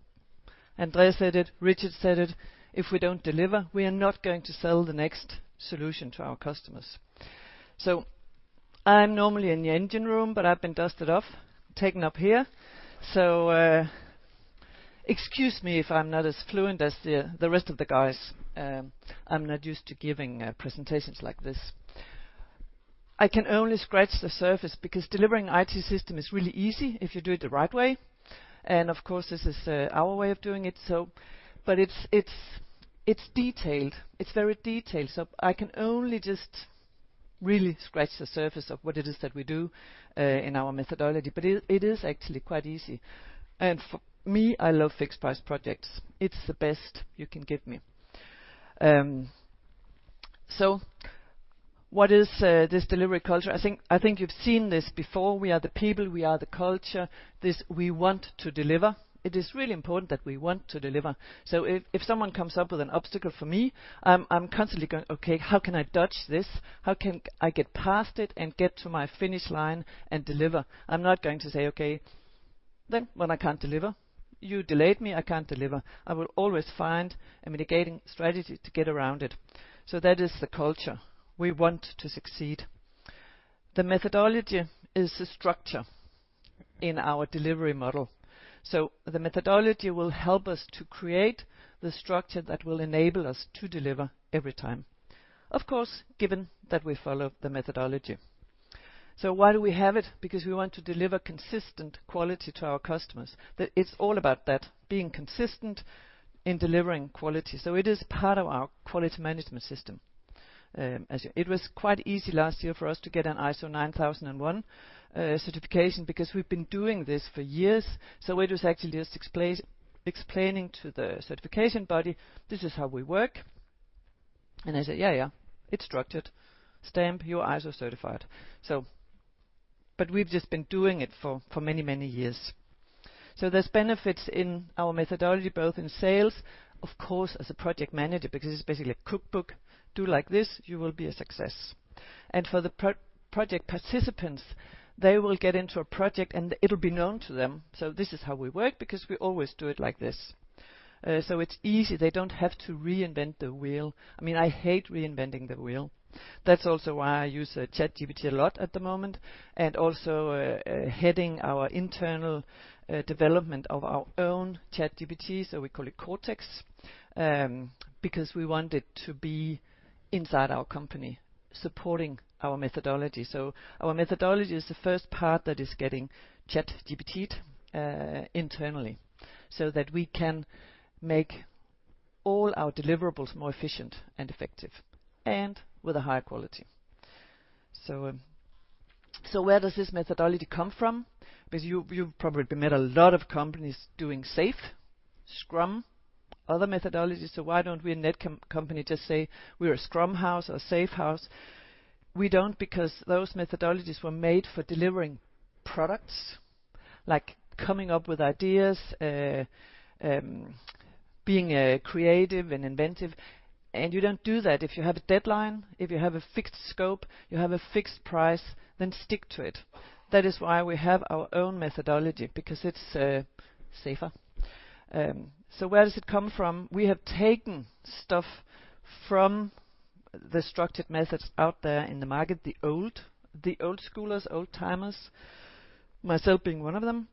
André said it, Richard said it, "If we don't deliver, we are not going to sell the next solution to our customers." I'm normally in the engine room, but I've been dusted off, taken up here, excuse me if I'm not as fluent as the rest of the guys. I'm not used to giving presentations like this. I can only scratch the surface, because delivering IT system is really easy if you do it the right way, and of course, this is our way of doing it. It's detailed. It's very detailed, so I can only just really scratch the surface of what it is that we do in our methodology, but it is actually quite easy. For me, I love fixed price projects. It's the best you can give me. What is this delivery culture? I think you've seen this before. We are the people, we are the culture. This, we want to deliver. It is really important that we want to deliver. If someone comes up with an obstacle for me, I'm constantly going: "Okay, how can I dodge this? How can I get past it and get to my finish line and deliver?" I'm not going to say, "Okay, then, well, I can't deliver. You delayed me, I can't deliver." I will always find a mitigating strategy to get around it. That is the culture. We want to succeed. The methodology is the structure in our delivery model, so the methodology will help us to create the structure that will enable us to deliver every time. Of course, given that we follow the methodology. Why do we have it? Because we want to deliver consistent quality to our customers. It's all about that, being consistent in delivering quality, so it is part of our quality management system. As it was quite easy last year for us to get an ISO 9001 certification, because we've been doing this for years, so it was actually just explaining to the certification body, "This is how we work." They said: "Yeah, yeah, it's structured. Stamp, you are ISO certified." We've just been doing it for many, many years. There's benefits in our methodology, both in sales, of course, as a project manager, because it's basically a cookbook. Do like this, you will be a success. For the project participants, they will get into a project, and it'll be known to them. This is how we work, because we always do it like this. It's easy. They don't have to reinvent the wheel. I mean, I hate reinventing the wheel. That's also why I use ChatGPT a lot at the moment, and also heading our internal development of our own ChatGPT, so we call it Cortex, because we want it to be inside our company, supporting our methodology. Our methodology is the first part that is getting ChatGPT internally, so that we can make all our deliverables more efficient and effective and with a higher quality. Where does this methodology come from? Because you've probably met a lot of companies doing SAFe, Scrum, other methodologies, so why don't we at Netcompany just say we're a Scrum house or a SAFe house? We don't, because those methodologies were made for delivering products, like coming up with ideas, being creative and inventive, and you don't do that. If you have a deadline, if you have a fixed scope, you have a fixed price, then stick to it. That is why we have our own methodology, because it's safer. Where does it come from? We have taken stuff from the structured methods out there in the market, the old schoolers, old-timers, myself being one of them.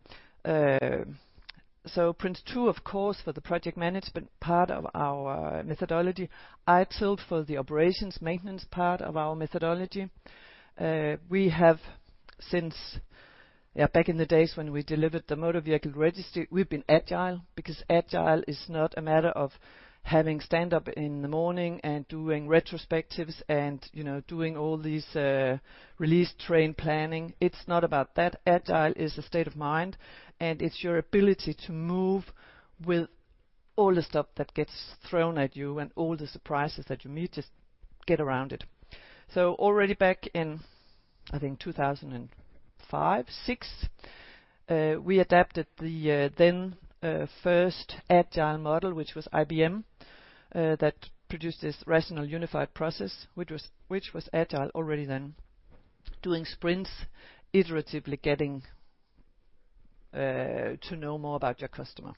PRINCE2, of course, for the project management part of our methodology, ITIL for the operations maintenance part of our methodology. We have since, back in the days when we delivered the Motor Vehicle Registry, we've been agile, because agile is not a matter of having stand-up in the morning and doing retrospectives and, you know, doing all these, release train planning. It's not about that. Agile is a state of mind, and it's your ability to move with all the stuff that gets thrown at you and all the surprises that you meet, just get around it. Already back in, I think, 2005, 2006, we adapted the then first agile model, which was IBM that produced this Rational Unified Process, which was agile already then. Doing sprints, iteratively getting to know more about your customer.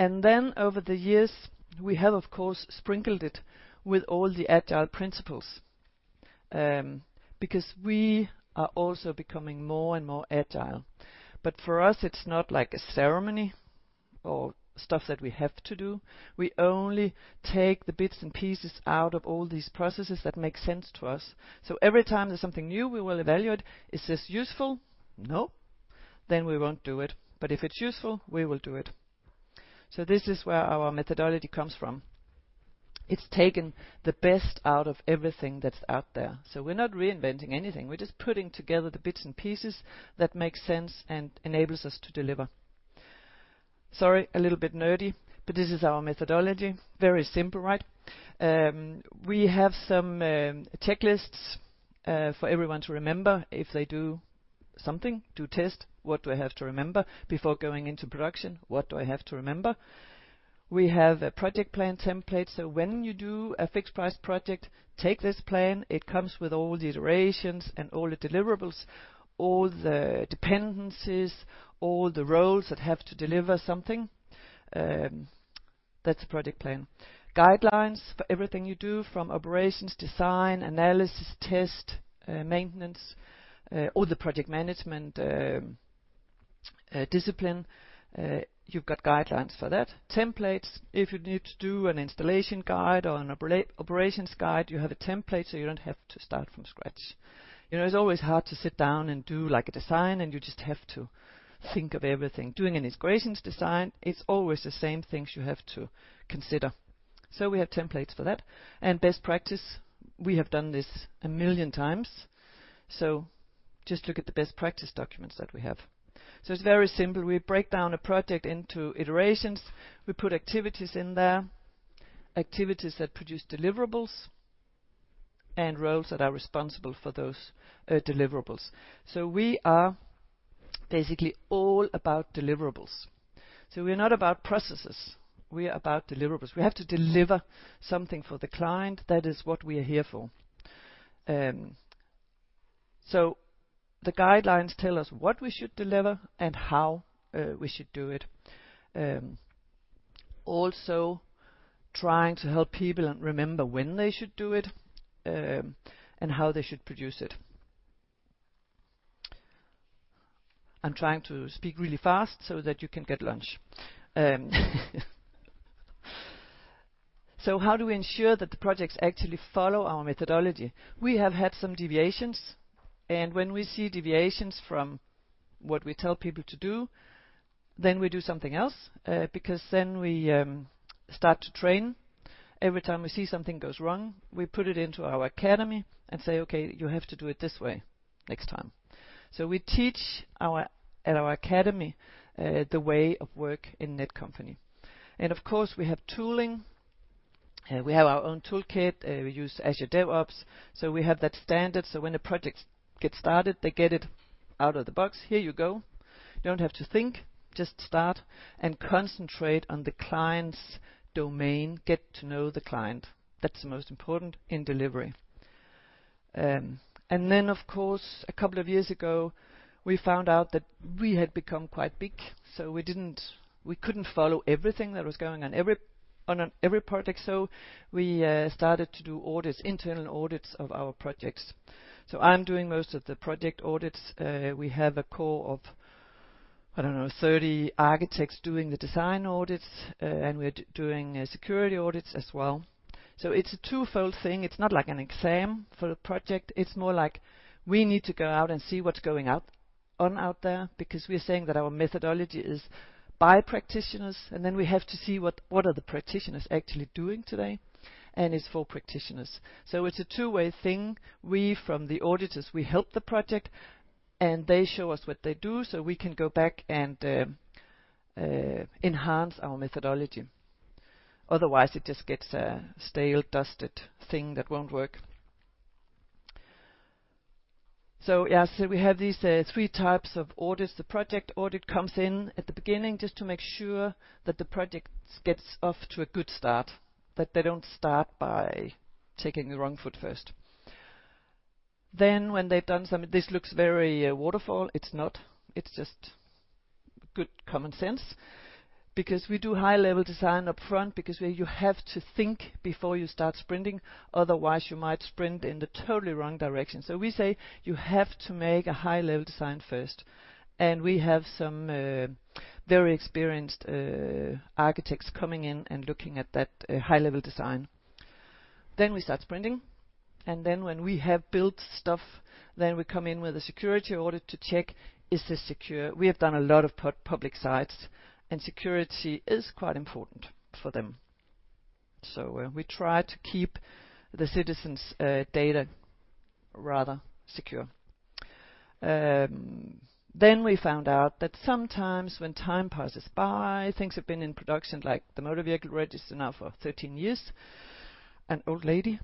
Over the years, we have, of course, sprinkled it with all the agile principles, because we are also becoming more and more agile. For us, it's not like a ceremony or stuff that we have to do. We only take the bits and pieces out of all these processes that make sense to us. Every time there's something new, we will evaluate. Is this useful? No. We won't do it, but if it's useful, we will do it. This is where our methodology comes from. It's taken the best out of everything that's out there. We're not reinventing anything. We're just putting together the bits and pieces that make sense and enables us to deliver. Sorry, a little bit nerdy, but this is our methodology. Very simple, right? We have some checklists for everyone to remember if they do something, do test, what do I have to remember before going into production? What do I have to remember? We have a project plan template. When you do a fixed price project, take this plan. It comes with all the iterations and all the deliverables, all the dependencies, all the roles that have to deliver something. That's a project plan. Guidelines for everything you do from operations, design, analysis, test, maintenance, all the project management discipline, you've got guidelines for that. Templates, if you need to do an installation guide or an operations guide, you have a template, so you don't have to start from scratch. You know, it's always hard to sit down and do, like, a design, and you just have to think of everything. Doing an integrations design, it's always the same things you have to consider. We have templates for that and best practice. We have done this a million times, just look at the best practice documents that we have. It's very simple. We break down a project into iterations. We put activities in there, activities that produce deliverables and roles that are responsible for those deliverables. We are basically all about deliverables. We're not about processes. We are about deliverables. We have to deliver something for the client, that is what we are here for. The guidelines tell us what we should deliver and how we should do it. Also trying to help people and remember when they should do it and how they should produce it. I'm trying to speak really fast so that you can get lunch. How do we ensure that the projects actually follow our methodology? We have had some deviations, and when we see deviations from what we tell people to do, then we do something else, because then we start to train. Every time we see something goes wrong, we put it into our academy and say, "Okay, you have to do it this way next time." We teach our, at our academy, the way of work in Netcompany. Of course, we have tooling, and we have our own toolkit. We use Azure DevOps, so we have that standard. When a project gets started, they get it out of the box. Here you go. You don't have to think, just start and concentrate on the client's domain. Get to know the client. That's the most important in delivery. Of course, a couple of years ago, we found out that we had become quite big, we couldn't follow everything that was going on on every project. We started to do audits, internal audits of our projects. I'm doing most of the project audits. We have a core of, I don't know, 30 architects doing the design audits, and we're doing security audits as well. It's a twofold thing. It's not like an exam for the project. It's more like we need to go out and see what's going on out there, because we're saying that our methodology is by practitioners, we have to see what are the practitioners actually doing today, and it's for practitioners. It's a two-way thing. We, from the auditors, we help the project, and they show us what they do, so we can go back and enhance our methodology. Otherwise, it just gets a stale, dusted thing that won't work. Yeah, we have these three types of audits. The project audit comes in at the beginning just to make sure that the project gets off to a good start, that they don't start by taking the wrong foot first. This looks very waterfall. It's not. It's just good common sense, because we do high-level design upfront, because you have to think before you start sprinting. Otherwise, you might sprint in the totally wrong direction. We say you have to make a high-level design first, and we have some very experienced architects coming in and looking at that high-level design. We start sprinting, when we have built stuff, we come in with a security audit to check, is this secure? We have done a lot of public sites, security is quite important for them. We try to keep the citizens' data rather secure. We found out that sometimes when time passes by, things have been in production, like the Motor Vehicle Register now for 13 years, an old lady,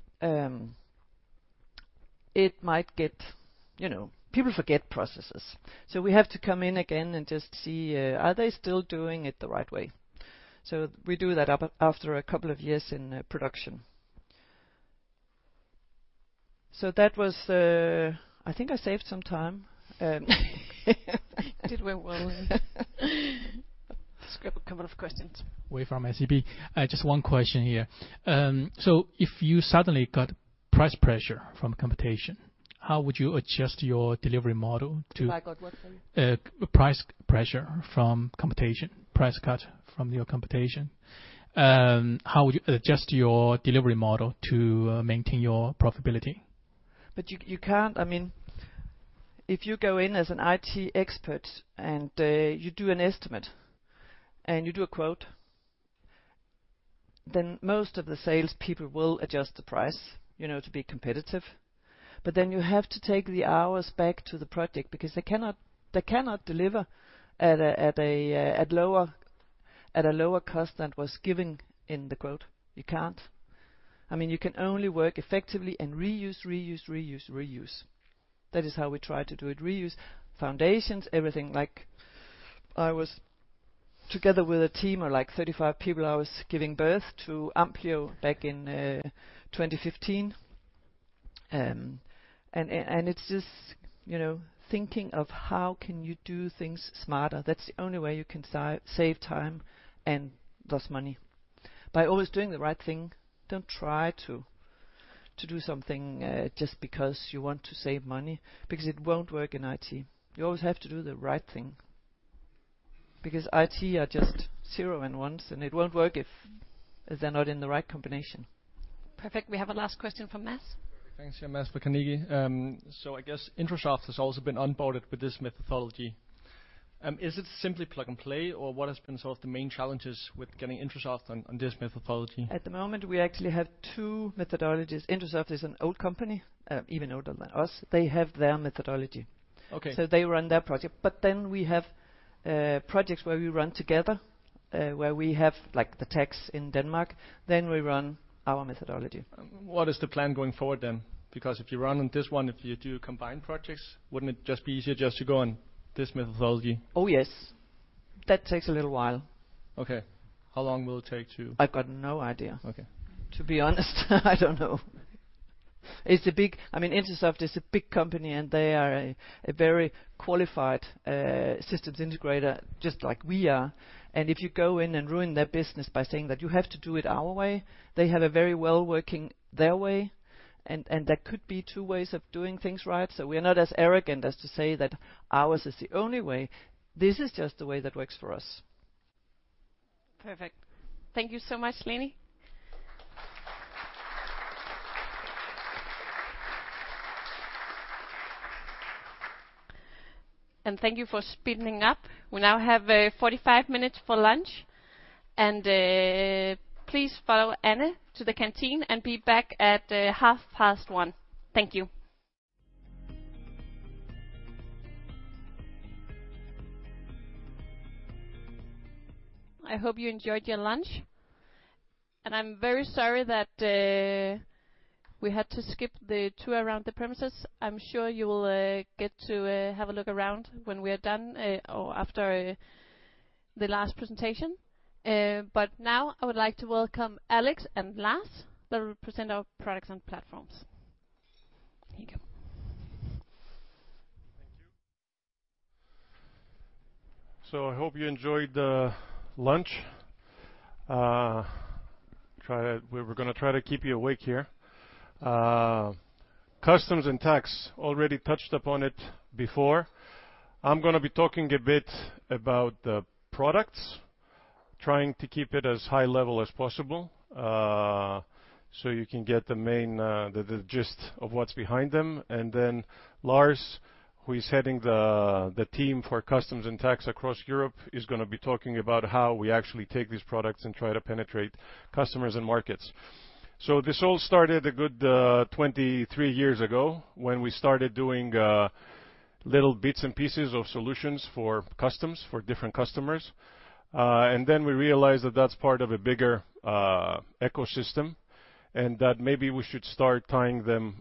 it might get, you know, people forget processes. We have to come in again and just see, are they still doing it the right way? We do that after a couple of years in production. That was I think I saved some time. It did went well. Skip a couple of questions. Yiwei from SEB. Just one question here. If you suddenly got price pressure from computation, how would you adjust your delivery model? If I got what, sorry? Price pressure from computation, price cut from your computation, how would you adjust your delivery model to maintain your profitability? You, you can't. I mean, if you go in as an IT expert and you do an estimate and you do a quote, then most of the sales people will adjust the price, you know, to be competitive. Then you have to take the hours back to the project, because they cannot deliver at a lower cost than was given in the quote. You can't. I mean, you can only work effectively and reuse, reuse. That is how we try to do it. Reuse foundations, everything. Like I was together with a team of, like, 35 people. I was giving birth to AMPLIO back in 2015. It, and it's just, you know, thinking of how can you do things smarter? That's the only way you can save time and thus money. By always doing the right thing, don't try to do something just because you want to save money, because it won't work in IT. You always have to do the right thing, because IT are just zero and ones, and it won't work if they're not in the right combination. Perfect. We have a last question from Mads. Thanks. Yeah, Mads from Carnegie. I guess Intrasoft has also been onboarded with this methodology. Is it simply plug and play, or what has been sort of the main challenges with getting Intrasoft on this methodology? At the moment, we actually have two methodologies. Intrasoft is an old company, even older than us. They have their methodology. Okay. They run their project. We have projects where we run together, where we have, like, the tax in Denmark, then we run our methodology. What is the plan going forward then? If you run on this one, if you do combined projects, wouldn't it just be easier just to go on this methodology? Oh, yes. That takes a little while. Okay. How long will it take? I've got no idea. Okay. To be honest, I don't know. I mean, Intrasoft is a big company, and they are a very qualified systems integrator, just like we are. If you go in and ruin their business by saying that you have to do it our way, they have a very well working their way, and there could be two ways of doing things right. We are not as arrogant as to say that ours is the only way. This is just the way that works for us. Perfect. Thank you so much, Lene. Thank you for speeding up. We now have 45 minutes for lunch. Please follow Anne to the canteen and be back at half past one. Thank you. I hope you enjoyed your lunch. I'm very sorry that we had to skip the tour around the premises. I'm sure you will get to have a look around when we are done or after the last presentation. Now I would like to welcome Alex and Lars. They'll present our products and platforms. Here you go. Thank you. I hope you enjoyed the lunch. We're gonna try to keep you awake here. Customs and Tax already touched upon it before. I'm gonna be talking a bit about the products, trying to keep it as high level as possible, so you can get the main gist of what's behind them. Lars, who is heading the team for Customs and Tax across Europe, is gonna be talking about how we actually take these products and try to penetrate customers and markets. This all started a good 23 years ago, when we started doing little bits and pieces of solutions for customs, for different customers. We realized that that's part of a bigger ecosystem, and that maybe we should start tying them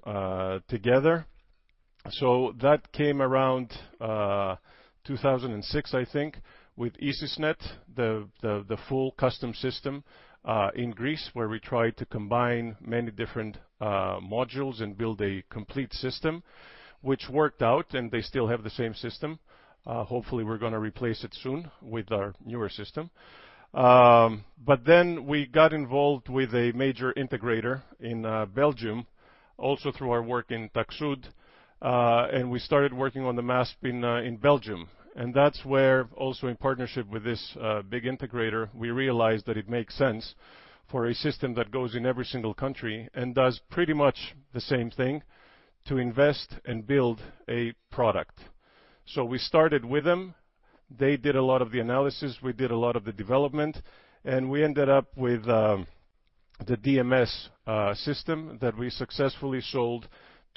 together. That came around 2006, I think, with ICISnet, the, the full custom system in Greece, where we tried to combine many different modules and build a complete system, which worked out, and they still have the same system. Hopefully, we're gonna replace it soon with our newer system. We got involved with a major integrator in Belgium, also through our work in TAXUD, and we started working on the MASP in Belgium. That's where, also in partnership with this big integrator, we realized that it makes sense for a system that goes in every single country and does pretty much the same thing, to invest and build a product. We started with them. They did a lot of the analysis, we did a lot of the development. We ended up with the DMS system that we successfully sold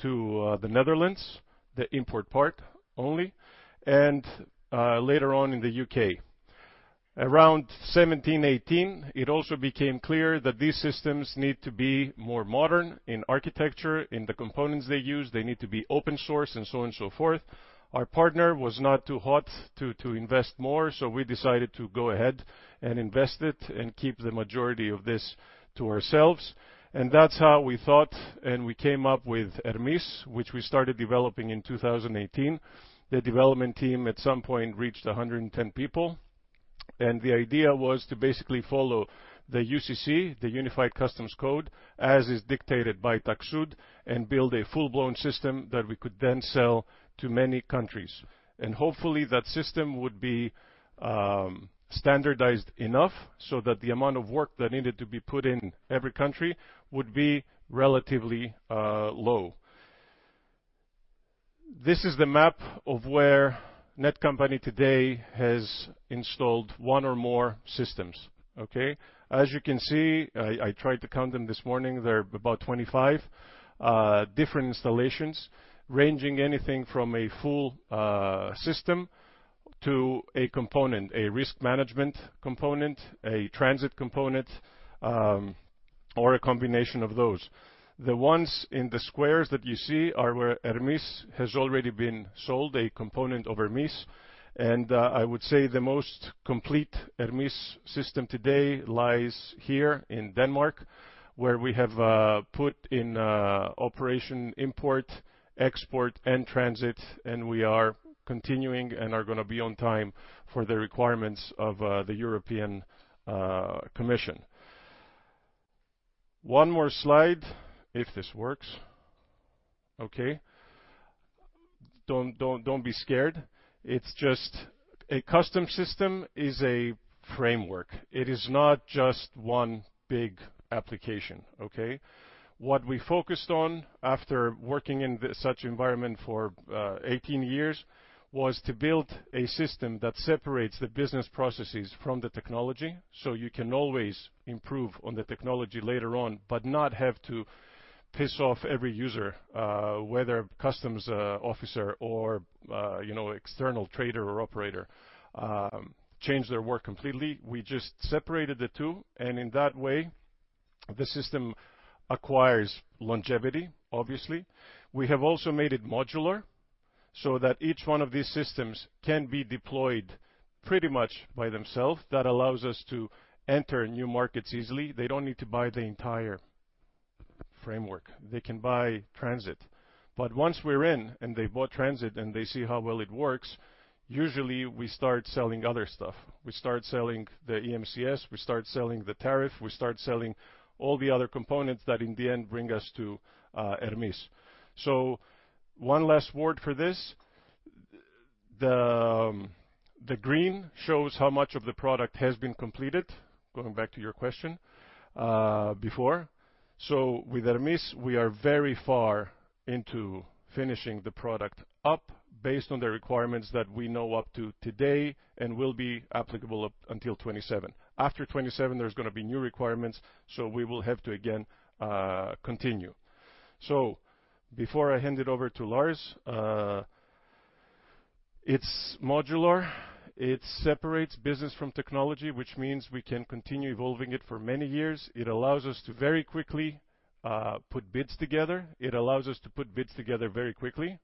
to the Netherlands, the import part only, and later on in the UK. Around 2017, 2018, it also became clear that these systems need to be more modern in architecture, in the components they use. They need to be open source and so on and so forth. Our partner was not too hot to invest more, so we decided to go ahead and invest it, and keep the majority of this to ourselves. That's how we thought, and we came up with Hermes, which we started developing in 2018. The development team, at some point, reached 110 people, the idea was to basically follow the UCC, the Union Customs Code, as is dictated by TAXUD, and build a full-blown system that we could then sell to many countries. Hopefully, that system would be standardized enough so that the amount of work that needed to be put in every country would be relatively low. This is the map of where Netcompany today has installed one or more systems, okay? As you can see, I tried to count them this morning. There are about 25 different installations ranging anything from a full system to a component, a risk management component, a transit component, or a combination of those. The ones in the squares that you see are where Hermes has already been sold, a component of Hermes. I would say the most complete Hermes system today lies here in Denmark, where we have put in operation, import, export, and transit. We are continuing and are gonna be on time for the requirements of the European Commission. One more slide, if this works. Okay. Don't be scared. It's just a custom system is a framework. It is not just one big application, okay? What we focused on after working in such environment for 18 years, was to build a system that separates the business processes from the technology, so you can always improve on the technology later on, but not have to piss off every user, whether customs officer or, you know, external trader or operator, change their work completely. We just separated the two. In that way, the system acquires longevity, obviously. We have also made it modular, so that each one of these systems can be deployed pretty much by themselves. That allows us to enter new markets easily. They don't need to buy the entire framework. They can buy transit. Once we're in and they bought transit, and they see how well it works, usually we start selling other stuff. We start selling the EMCS, we start selling the tariff, we start selling all the other components that in the end bring us to Hermes. One last word for this. The green shows how much of the product has been completed, going back to your question before. With Hermes, we are very far into finishing the product up based on the requirements that we know up to today and will be applicable up until 2027. After 2027, there's gonna be new requirements, so we will have to again continue. Before I hand it over to Lars, it's modular. It separates business from technology, which means we can continue evolving it for many years. It allows us to very quickly put bids together. It allows us to put bids together very quickly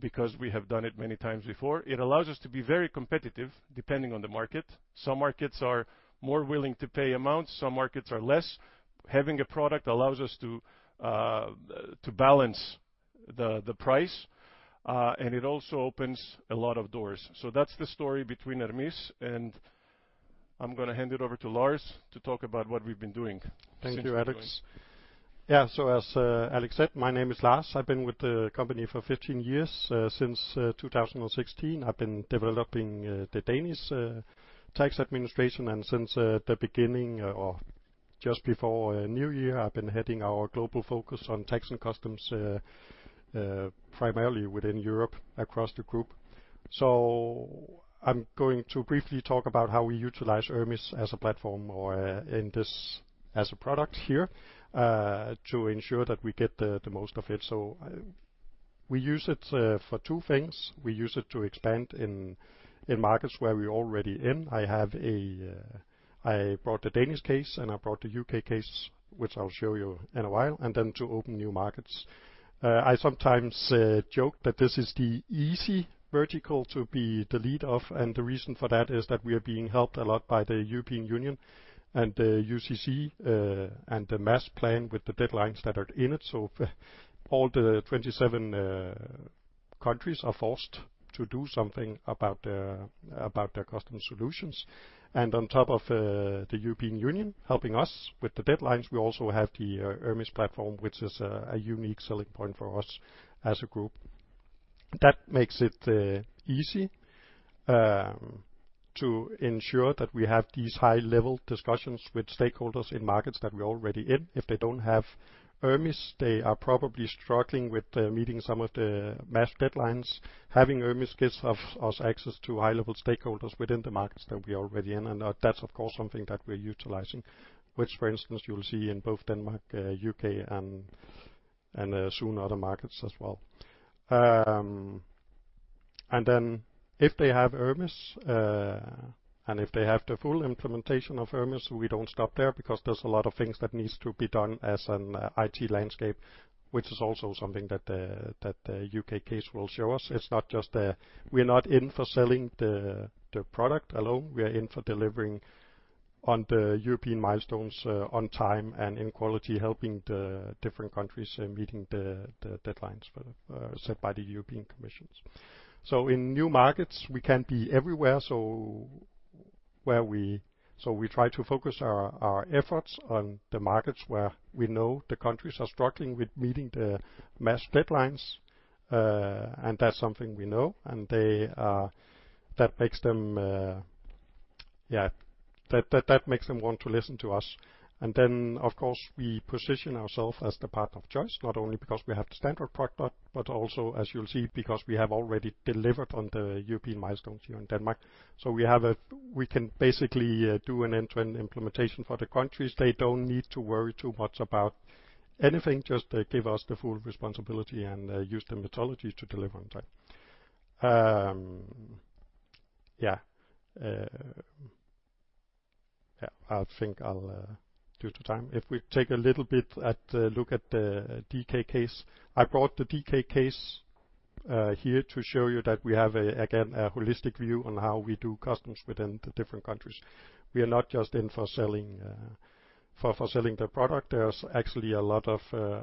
because we have done it many times before. It allows us to be very competitive, depending on the market. Some markets are more willing to pay amounts, some markets are less. Having a product allows us to balance the price, and it also opens a lot of doors. That's the story between Hermes, and I'm gonna hand it over to Lars to talk about what we've been doing since doing. Thank you, Alex. Yeah, as Alex said, my name is Lars. I've been with the company for 15 years. Since 2016, I've been developing the Danish tax aPdministration, and since the beginning or just before New Year, I've been heading our global focus on tax and customs, primarily within Europe, across the group. I'm going to briefly talk about how we utilize Hermes as a platform or in this as a product here, to ensure that we get the most of it. We use it for two things. We use it to expand in markets where we're already in. I brought the Danes case, and I brought the UK case, which I'll show you in a while, and then to open new markets. I sometimes joke that this is the easy vertical to be the lead of. The reason for that is that we are being helped a lot by the European Union and the UCC, and the MASP with the deadlines that are in it. For all the 27 countries are forced to do something about their, about their custom solutions. On top of the European Union helping us with the deadlines, we also have the Hermes platform, which is a unique selling point for us as a group. That makes it easy to ensure that we have these high-level discussions with stakeholders in markets that we're already in. If they don't have ERMIS, they are probably struggling with meeting some of the MASP deadlines. Having ERMIS gives us access to high-level stakeholders within the markets that we are already in, that's, of course, something that we're utilizing, which, for instance, you'll see in both Denmark, UK and soon other markets as well. If they have ERMIS, and if they have the full implementation of ERMIS, we don't stop there because there's a lot of things that needs to be done as an IT landscape, which is also something that the UK case will show us. It's not just we're not in for selling the product alone. We are in for delivering on the European milestones, on time and in quality, helping the different countries in meeting the deadlines for the set by the European Commission. In new markets, we can't be everywhere, where we try to focus our efforts on the markets where we know the countries are struggling with meeting the MAS deadlines. That's something we know. That makes them want to listen to us. Of course, we position ourselves as the partner of choice, not only because we have the standard product, but also, as you'll see, because we have already delivered on the European milestones here in Denmark. We can basically do an end-to-end implementation for the countries. They don't need to worry too much about anything, just they give us the full responsibility and use the methodology to deliver on time. I think I'll due to time, if we take a look at the DK case. I brought the DK case here to show you that we have again a holistic view on how we do customs within the different countries. We are not just in for selling the product. There's actually a lot of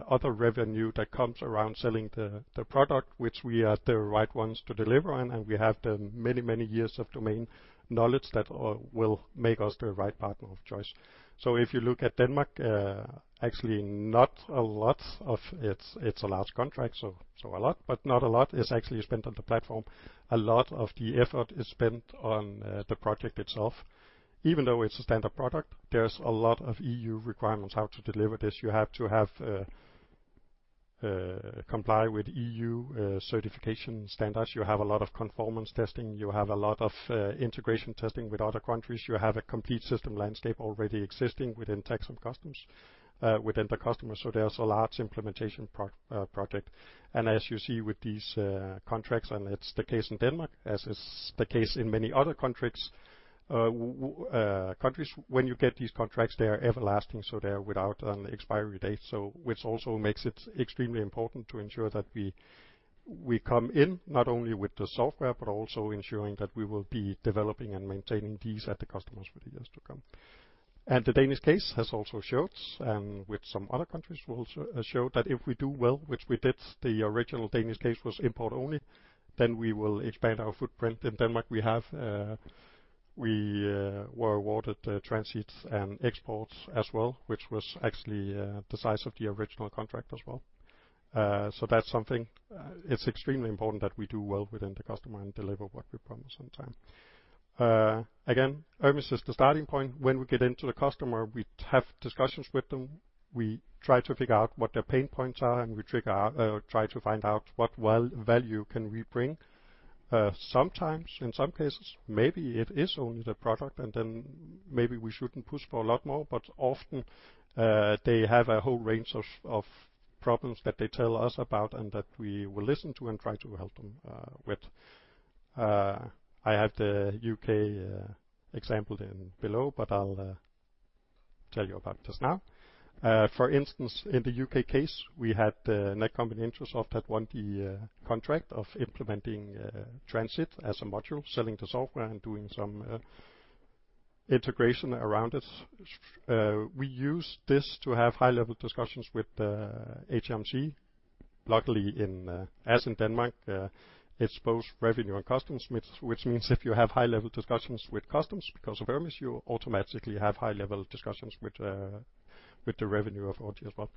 other revenue that comes around selling the product, which we are the right ones to deliver on, and we have the many, many years of domain knowledge that will make us the right partner of choice. If you look at Denmark, actually not a lot of it's a large contract, so a lot, but not a lot is actually spent on the platform. A lot of the effort is spent on the project itself. Even though it's a standard product, there's a lot of EU requirements how to deliver this. You have to have comply with EU certification standards. You have a lot of conformance testing, you have a lot of integration testing with other countries. You have a complete system landscape already existing within Tax and Customs within the customer. There's a large implementation project. As you see with these contracts, and it's the case in Denmark, as is the case in many other contracts, countries. When you get these contracts, they are everlasting, they are without an expiry date, which also makes it extremely important to ensure that we come in not only with the software, but also ensuring that we will be developing and maintaining these at the customers for the years to come. The Danes case has also showed, and with some other countries, will show that if we do well, which we did, the original Danes case was import only, then we will expand our footprint. In Denmark, we have, we were awarded the transits and exports as well, which was actually the size of the original contract as well. That's something, it's extremely important that we do well within the customer and deliver what we promise on time. Again, ERMIS is the starting point. When we get into the customer, we have discussions with them, we try to figure out what their pain points are, and we try to find out what value can we bring. Sometimes in some cases, maybe it is only the product, and then maybe we shouldn't push for a lot more, but often, they have a whole range of problems that they tell us about and that we will listen to and try to help them with. I have the U.K. example then below, but I'll tell you about just now. For instance, in the U.K. case, we had Netcompany- Intrasoft had won the contract of implementing transit as a module, selling the software and doing some integration around it. We use this to have high-level discussions with the HMRC. Luckily, in as in Denmark, it's both revenue and customs, which means if you have high-level discussions with customs, because of ERMIS, you automatically have high-level discussions with the revenue authority as well.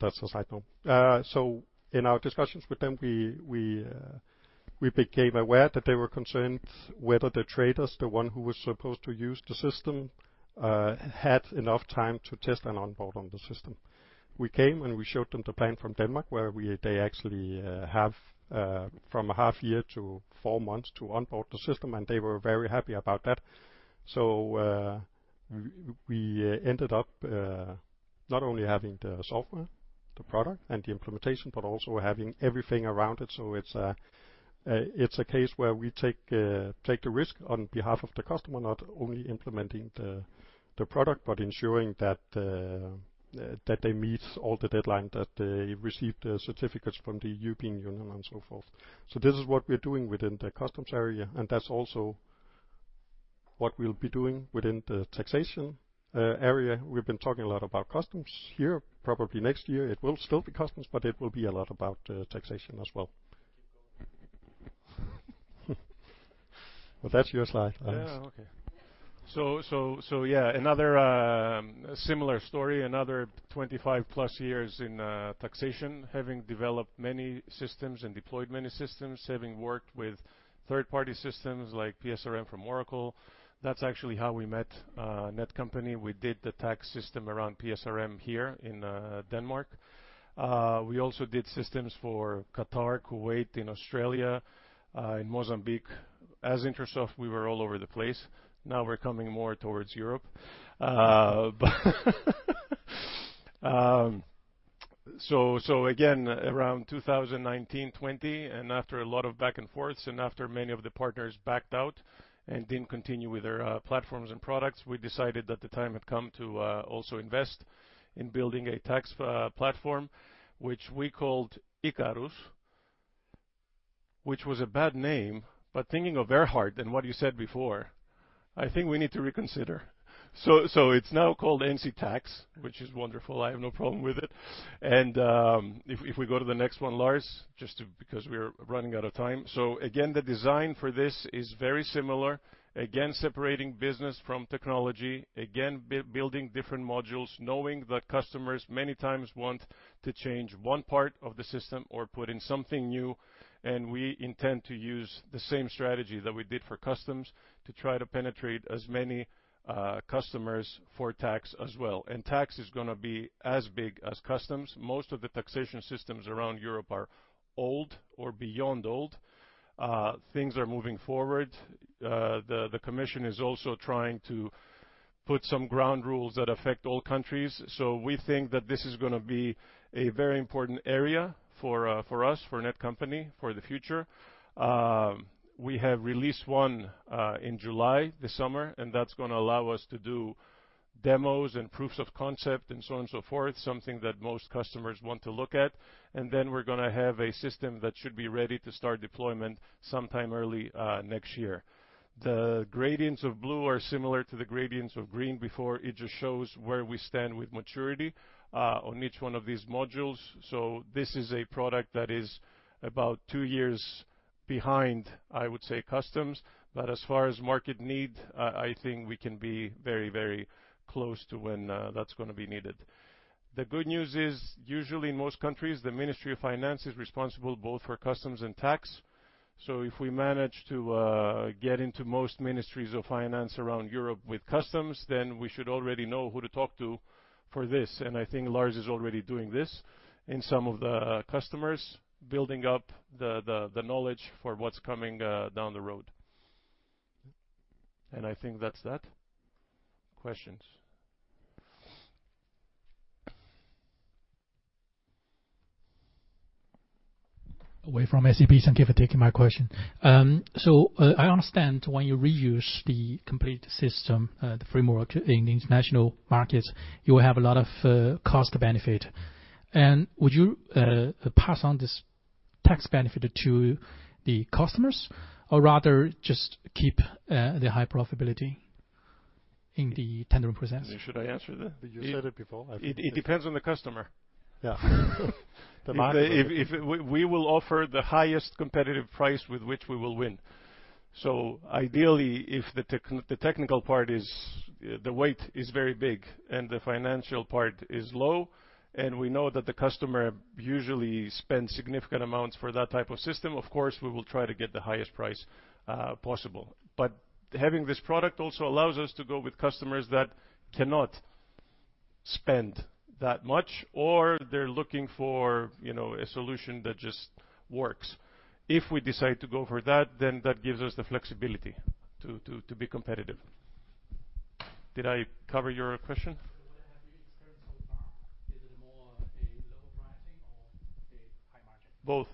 That's aside note. In our discussions with them, we became aware that they were concerned whether the traders, the one who was supposed to use the system, had enough time to test and onboard on the system. We came, and we showed them the plan from Denmark, where they actually have from a half year to four months to onboard the system, and they were very happy about that. We ended up not only having the software, the product, and the implementation, but also having everything around it. It's a case where we take the risk on behalf of the customer, not only implementing the product, but ensuring that they meet all the deadlines, that they receive the certificates from the European Union and so forth. This is what we're doing within the customs area, and that's also what we'll be doing within the taxation area. We've been talking a lot about customs here. Probably next year, it will still be customs, but it will be a lot about taxation as well. Well, that's your slide, Lars. Yeah, okay. Another similar story, another 25 plus years in taxation, having developed many systems and deployed many systems, having worked with third-party systems like PSRM from Oracle. That's actually how we met Netcompany. We did the tax system around PSRM here in Denmark. We also did systems for Qatar, Kuwait, in Australia, in Mozambique. As Intrasoft, we were all over the place. Now we're coming more towards Europe. Again, around 2019, 2020, and after a lot of back and forth, and after many of the partners backed out and didn't continue with their platforms and products, we decided that the time had come to also invest in building a tax platform, which we called Icarus. Which was a bad name, but thinking of AIRHART and what you said before, I think we need to reconsider. It's now called NC Tax, which is wonderful. I have no problem with it. If we go to the next one, Lars, just to... because we are running out of time. Again, the design for this is very similar. Again, separating business from technology, again, building different modules, knowing that customers many times want to change one part of the system or put in something new, and we intend to use the same strategy that we did for customs to try to penetrate as many customers for tax as well. Tax is gonna be as big as customs. Most of the taxation systems around Europe are old or beyond old. Things are moving forward. The commission is also trying to put some ground rules that affect all countries. We think that this is gonna be a very important area for us, for Netcompany, for the future. We have released one in July this summer, that's gonna allow us to do demos and proofs of concept and so on and so forth, something that most customers want to look at. Then we're gonna have a system that should be ready to start deployment sometime early next year. The gradients of blue are similar to the gradients of green before. It just shows where we stand with maturity on each one of these modules. This is a product that is about two years behind, I would say, customs. As far as market need, I think we can be very, very close to when that's gonna be needed. The good news is, usually in most countries, the Ministry of Finance is responsible both for customs and tax. If we manage to get into most ministries of finance around Europe with customs, then we should already know who to talk to for this. I think Lars is already doing this in some of the customers, building up the knowledge for what's coming down the road. I think that's that. Questions? Yiwei from SEB. Thank you for taking my question. I understand when you reuse the complete system, the framework in the international markets, you will have a lot of cost benefit. Would you pass on this tax benefit to the customers or rather just keep the high profitability in the tender process? Should I answer that? You said it before. It depends on the customer. Yeah. The market. If we will offer the highest competitive price with which we will win. Ideally, if the technical part is the weight is very big and the financial part is low, and we know that the customer usually spends significant amounts for that type of system, of course, we will try to get the highest price possible. Having this product also allows us to go with customers that cannot spend that much, or they're looking for, you know, a solution that just works. If we decide to go for that gives us the flexibility to be competitive. Did I cover your question? What have you experienced so far? Is it more a low pricing or a high margin? Both.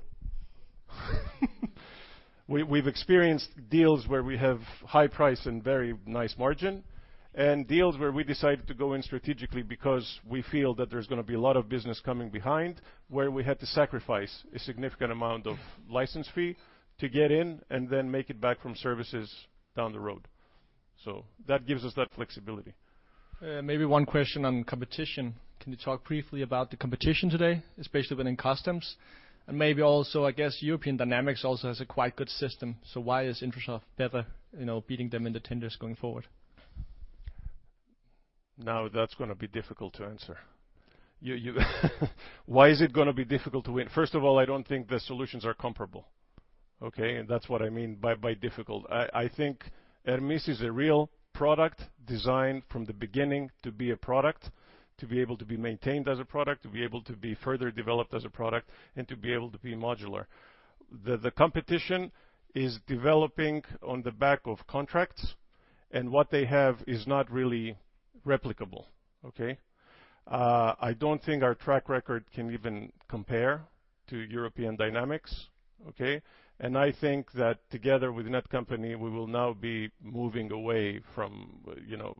We've experienced deals where we have high price and very nice margin, and deals where we decided to go in strategically because we feel that there's gonna be a lot of business coming behind, where we had to sacrifice a significant amount of license fee to get in and then make it back from services down the road. That gives us that flexibility. Maybe one question on competition. Can you talk briefly about the competition today, especially within customs? Maybe also, I guess EUROPEAN DYNAMICS also has a quite good system, so why is Intrasoft better, you know, beating them in the tenders going forward? That's gonna be difficult to answer. Why is it gonna be difficult to win? First of all, I don't think the solutions are comparable, okay? That's what I mean by difficult. I think ERMIS is a real product designed from the beginning to be a product, to be able to be maintained as a product, to be able to be further developed as a product, and to be able to be modular. The competition is developing on the back of contracts, and what they have is not really replicable, okay? I don't think our track record can even compare to EUROPEAN DYNAMICS, okay? I think that together with Netcompany, we will now be moving away from, you know,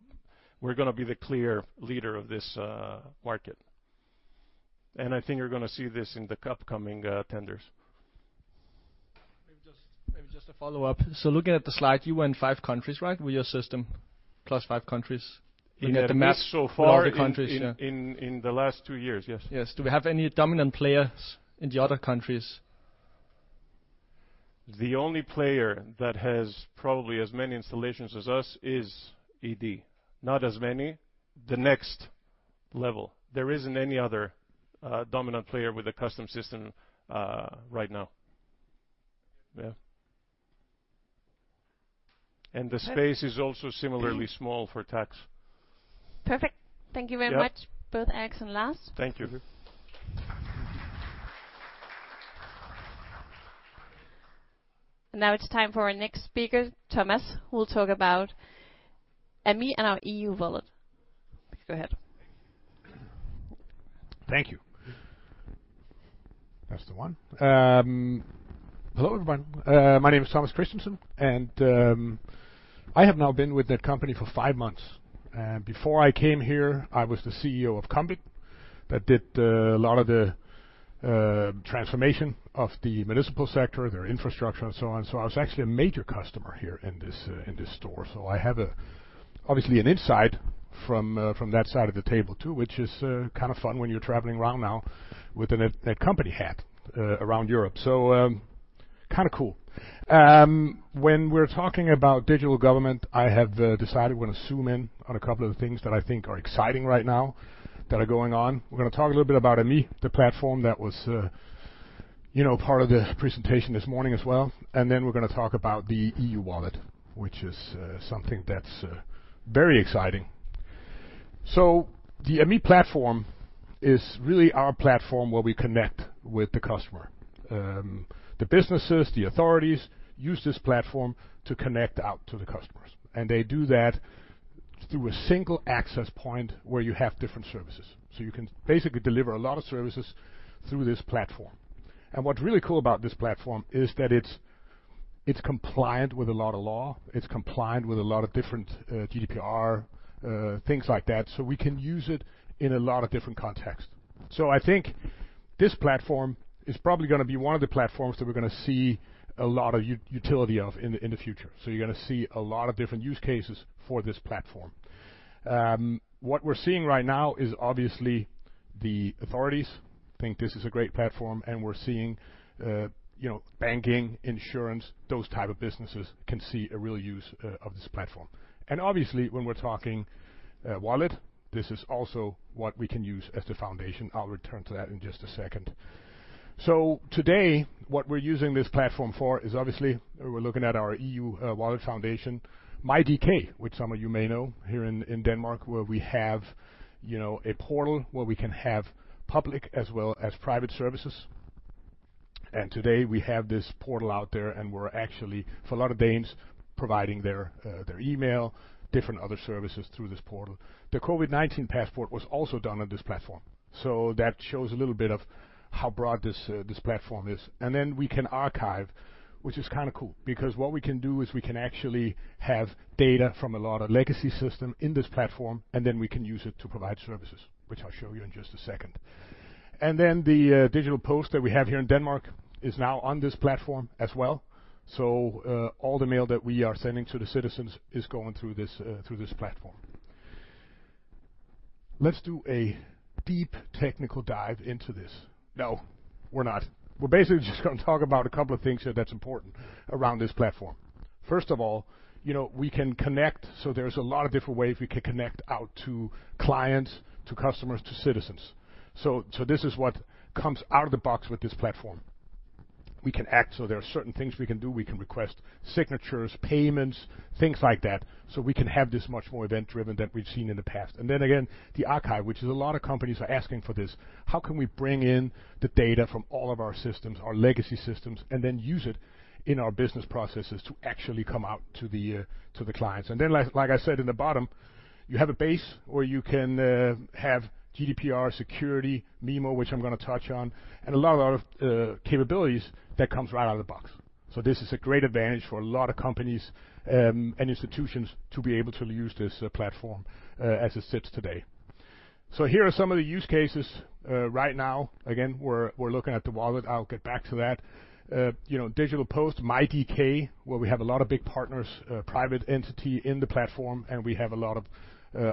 we're gonna be the clear leader of this market. I think you're gonna see this in the upcoming tenders. Maybe just a follow-up. Looking at the slide, you were in five countries, right, with your system? plus five countries. You get the map. Far in the last two years, yes. Yes. Do we have any dominant players in the other countries? The only player that has probably as many installations as us is ED. Not as many, the next level. There isn't any other dominant player with a custom system right now. Yeah. The space is also similarly small for tax. Perfect. Thank you very much- Yeah. both Alex and Lars. Thank you. Now it's time for our next speaker, Thomas, who will talk about EMMI and our EUDI Wallet. Go ahead. Thank you. That's the one. Hello, everyone. My name is Thomas Christensen, and I have now been with Netcompany for five months. Before I came here, I was the CEO of KOMBIT. That did a lot of the transformation of the municipal sector, their infrastructure, and so on. I was actually a major customer here in this store. I have a obviously an insight from that side of the table, too, which is kind of fun when you're traveling around now with a company hat around Europe. Kind of cool. When we're talking about digital government, I have decided we're going to zoom in on a couple of things that I think are exciting right now that are going on. We're gonna talk a little bit about EMMI, the platform that was, you know, part of the presentation this morning as well. Then we're gonna talk about the EU Digital Identity Wallet, which is something that's very exciting. The EMMI platform is really our platform where we connect with the customer. The businesses, the authorities use this platform to connect out to the customers, and they do that through a single access point where you have different services. You can basically deliver a lot of services through this platform. What's really cool about this platform is that it's compliant with a lot of law, it's compliant with a lot of different GDPR, things like that. We can use it in a lot of different contexts. I think this platform is probably gonna be one of the platforms that we're gonna see a lot of utility of in the future. You're gonna see a lot of different use cases for this platform. What we're seeing right now is obviously, the authorities think this is a great platform, and we're seeing, you know, banking, insurance, those type of businesses can see a real use of this platform. Obviously, when we're talking wallet, this is also what we can use as the foundation. I'll return to that in just a second. Today, what we're using this platform for is, obviously, we're looking at our EU wallet foundation, MitID, which some of you may know here in Denmark, where we have, you know, a portal where we can have public as well as private services. Today, we have this portal out there, and we're actually, for a lot of Danes, providing their email, different other services through this portal. The COVID-19 passport was also done on this platform, so that shows a little bit of how broad this platform is. We can archive, which is kind of cool because what we can do is we can actually have data from a lot of legacy system in this platform, and then we can use it to provide services, which I'll show you in just a second. The Digital Post that we have here in Denmark is now on this platform as well. All the mail that we are sending to the citizens is going through this through this platform. Let's do a deep technical dive into this. No, we're not. We're basically just gonna talk about a couple of things here that's important around this platform. First of all, you know, we can connect, so there's a lot of different ways we can connect out to clients, to customers, to citizens. This is what comes out of the box with this platform. We can act, so there are certain things we can do. We can request signatures, payments, things like that, so we can have this much more event-driven than we've seen in the past. Then again, the archive, which is a lot of companies are asking for this: how can we bring in the data from all of our systems, our legacy systems, and then use it in our business processes to actually come out to the clients? Like I said, in the bottom, you have a base where you can have GDPR security, MIMO, which I'm gonna touch on, and a lot of capabilities that comes right out of the box. This is a great advantage for a lot of companies and institutions to be able to use this platform as it sits today. Here are some of the use cases. Right now, again, we're looking at the wallet. I'll get back to that. You know, Digital Post, MitID, where we have a lot of big partners, private entity in the platform, and we have a lot of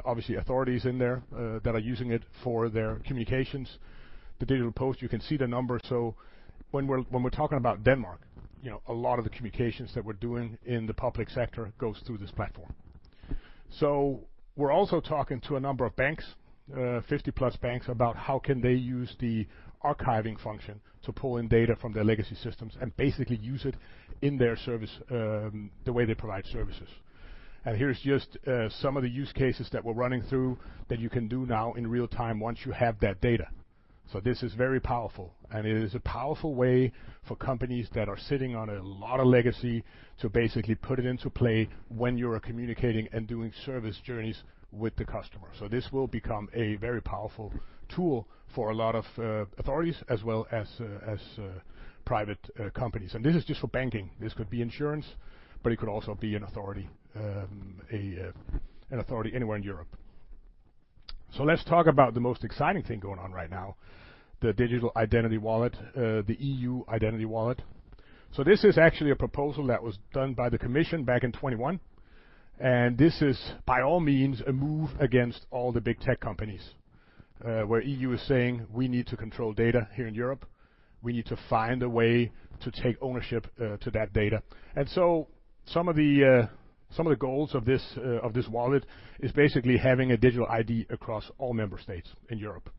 obviously authorities in there that are using it for their communications. The Digital Post, you can see the numbers. When we're talking about Denmark, you know, a lot of the communications that we're doing in the public sector goes through this platform. We're also talking to a number of banks, 50+ banks about how can they use the archiving function to pull in data from their legacy systems and basically use it in their service, the way they provide services. Here's just some of the use cases that we're running through that you can do now in real time once you have that data. This is very powerful, and it is a powerful way for companies that are sitting on a lot of legacy to basically put it into play when you're communicating and doing service journeys with the customer. This will become a very powerful tool for a lot of authorities as well as private companies. This is just for banking. This could be insurance, but it could also be an authority, an authority anywhere in Europe. Let's talk about the most exciting thing going on right now, the digital identity wallet, the EU Identity Wallet. This is actually a proposal that was done by the Commission back in 2021, and this is, by all means, a move against all the big tech companies, where EU is saying, "We need to control data here in Europe. We need to find a way to take ownership, to that data. Some of the goals of this wallet is basically having a digital ID across all member states in Europe.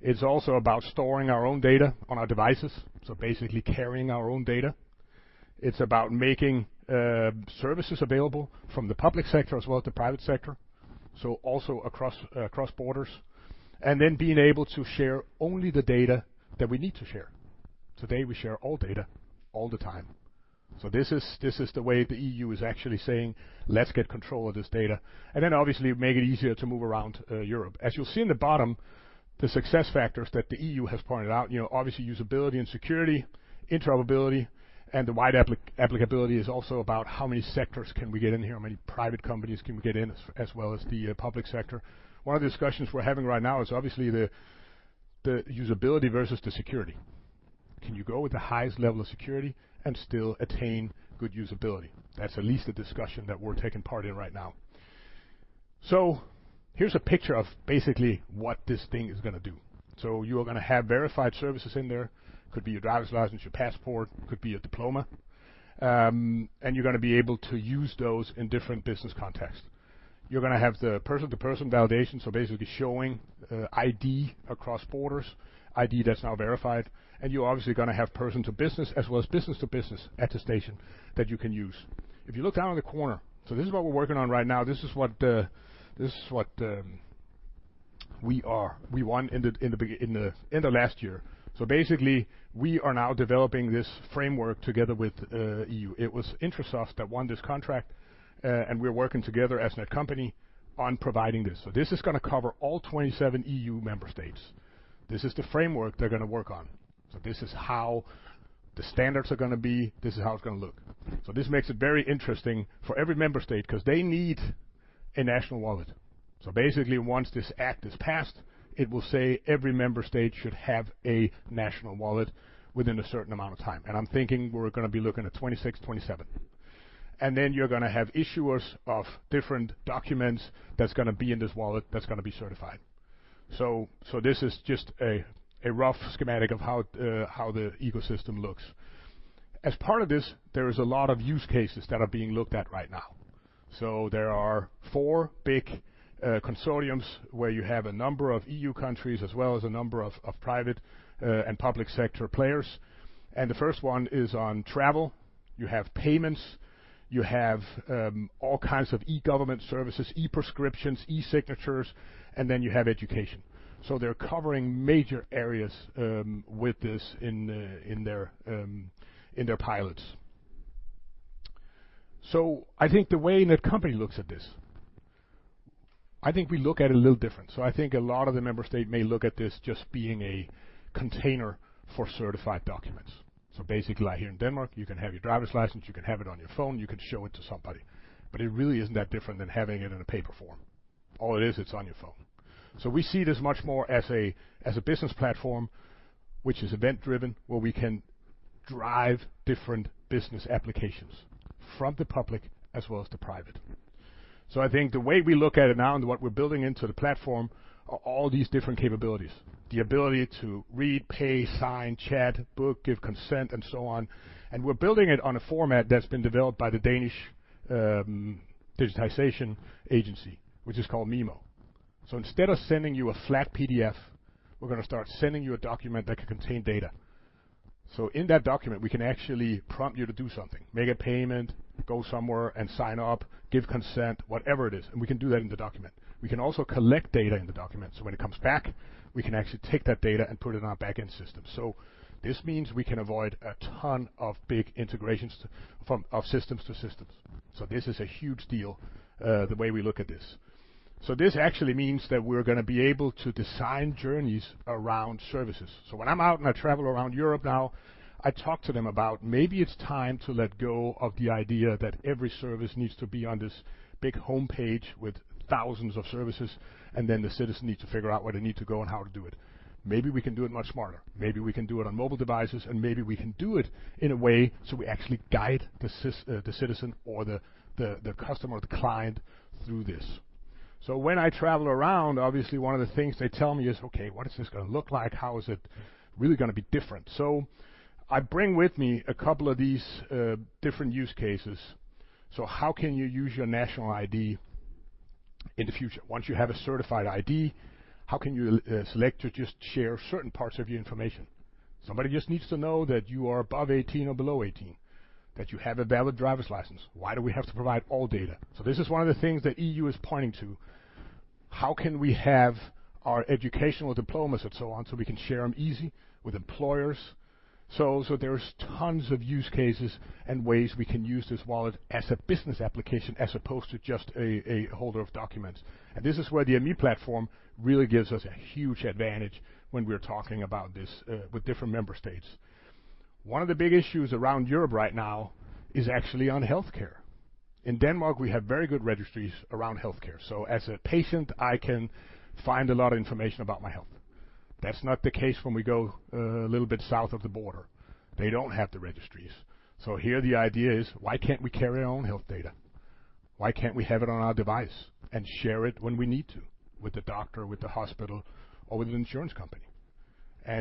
It's also about storing our own data on our devices, so basically carrying our own data. It's about making services available from the public sector as well as the private sector, so also across borders, and then being able to share only the data that we need to share. Today, we share all data all the time. This is the way the EU is actually saying, "Let's get control of this data," and then obviously, make it easier to move around Europe. As you'll see in the bottom, the success factors that the EU has pointed out, you know, obviously, usability and security, interoperability, and the wide applicability is also about how many sectors can we get in here, how many private companies can we get in, as well as the public sector. One of the discussions we're having right now is obviously the usability versus the security. Can you go with the highest level of security and still attain good usability? That's at least the discussion that we're taking part in right now. Here's a picture of basically what this thing is gonna do. You are gonna have verified services in there, could be your driver's license, your passport, could be a diploma. And you're gonna be able to use those in different business contexts. You're gonna have the person-to-person validation, so basically showing ID across borders, ID that's now verified, and you're obviously gonna have person to business as well as business to business attestation that you can use. If you look down in the corner, this is what we're working on right now. This is what we are. We won in the end of last year. Basically, we are now developing this framework together with EU. It was Intrasoft that won this contract, and we're working together as Netcompany on providing this. This is gonna cover all 27 EU member states. This is the framework they're gonna work on. This is how the standards are gonna be, this is how it's gonna look. This makes it very interesting for every member state, cause they need a national wallet. Basically, once this act is passed, it will say every member state should have a national wallet within a certain amount of time, and I'm thinking we're gonna be looking at 26, 27. Then you're gonna have issuers of different documents that's gonna be in this wallet that's gonna be certified. This is just a rough schematic of how the ecosystem looks. As part of this, there is a lot of use cases that are being looked at right now. There are four big consortiums where you have a number of EU countries, as well as a number of private and public sector players, and the first one is on travel. You have payments, you have all kinds of e-government services, e-prescriptions, e-signatures, and then you have education. They're covering major areas with this in their pilots. I think the way Netcompany looks at this, I think we look at it a little different. I think a lot of the member state may look at this just being a container for certified documents. Basically, like here in Denmark, you can have your driver's license, you can have it on your phone, you can show it to somebody, but it really isn't that different than having it in a paper form. All it is, it's on your phone. We see this much more as a business platform, which is event-driven, where we can drive different business applications from the public as well as the private. I think the way we look at it now and what we're building into the platform are all these different capabilities. The ability to read, pay, sign, chat, book, give consent, and so on. We're building it on a format that's been developed by the Danish Agency for Digital Government, which is called MIMO. Instead of sending you a flat PDF, we're going to start sending you a document that can contain data. In that document, we can actually prompt you to do something, make a payment, go somewhere and sign up, give consent, whatever it is. We can do that in the document. We can also collect data in the document, so when it comes back, we can actually take that data and put it in our back-end system. This means we can avoid a ton of big integrations from systems to systems. This is a huge deal, the way we look at this. This actually means that we're gonna be able to design journeys around services. When I'm out and I travel around Europe now, I talk to them about maybe it's time to let go of the idea that every service needs to be on this big homepage with thousands of services, and then the citizen need to figure out where they need to go and how to do it. Maybe we can do it much smarter. Maybe we can do it on mobile devices, and maybe we can do it in a way, so we actually guide the citizen or the customer or the client through this. When I travel around, obviously one of the things they tell me is, 'Okay, what is this gonna look like?' How is it really gonna be different? I bring with me a couple of these different use cases. How can you use your national ID in the future? Once you have a certified ID, how can you select to just share certain parts of your information? Somebody just needs to know that you are above 18 or below 18, that you have a valid driver's license. Why do we have to provide all data? This is one of the things the EU is pointing to. How can we have our educational diplomas and so on, so we can share them easy with employers? There's tons of use cases and ways we can use this wallet as a business application, as opposed to just a holder of documents. This is where the ME platform really gives us a huge advantage when we're talking about this with different member states. One of the big issues around Europe right now is actually on healthcare. In Denmark, we have very good registries around healthcare, so as a patient, I can find a lot of information about my health. That's not the case when we go a little bit south of the border. They don't have the registries. Here the idea is: why can't we carry our own health data? Why can't we have it on our device and share it when we need to, with the doctor, with the hospital, or with an insurance company?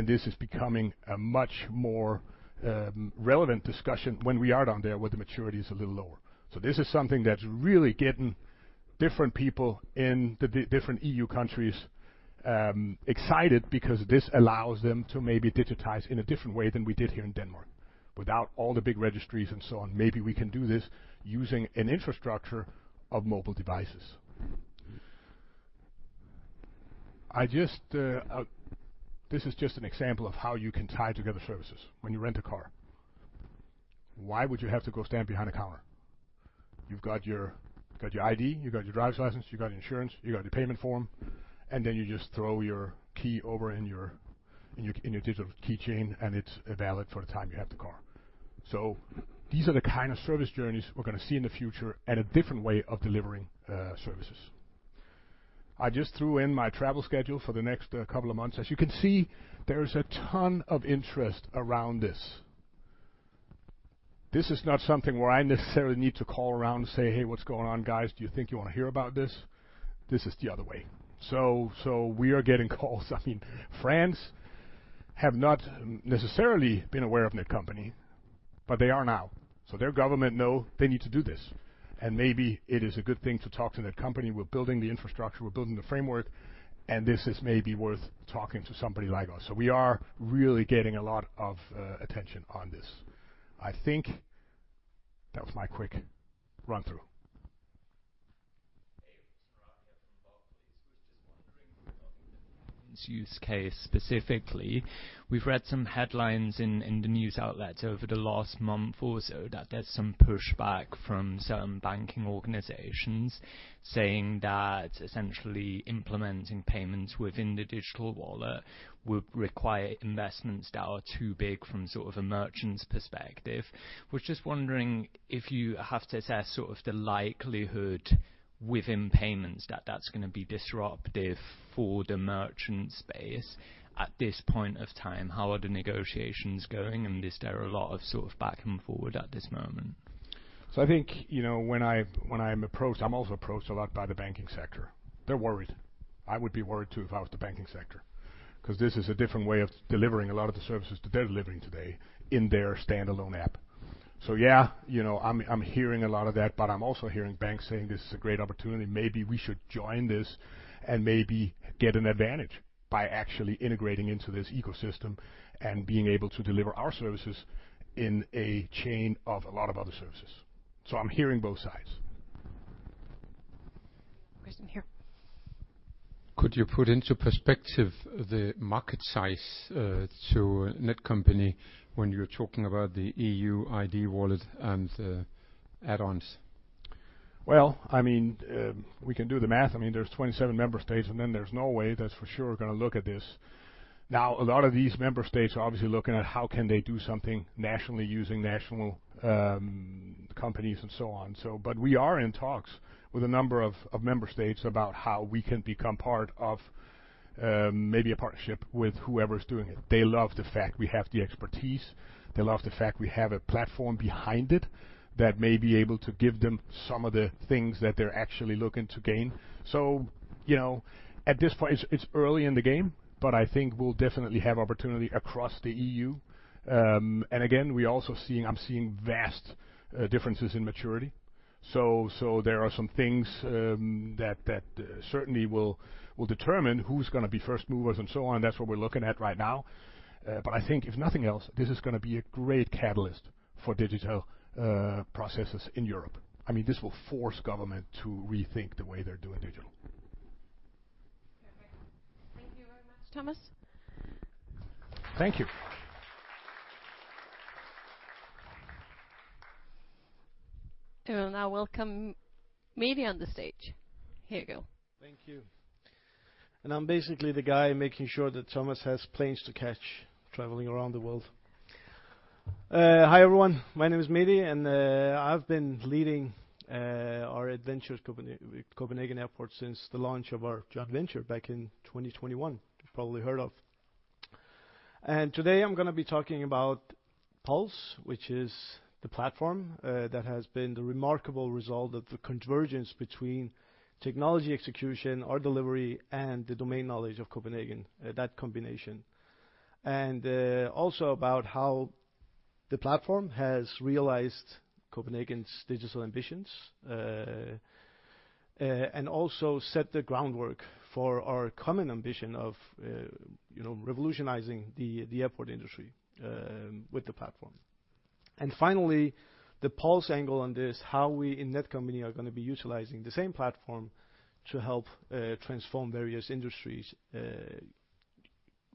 This is becoming a much more relevant discussion when we are down there, where the maturity is a little lower. This is something that's really getting different people in the different EU countries excited because this allows them to maybe digitize in a different way than we did here in Denmark, without all the big registries and so on. Maybe we can do this using an infrastructure of mobile devices. This is just an example of how you can tie together services when you rent a car. Why would you have to go stand behind a counter? You've got your ID, you've got your driver's license, you got insurance, you got your payment form, and then you just throw your key over in your digital keychain, and it's valid for the time you have the car. These are the kind of service journeys we're gonna see in the future and a different way of delivering services. I just threw in my travel schedule for the next couple of months. As you can see, there is a ton of interest around this. This is not something where I necessarily need to call around and say, "Hey, what's going on, guys? Do you think you want to hear about this?" This is the other way. We are getting calls. I mean, France have not necessarily been aware of Netcompany, but they are now. Their government know they need to do this, and maybe it is a good thing to talk to Netcompany. We're building the infrastructure, we're building the framework, and this is maybe worth talking to somebody like us. We are really getting a lot of attention on this. I think that was my quick run-through. Hey, it's [Moravia]t from Barclays. Was just wondering, talking about this use case specifically, we've read some headlines in the news outlets over the last month or so that there's some pushback from some banking organizations saying that essentially implementing payments within the digital wallet would require investments that are too big from sort of a merchant's perspective. Was just wondering if you have to assess sort of the likelihood within payments that that's gonna be disruptive for the merchant space at this point of time? How are the negotiations going, is there a lot of sort of back and forward at this moment? I think, you know, when I, when I'm approached, I'm also approached a lot by the banking sector. They're worried. I would be worried, too, if I was the banking sector, 'cause this is a different way of delivering a lot of the services that they're delivering today in their standalone app. Yeah, you know, I'm hearing a lot of that, but I'm also hearing banks saying: This is a great opportunity. Maybe we should join this and maybe get an advantage by actually integrating into this ecosystem and being able to deliver our services in a chain of a lot of other services. I'm hearing both sides. Question here. Could you put into perspective the market size to Netcompany when you're talking about the EU ID wallet and the add-ons? I mean, we can do the math. I mean, there's 27 member states, there's no way that's for sure gonna look at this. A lot of these member states are obviously looking at how can they do something nationally using national companies and so on. We are in talks with a number of member states about how we can become part of maybe a partnership with whoever is doing it. They love the fact we have the expertise. They love the fact we have a platform behind it that may be able to give them some of the things that they're actually looking to gain. You know, at this point, it's early in the game, I think we'll definitely have opportunity across the EU. Again, I'm seeing vast differences in maturity. There are some things that certainly will determine who's gonna be first movers and so on. That's what we're looking at right now. I think if nothing else, this is gonna be a great catalyst for digital processes in Europe. I mean, this will force government to rethink the way they're doing digital. Okay. Thank you very much, Thomas. Thank you. We will now welcome Mehdi on the stage. Here you go. Thank you. I'm basically the guy making sure that Thomas has planes to catch, traveling around the world. Hi, everyone. My name is Mehdi, and I've been leading our adventures Copenhagen Airports, since the launch of our joint venture back in 2021. You've probably heard of. Today, I'm gonna be talking about PULSE, which is the platform that has been the remarkable result of the convergence between technology execution, our delivery, and the domain knowledge of Copenhagen, that combination. Also about how the platform has realized Copenhagen's digital ambitions and also set the groundwork for our common ambition of, you know, revolutionizing the airport industry with the platform. Finally, the PULSE angle on this, how we in Netcompany are gonna be utilizing the same platform to help transform various industries,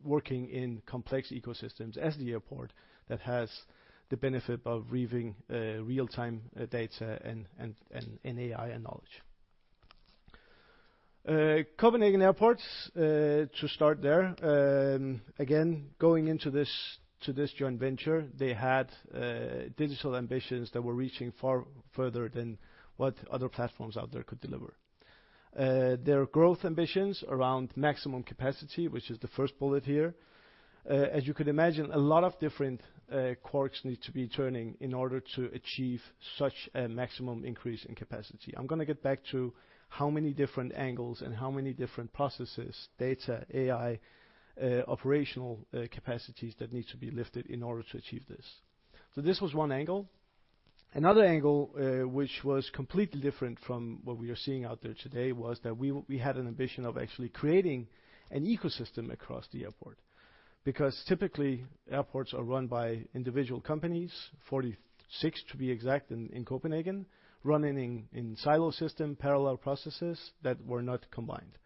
working in complex ecosystems as the airport that has the benefit of weaving real-time data and AI and knowledge. Copenhagen Airports, to start there, again, going into this, to this joint venture, they had digital ambitions that were reaching far further than what other platforms out there could deliver. Their growth ambitions around maximum capacity, which is the first bullet here. As you can imagine, a lot of different quirks need to be turning in order to achieve such a maximum increase in capacity. I'm gonna get back to how many different angles and how many different processes, data, AI, operational capacities that need to be lifted in order to achieve this. This was one angle. Another angle, which was completely different from what we are seeing out there today, was that we had an ambition of actually creating an ecosystem across the airport. Typically, airports are run by individual companies, 46 to be exact, in Copenhagen, running in silo system, parallel processes that were not combined.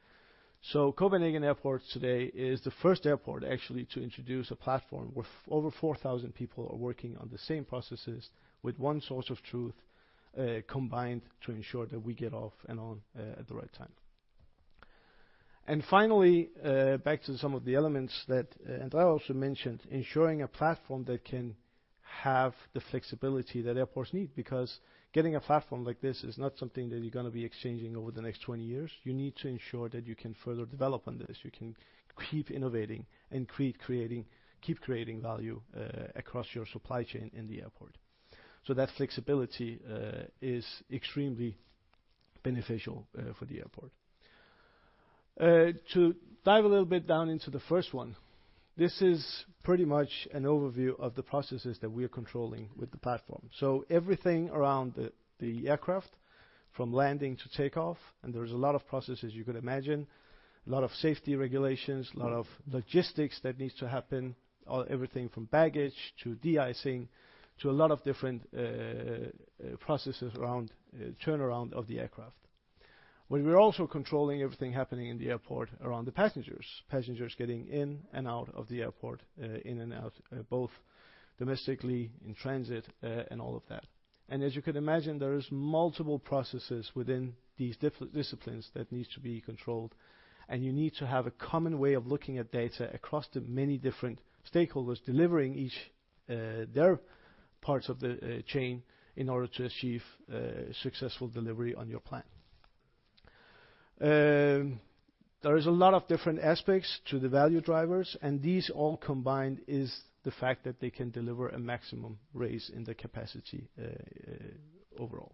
Copenhagen Airports today is the first airport actually to introduce a platform, where over 4,000 people are working on the same processes with one source of truth, combined to ensure that we get off and on at the right time. Finally, back to some of the elements that André also mentioned, ensuring a platform that can have the flexibility that airports need, because getting a platform like this is not something that you're gonna be exchanging over the next 20 years. You need to ensure that you can further develop on this, you can keep innovating and keep creating value across your supply chain in the airport. That flexibility is extremely beneficial for the airport. To dive a little bit down into the first one, this is pretty much an overview of the processes that we are controlling with the platform. Everything around the aircraft, from landing to takeoff, and there is a lot of processes you can imagine, a lot of safety regulations, a lot of logistics that needs to happen, everything from baggage to de-icing, to a lot of different processes around turnaround of the aircraft. We were also controlling everything happening in the airport around the passengers getting in and out of the airport, in and out, both domestically, in transit, and all of that. As you can imagine, there is multiple processes within these disciplines that needs to be controlled, and you need to have a common way of looking at data across the many different stakeholders, delivering each their parts of the chain in order to achieve successful delivery on your plan. There is a lot of different aspects to the value drivers. These all combined is the fact that they can deliver a maximum raise in the capacity overall.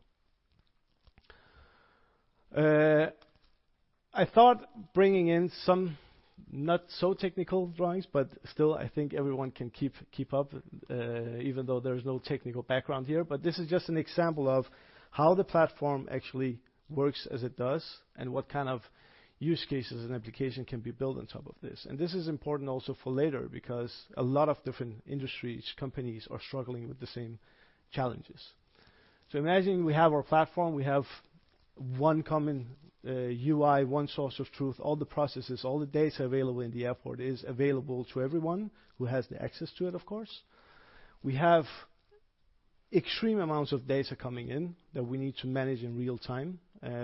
I thought bringing in some not so technical drawings, but still, I think everyone can keep up even though there is no technical background here. This is just an example of how the platform actually works as it does, and what kind of use cases and application can be built on top of this. This is important also for later, because a lot of different industries, companies are struggling with the same challenges. Imagine we have our platform, we have one common UI, one source of truth, all the processes, all the data available in the airport is available to everyone who has the access to it, of course. We have extreme amounts of data coming in that we need to manage in real time.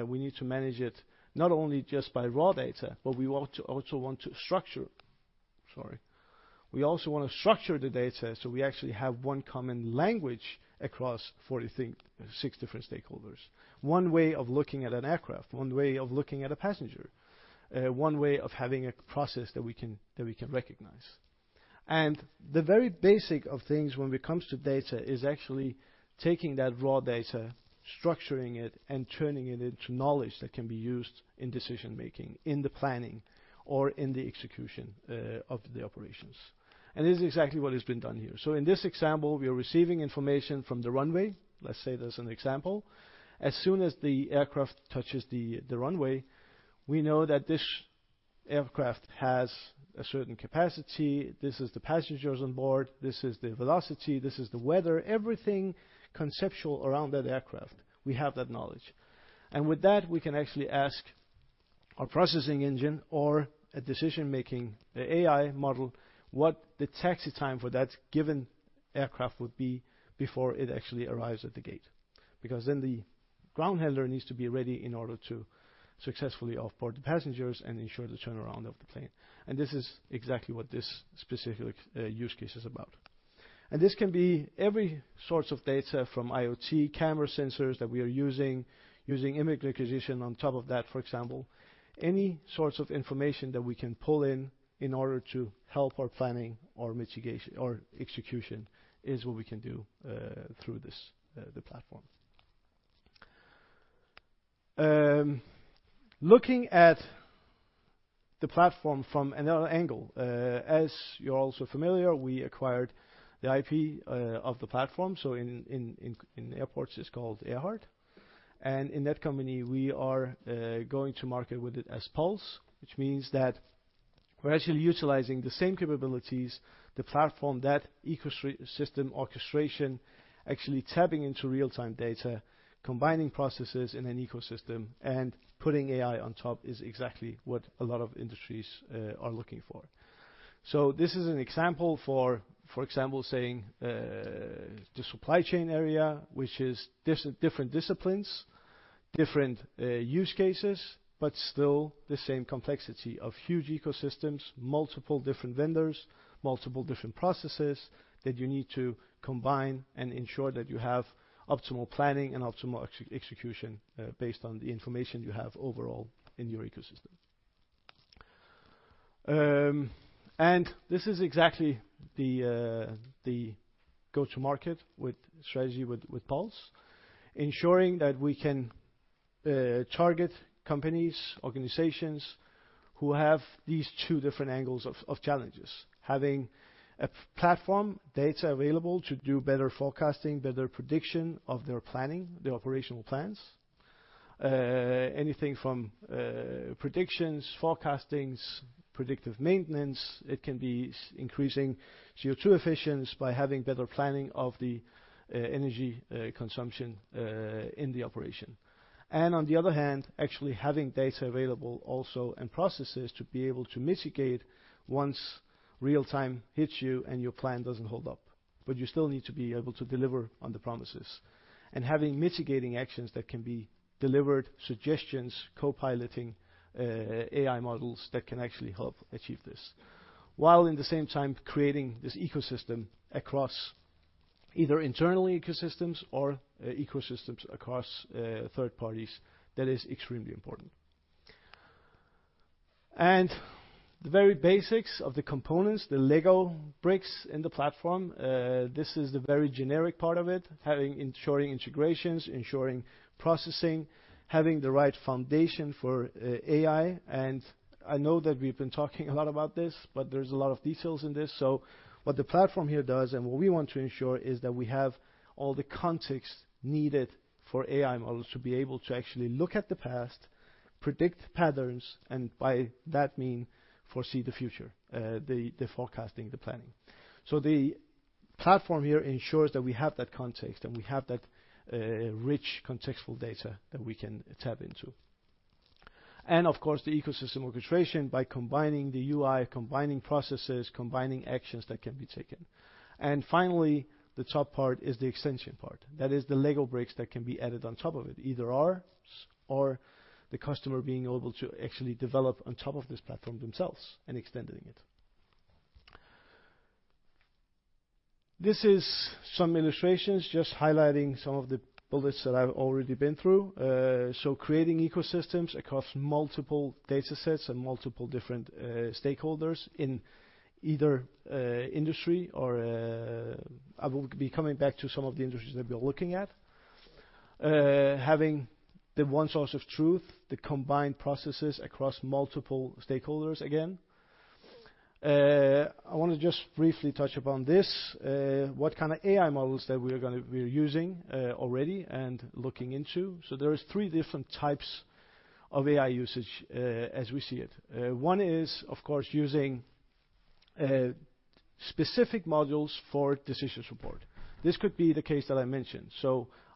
We need to manage it not only just by raw data, but we also want to structure the data, so we actually have one common language across 46 different stakeholders. One way of looking at an aircraft, one way of looking at a passenger, one way of having a process that we can recognize. The very basic of things when it comes to data is actually taking that raw data, structuring it, and turning it into knowledge that can be used in decision-making, in the planning or in the execution of the operations. This is exactly what has been done here. In this example, we are receiving information from the runway. Let's say there's an example. As soon as the aircraft touches the runway, we know that this aircraft has a certain capacity, this is the passengers on board, this is the velocity, this is the weather, everything conceptual around that aircraft, we have that knowledge. With that, we can actually ask our processing engine or a decision-making, a AI model, what the taxi time for that given aircraft would be before it actually arrives at the gate, because then the ground handler needs to be ready in order to successfully offboard the passengers and ensure the turnaround of the plane. This is exactly what this specific use case is about. This can be every sorts of data from IoT camera sensors that we are using image acquisition on top of that, for example. Any sorts of information that we can pull in order to help our planning or mitigation or execution, is what we can do through this, the platform. Looking at the platform from another angle, as you're also familiar, we acquired the IP of the platform, so in airports, it's called AIRHART. In that company, we are going to market with it as PULSE, which means that we're actually utilizing the same capabilities, the platform, that ecosystem orchestration, actually tapping into real-time data, combining processes in an ecosystem and putting AI on top, is exactly what a lot of industries are looking for. This is an example for example, saying the supply chain area, which is different disciplines, different use cases, but still the same complexity of huge ecosystems, multiple different vendors, multiple different processes that you need to combine and ensure that you have optimal planning and optimal execution based on the information you have overall in your ecosystem. This is exactly the go-to-market with strategy with PULSE, ensuring that we can target companies, organizations who have these two different angles of challenges. Having a platform, data available to do better forecasting, better prediction of their planning, their operational plans. Anything from predictions, forecastings, predictive maintenance, it can be increasing CO2 efficiency by having better planning of the energy consumption in the operation. On the other hand, actually having data available also, and processes to be able to mitigate once real time hits you and your plan doesn't hold up, but you still need to be able to deliver on the promises. Having mitigating actions that can be delivered, suggestions, co-piloting, AI models that can actually help achieve this, while in the same time, creating this ecosystem across either internal ecosystems or ecosystems across third parties. That is extremely important. The very basics of the components, the Lego bricks in the platform, this is the very generic part of it. Having ensuring integrations, ensuring processing, having the right foundation for AI. I know that we've been talking a lot about this, but there's a lot of details in this. What the platform here does and what we want to ensure is that we have all the context needed for AI models to be able to actually look at the past, predict patterns, and by that mean, foresee the future, the forecasting, the planning. The platform here ensures that we have that context and we have that rich contextual data that we can tap into. Of course, the ecosystem orchestration by combining the UI, combining processes, combining actions that can be taken. Finally, the top part is the extension part. That is the Lego bricks that can be added on top of it, either ours or the customer being able to actually develop on top of this platform themselves and extending it. This is some illustrations just highlighting some of the bullets that I've already been through. So creating ecosystems across multiple data sets and multiple different stakeholders in either industry or. I will be coming back to some of the industries that we are looking at. Having the one source of truth, the combined processes across multiple stakeholders again. I want to just briefly touch upon this, what kind of AI models that we are using already and looking into. So there is three different types of AI usage, as we see it. One is, of course, using specific modules for decisions support. This could be the case that I mentioned.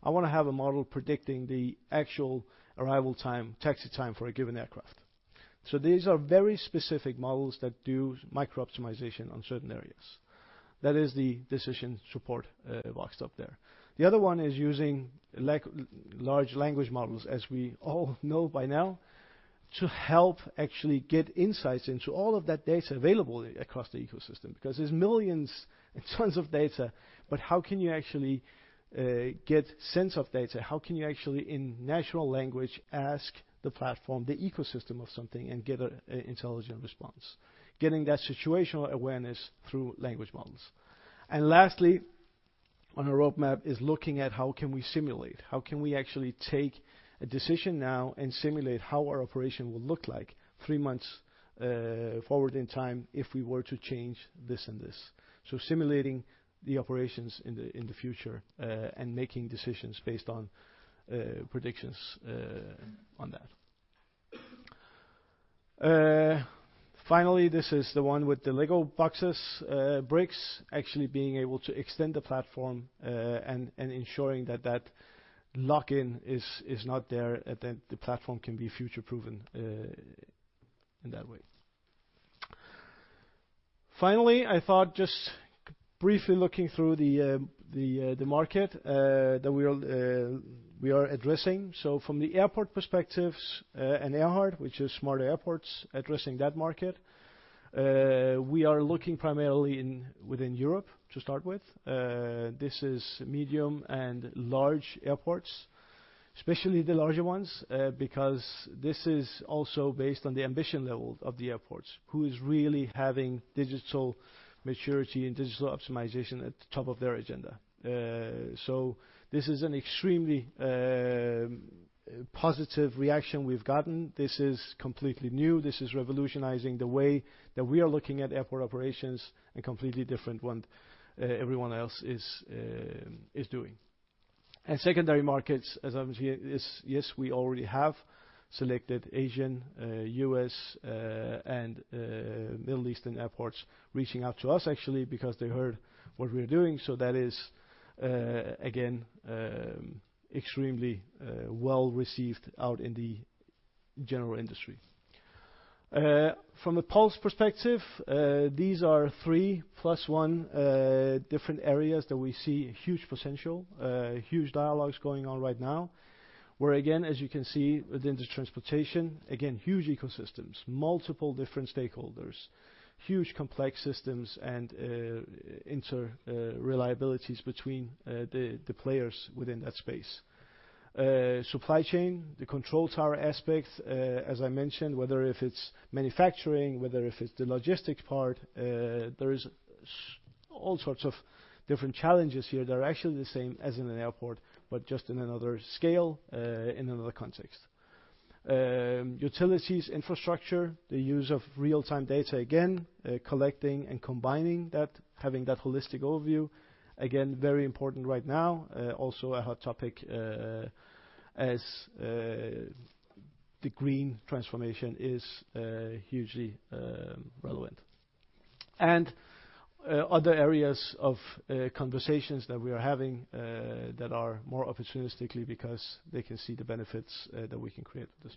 I wanna have a model predicting the actual arrival time, taxi time for a given aircraft. These are very specific models that do micro-optimization on certain areas. That is the decision support box up there. The other one is using, like, large language models, as we all know by now, to help actually get insights into all of that data available across the ecosystem, because there's millions and tons of data, but how can you actually get sense of data? How can you actually, in natural language, ask the platform, the ecosystem of something, and get a intelligent response? Getting that situational awareness through language models. Lastly, on our roadmap is looking at how can we simulate, how can we actually take a decision now and simulate how our operation will look like three months forward in time if we were to change this and this? Simulating the operations in the future and making decisions based on predictions on that. Finally, this is the one with the Lego boxes, bricks, actually being able to extend the platform and ensuring that that lock-in is not there, and then the platform can be future-proven in that way. Finally, I thought just briefly looking through the market that we are addressing. From the airport perspectives and AIRHART, which is Smarter Airports, addressing that market, we are looking primarily in, within Europe to start with. This is medium and large airports, especially the larger ones, because this is also based on the ambition level of the airports, who is really having digital maturity and digital optimization at the top of their agenda. This is an extremely positive reaction we've gotten. This is completely new. This is revolutionizing the way that we are looking at airport operations and completely different one, everyone else is doing. Secondary markets, as obviously is, yes, we already have selected Asian, US, and Middle Eastern airports reaching out to us actually, because they heard what we're doing. That is again extremely well-received out in the general industry. From a PULSE perspective, these are 3 plus 1 different areas that we see huge potential, huge dialogues going on right now, where again, as you can see within the transportation, again, huge ecosystems, multiple different stakeholders, huge complex systems and inter reliabilities between the players within that space. Supply chain, the control tower aspect, as I mentioned, whether if it's manufacturing, whether if it's the logistics part, there is all sorts of different challenges here that are actually the same as in an airport, but just in another scale, in another context. Utilities, infrastructure, the use of real-time data, again, collecting and combining that, having that holistic overview, again, very important right now. Also a hot topic, as the green transformation is hugely relevant. Other areas of conversations that we are having that are more opportunistically because they can see the benefits that we can create with this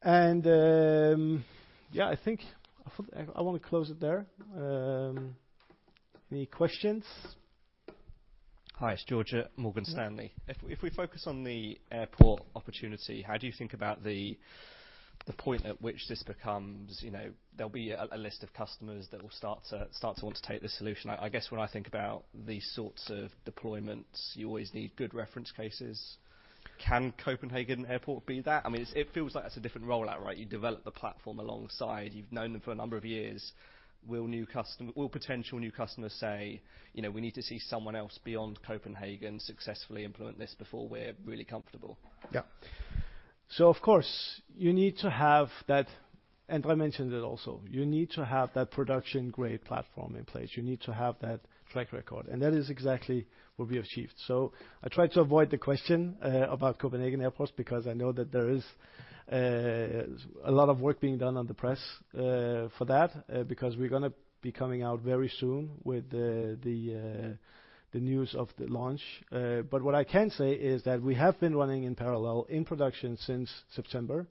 platform. Yeah, I think I want to close it there. Any questions? Hi, it's George at Morgan Stanley. If we focus on the airport opportunity, how do you think about the point at which this becomes... You know, there'll be a list of customers that will start to want to take this solution. I guess when I think about these sorts of deployments, you always need good reference cases. Can Copenhagen Airport be that? I mean, it feels like that's a different rollout, right? You develop the platform alongside. You've known them for a number of years. Will potential new customers say, "You know, we need to see someone else beyond Copenhagen successfully implement this before we're really comfortable? Of course, you need to have that, and I mentioned it also, you need to have that production-grade platform in place. You need to have that track record, and that is exactly what we have achieved. I try to avoid the question about Copenhagen Airports, because I know that there is a lot of work being done on the press for that, because we're gonna be coming out very soon with the news of the launch. What I can say is that we have been running in parallel in production since September,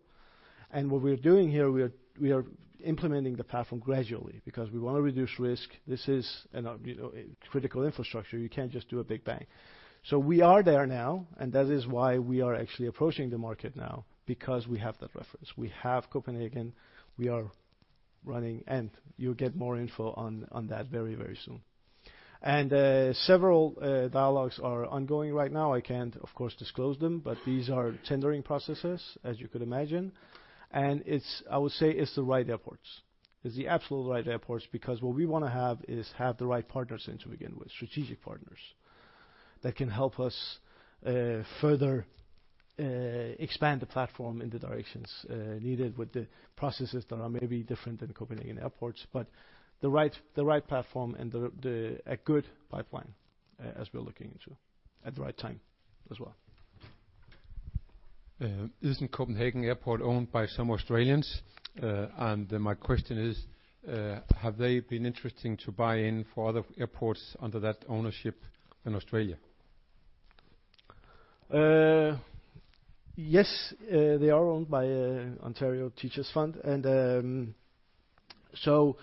and what we're doing here, we are implementing the platform gradually because we want to reduce risk. This is, you know, a critical infrastructure. You can't just do a big bang. We are there now. That is why we are actually approaching the market now, because we have that reference. We have Copenhagen, we are running. You'll get more info on that very, very soon. Several dialogues are ongoing right now. I can't, of course, disclose them, but these are tendering processes, as you could imagine. I would say it's the right airports. It's the absolute right airports, because what we want to have is have the right partners in to begin with, strategic partners, that can help us further expand the platform in the directions needed with the processes that are maybe different than Copenhagen Airports, but the right platform and the... a good pipeline as we're looking into, at the right time as well. Isn't Copenhagen Airport owned by some Australians? My question is, have they been interesting to buy in for other airports under that ownership in Australia? Yes, they are owned by Ontario Teachers' Fund, and so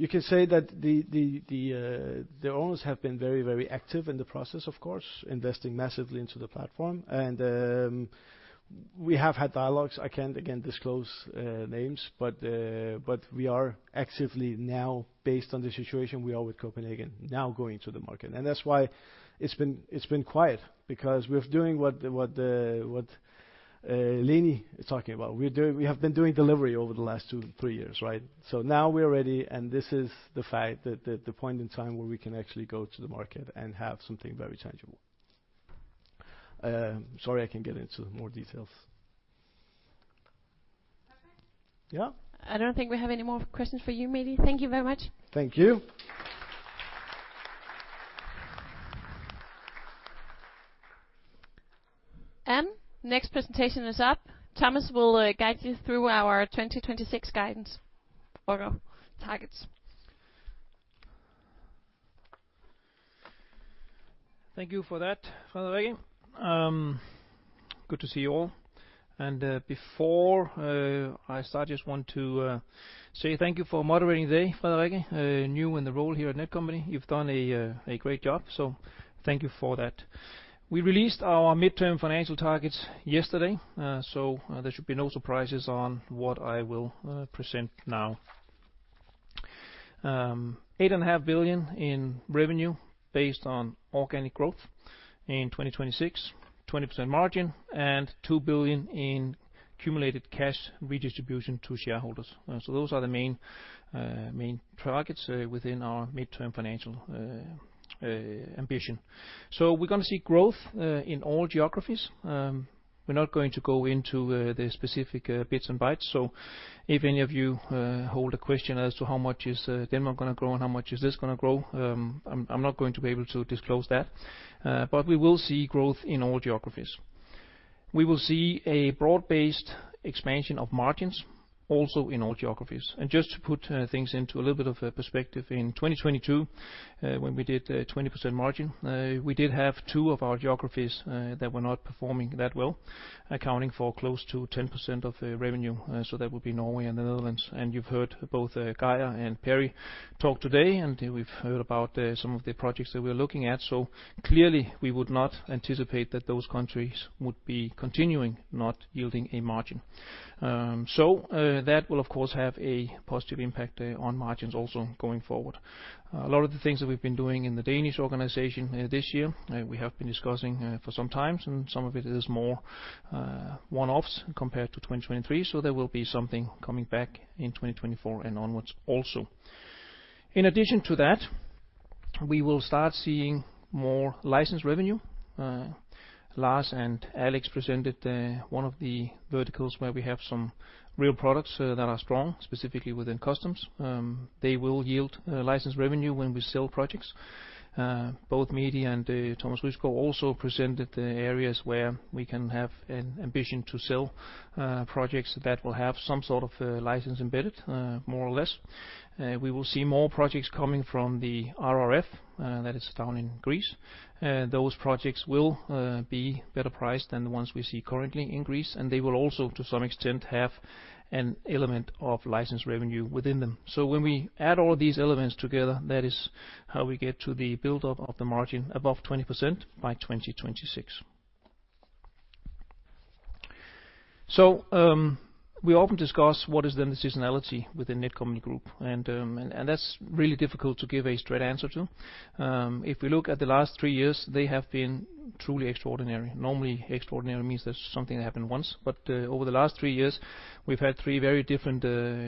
you can say that the owners have been very, very active in the process, of course, investing massively into the platform. We have had dialogues. I can't again disclose names, but we are actively now, based on the situation, we are with Copenhagen, now going to the market. That's why it's been quiet, because we're doing what Leni is talking about. We have been doing delivery over the last 2, 3 years, right? Now we are ready, and this is the fact that the point in time where we can actually go to the market and have something very tangible. Sorry, I can't get into more details. Okay. Yeah? I don't think we have any more questions for you, Mehdi. Thank you very much. Thank you. Next presentation is up. Thomas will guide you through our 2026 guidance or targets. Thank you for that, Frederikke. Good to see you all. Before I start, I just want to say thank you for moderating today, Frederikke. New in the role here at Netcompany, you've done a great job, thank you for that. We released our midterm financial targets yesterday, there should be no surprises on what I will present now. 8.5 billion in revenue based on organic growth in 2026, 20% margin and 2 billion in cumulative cash redistribution to shareholders. Those are the main targets within our midterm financial ambition. We're gonna see growth in all geographies. We're not going to go into the specific bits and bytes, so if any of you hold a question as to how much is Denmark going to grow and how much is this going to grow, I'm not going to be able to disclose that, but we will see growth in all geographies. We will see a broad-based expansion of margins, also in all geographies. Just to put things into a little bit of a perspective, in 2022, when we did 20% margin, we did have two of our geographies that were not performing that well, accounting for close to 10% of the revenue, so that would be Norway and the Netherlands. You've heard both Geir Arne and Perry van der Weyden talk today, we've heard about some of the projects that we're looking at. Clearly, we would not anticipate that those countries would be continuing not yielding a margin. That will, of course, have a positive impact on margins also going forward. A lot of the things that we've been doing in the Danes organization this year, we have been discussing for some time, and some of it is more one-offs compared to 2023, so there will be something coming back in 2024 and onwards also. In addition to that, we will start seeing more licensed revenue. Lars and Alex Manos presented one of the verticals where we have some real products that are strong, specifically within customs. They will yield license revenue when we sell projects. Both Mehdi and Thomas Rysgaard Christiansen also presented the areas where we can have an ambition to sell projects that will have some sort of license embedded more or less. We will see more projects coming from the RRF that is down in Greece. Those projects will be better priced than the ones we see currently in Greece, and they will also, to some extent, have an element of licensed revenue within them. When we add all these elements together, that is how we get to the build-up of the margin above 20% by 2026. We often discuss what is the seasonality within Netcompany Group, and that's really difficult to give a straight answer to. If we look at the last three years, they have been truly extraordinary. Normally, extraordinary means that something happened once, but over the last three years, we've had three very different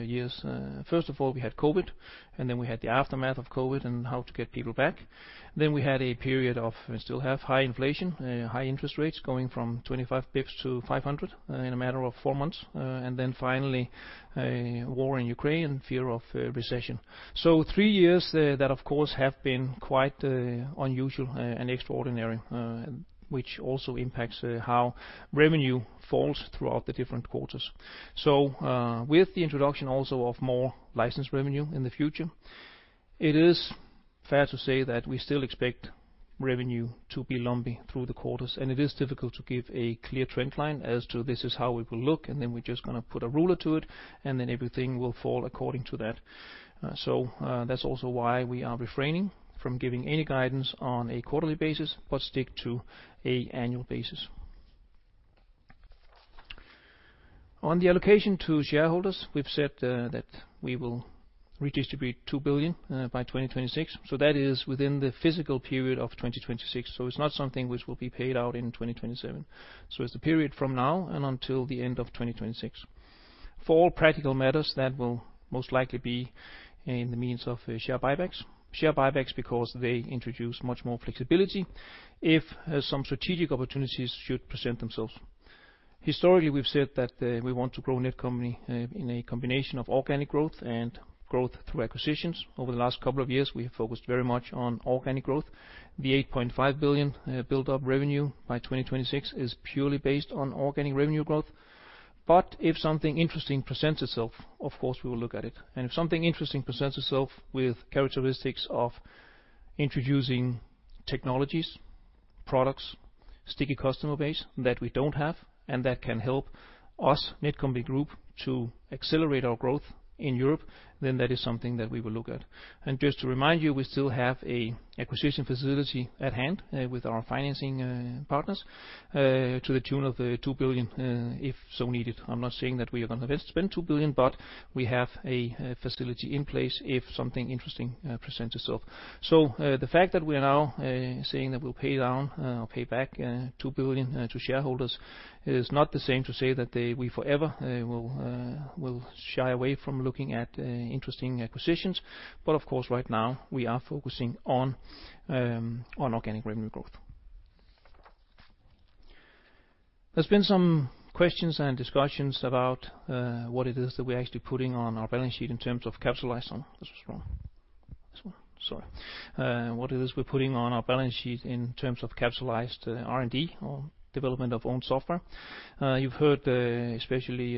years. First of all, we had COVID, and then we had the aftermath of COVID and how to get people back. We had a period of, and still have, high inflation, high interest rates going from 25 bips to 500 in a matter of four months. Finally, a war in Ukraine and fear of recession. Three years that, of course, have been quite unusual and extraordinary, which also impacts how revenue falls throughout the different quarters. With the introduction also of more licensed revenue in the future, it is fair to say that we still expect revenue to be lumpy through the quarters, and it is difficult to give a clear trend line as to this is how it will look, and then we're just gonna put a ruler to it, and then everything will fall according to that. That's also why we are refraining from giving any guidance on a quarterly basis, but stick to a annual basis. On the allocation to shareholders, we've said that we will redistribute 2 billion by 2026, so that is within the physical period of 2026, so it's not something which will be paid out in 2027. It's the period from now and until the end of 2026. For all practical matters, that will most likely be in the means of share buybacks. Share buybacks because they introduce much more flexibility if some strategic opportunities should present themselves. Historically, we've said that we want to grow Netcompany in a combination of organic growth and growth through acquisitions. Over the last couple of years, we have focused very much on organic growth. The 8.5 billion built up revenue by 2026 is purely based on organic revenue growth. If something interesting presents itself, of course, we will look at it. If something interesting presents itself with characteristics of introducing technologies, products, sticky customer base that we don't have, and that can help us, Netcompany Group, to accelerate our growth in Europe, then that is something that we will look at. Just to remind you, we still have a acquisition facility at hand with our financing partners to the tune of 2 billion, if so needed. I'm not saying that we are gonna spend 2 billion, but we have a facility in place if something interesting presents itself. The fact that we are now saying that we'll pay down or pay back 2 billion to shareholders, is not the same to say that we forever will shy away from looking at interesting acquisitions. Of course, right now, we are focusing on organic revenue growth. There's been some questions and discussions about what it is that we're actually putting on our balance sheet in terms of capitalizing. This is wrong. This one, sorry. What it is we're putting on our balance sheet in terms of capitalized R&D or development of own software. You've heard, especially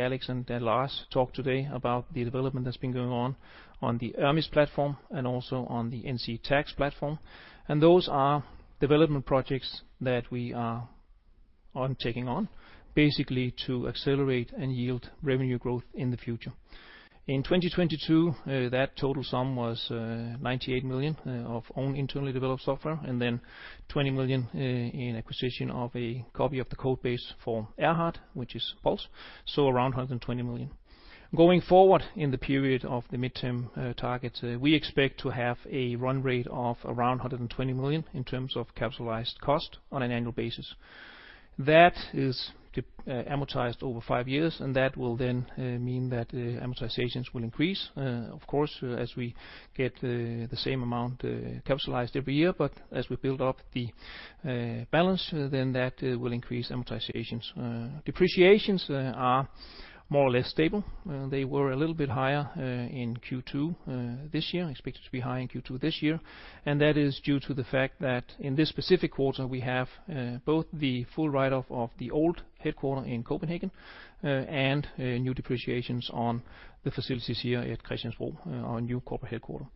Alex and Lars talk today about the development that's been going on the ERMIS platform and also on the NC Tax platform. Those are development projects that we are taking on, basically to accelerate and yield revenue growth in the future. In 2022, that total sum was 98 million of own internally developed software, and then 20 million in acquisition of a copy of the code base for AIRHART, which is PULSE, so around 120 million. Going forward in the period of the midterm targets, we expect to have a run rate of around 120 million in terms of capitalized cost on an annual basis. That is amortized over five years. That will then mean that amortizations will increase, of course, as we get the same amount capitalized every year. As we build up the balance, then that will increase amortizations. Depreciations are more or less stable. They were a little bit higher in Q2 this year, expected to be high in Q2 this year, and that is due to the fact that in this specific quarter, we have both the full write-off of the old headquarter in Copenhagen and new depreciations on the facilities here at Christiansbro, our new corporate headquarter.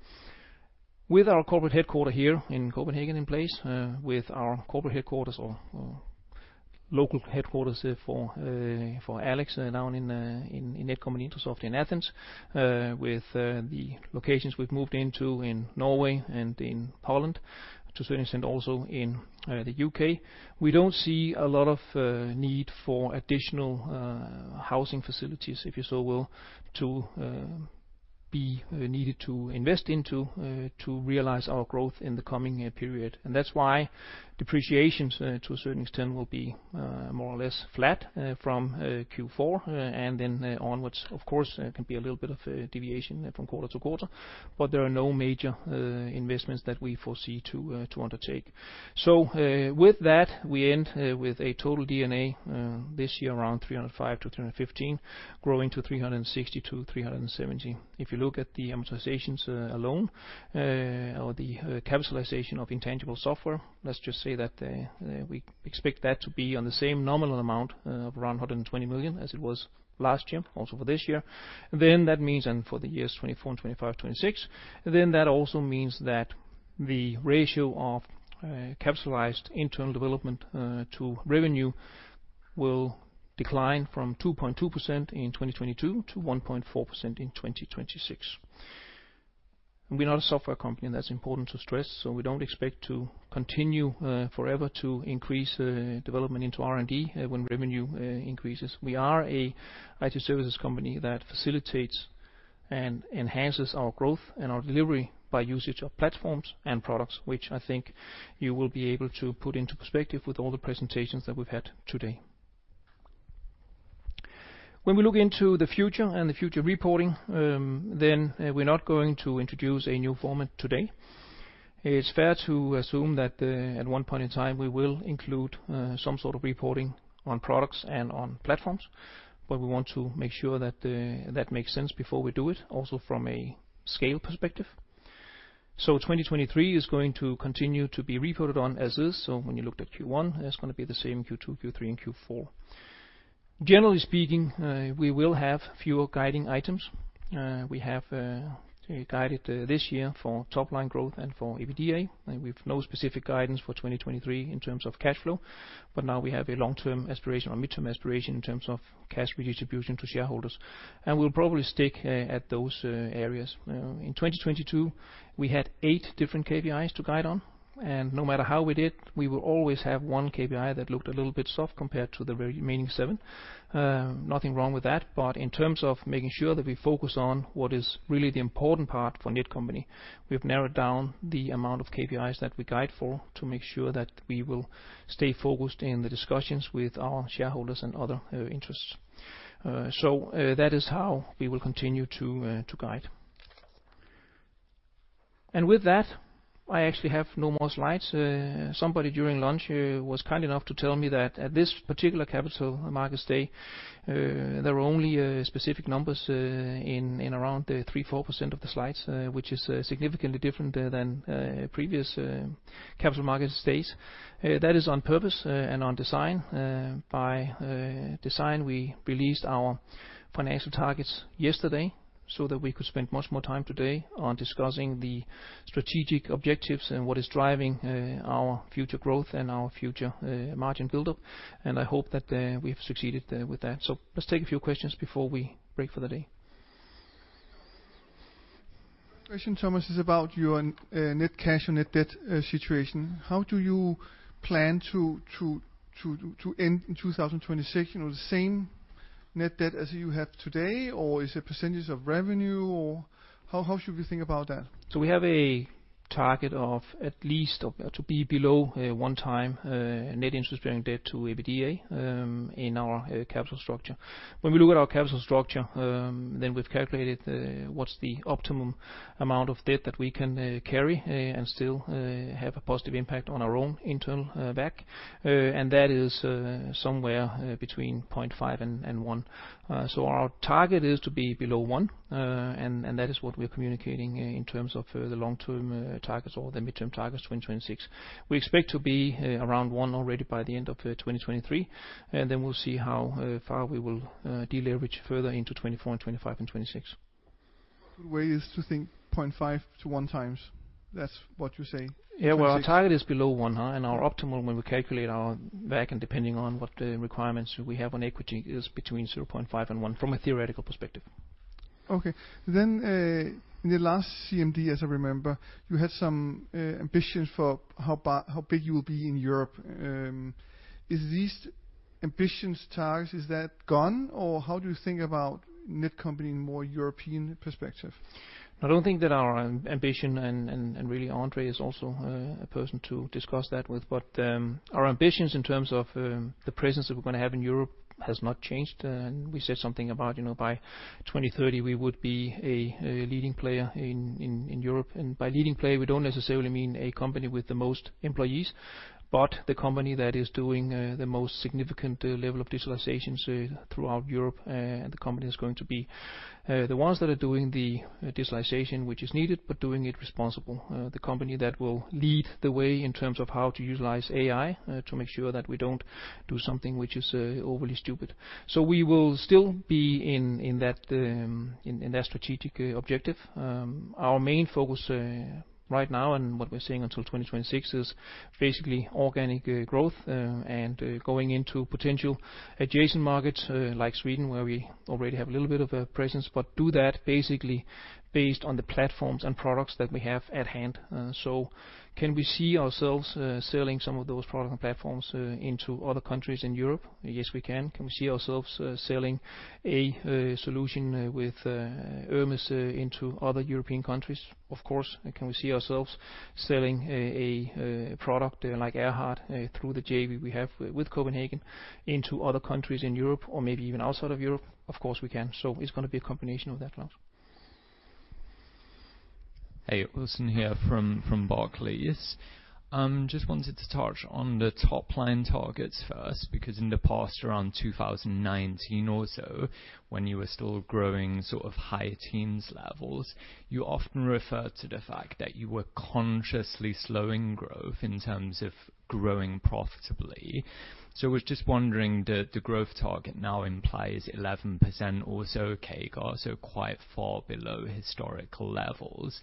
With our corporate headquarter here in Copenhagen in place, with our corporate headquarters or... local headquarters for Alex down in Netcompany- Intrasoft in Athens, with the locations we've moved into in Norway and in Poland, to a certain extent, also in the UK. We don't see a lot of need for additional housing facilities, if you so will, to be needed to invest into to realize our growth in the coming period. That's why depreciations, to a certain extent, will be more or less flat from Q4 and then onwards. Of course, there can be a little bit of a deviation from quarter to quarter, but there are no major investments that we foresee to undertake. With that, we end with a total D&A this year, around 305 million-315 million, growing to 360 million-370 million. If you look at the amortizations alone, or the capitalization of intangible software, let's just say that we expect that to be on the same nominal amount of around 120 million as it was last year, also for this year. That means for the years 2024, 2025, 2026, that also means that the ratio of capitalized internal development to revenue will decline from 2.2% in 2022 to 1.4% in 2026. We're not a software company, and that's important to stress, so we don't expect to continue forever to increase development into R&D when revenue increases. We are an IT services company that facilitates and enhances our growth and our delivery by usage of platforms and products, which I think you will be able to put into perspective with all the presentations that we've had today. When we look into the future and the future reporting, then we're not going to introduce a new format today. It's fair to assume that at one point in time, we will include some sort of reporting on products and on platforms, but we want to make sure that that makes sense before we do it, also from a scale perspective. 2023 is going to continue to be reported on as is. When you looked at Q1, that's going to be the same Q2, Q3, and Q4. Generally speaking, we will have fewer guiding items. We have guided this year for top-line growth and for EBITDA, and we've no specific guidance for 2023 in terms of cash flow, but now we have a long-term aspiration or midterm aspiration in terms of cash redistribution to shareholders, and we'll probably stick at those areas. In 2022, we had eight different KPIs to guide on, and no matter how we did, we will always have one KPI that looked a little bit soft compared to the remaining seven. Nothing wrong with that, in terms of making sure that we focus on what is really the important part for Netcompany, we've narrowed down the amount of KPIs that we guide for to make sure that we will stay focused in the discussions with our shareholders and other interests. That is how we will continue to guide. With that, I actually have no more slides. Somebody during lunch was kind enough to tell me that at this particular Capital Markets Day, there are only specific numbers in around the 3%, 4% of the slides, which is significantly different than previous Capital Markets Days. That is on purpose and on design. By design, we released our financial targets yesterday so that we could spend much more time today on discussing the strategic objectives and what is driving our future growth and our future margin buildup, and I hope that we've succeeded with that. Let's take a few questions before we break for the day. Claus, Thomas, is about your net cash and net debt situation. How do you plan to end in 2026? You know, the same net debt as you have today, or is it % of revenue, or how should we think about that? We have a target of at least to be below 1x net interest-bearing debt to EBITDA in our capital structure. When we look at our capital structure, then we've calculated what's the optimum amount of debt that we can carry and still have a positive impact on our own internal EVA. And that is somewhere between 0.5 and 1. So our target is to be below 1, and that is what we are communicating in terms of the long-term targets or the midterm targets, 2026. We expect to be around 1 already by the end of 2023, and then we'll see how far we will de-leverage further into 2024 and 2025 and 2026. Way is to think 0.5-1 times. That's what you're saying? Yeah, well, our target is below 1, and our optimum, when we calculate our EVA, and depending on what requirements we have on equity, is between 0.5 and 1 from a theoretical perspective. Okay. In the last CMD, as I remember, you had some ambitions for how big you will be in Europe. Is these ambitions, targets, is that gone, or how do you think about Netcompany in more European perspective? I don't think that our ambition, and really, André is also a person to discuss that with, but our ambitions in terms of the presence that we're going to have in Europe has not changed. We said something about, you know, by 2030, we would be a leading player in Europe. By leading player, we don't necessarily mean a company with the most employees, but the company that is doing the most significant level of digitalization throughout Europe, the company is going to be the ones that are doing the digitalization which is needed, but doing it responsible. The company that will lead the way in terms of how to utilize AI to make sure that we don't do something which is overly stupid. We will still be in that, in that strategic objective. Our main focus right now and what we're seeing until 2026, is basically organic growth and going into potential adjacent markets like Sweden, where we already have a little bit of a presence, but do that basically based on the platforms and products that we have at hand. Can we see ourselves selling some of those product platforms into other countries in Europe? Yes, we can. Can we see ourselves selling a solution with ERMIS into other European countries? Of course. Can we see ourselves selling a product like AIRHART through the JV we have with Copenhagen into other countries in Europe or maybe even outside of Europe? Of course, we can. It's going to be a combination of that lot. Hey, Wilson here from Barclays. Just wanted to touch on the top line targets first, because in the past, around 2019 or so, when you were still growing sort of high teens levels, you often referred to the fact that you were consciously slowing growth in terms of growing profitably. I was just wondering, the growth target now implies 11% or so, okay, so quite far below historical levels.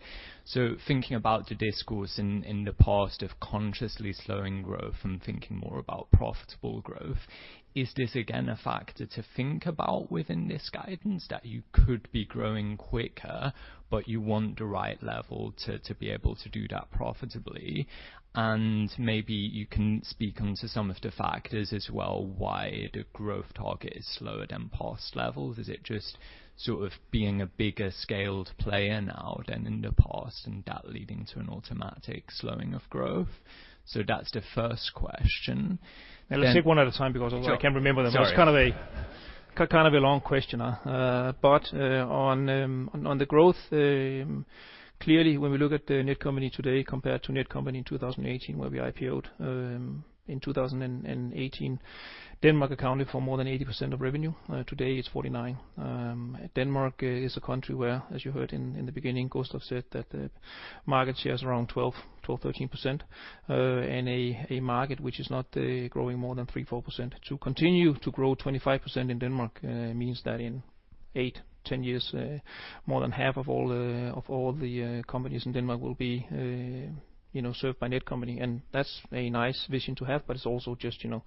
Thinking about the discourse in the past of consciously slowing growth and thinking more about profitable growth, is this again, a factor to think about within this guidance, that you could be growing quicker, but you want the right level to be able to do that profitably? Maybe you can speak onto some of the factors as well, why the growth target is slower than past levels. Is it just sort of being a bigger scaled player now than in the past, and that leading to an automatic slowing of growth? That's the first question. Let's take one at a time, because I can't remember them all. Sorry, it's kind of a long question. On the growth, clearly, when we look at the Netcompany today compared to Netcompany in 2018, where we IPO'd, in 2018, Denmark accounted for more than 80% of revenue. Today, it's 49%. Denmark is a country where, as you heard in the beginning, Gustav said that the market share is around 12, 13%, in a market which is not growing more than 3%, 4%. To continue to grow 25% in Denmark, means that in eight, 10 years, more than half of all the companies in Denmark will be, you know, served by Netcompany. That's a nice vision to have, but it's also just, you know,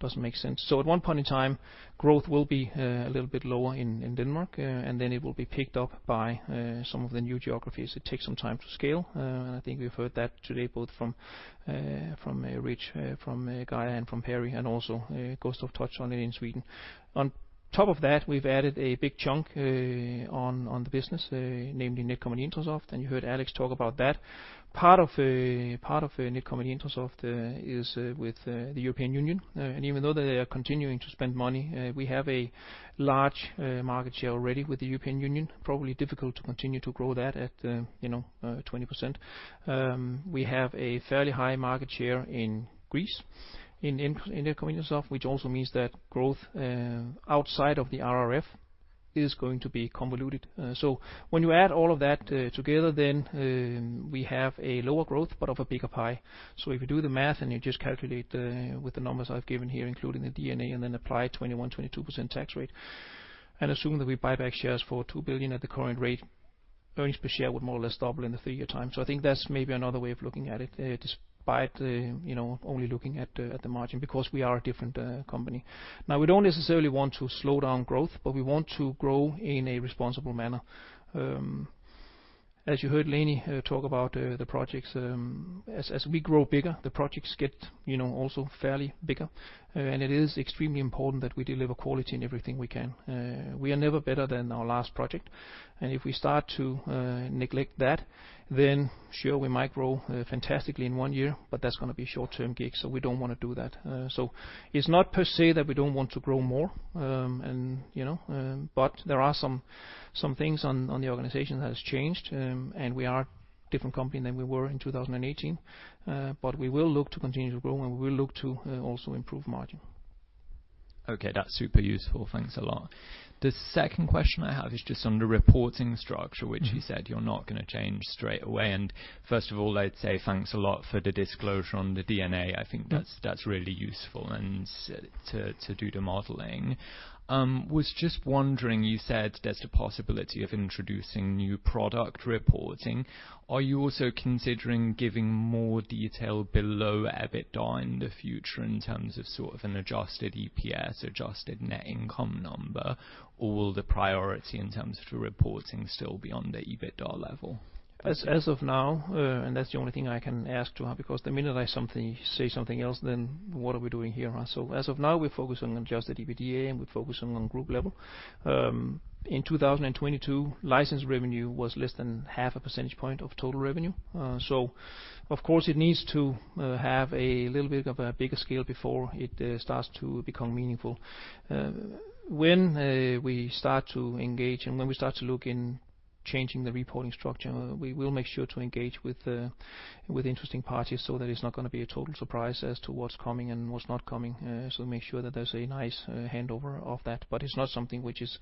doesn't make sense. At one point in time, growth will be a little bit lower in Denmark, and then it will be picked up by some of the new geographies. It takes some time to scale. I think we've heard that today, both from Rich, from Geir Arne and from Perry, and also Gustaf touched on it in Sweden. On top of that, we've added a big chunk on the business, namely Netcompany- Intrasoft. You heard Alex talk about that. Part of Netcompany- Intrasoft is with the European Union. Even though they are continuing to spend money, we have a large market share already with the European Union. Probably difficult to continue to grow that at, you know, 20%. We have a fairly high market share in Greece, in Netcompany- Intrasoft, which also means that growth outside of the RRF is going to be convoluted. When you add all of that together, then we have a lower growth but of a bigger pie. If you do the math and you just calculate with the numbers I've given here, including the D&A, and then apply 21%-22% tax rate, and assume that we buy back shares for 2 billion at the current rate, earnings per share would more or less double in the three-year time. I think that's maybe another way of looking at it, you know, only looking at the margin, because we are a different company. We don't necessarily want to slow down growth, but we want to grow in a responsible manner. As you heard Leni talk about the projects, as we grow bigger, the projects get, you know, also fairly bigger. It is extremely important that we deliver quality in everything we can. We are never better than our last project, and if we start to neglect that, then sure, we might grow fantastically in one year, but that's gonna be a short-term gig, so we don't want to do that. It's not per se that we don't want to grow more, and, you know, but there are some things on the organization that has changed. We are a different company than we were in 2018. We will look to continue to grow, and we will look to also improve margin. Okay, that's super useful. Thanks a lot. The second question I have is just on the reporting structure, which you said you're not going to change straight away. First of all, I'd say thanks a lot for the disclosure on the D&A. I think that's really useful and to do the modeling. Was just wondering, you said there's a possibility of introducing new product reporting. Are you also considering giving more detail below EBITDA in the future in terms of sort of an adjusted EPS, adjusted net income number? Or will the priority in terms of the reporting still be on the EBITDA level? As of now, that's the only thing I can ask to have, because the minute I say something else, then what are we doing here, huh? As of now, we're focused on adjusted EBITDA, and we're focusing on group level. In 2022, license revenue was less than half a percentage point of total revenue. Of course, it needs to have a little bit of a bigger scale before it starts to become meaningful. When we start to engage and when we start to look in changing the reporting structure, we will make sure to engage with interesting parties that it's not going to be a total surprise as to what's coming and what's not coming. Make sure that there's a nice handover of that, but it's not something which is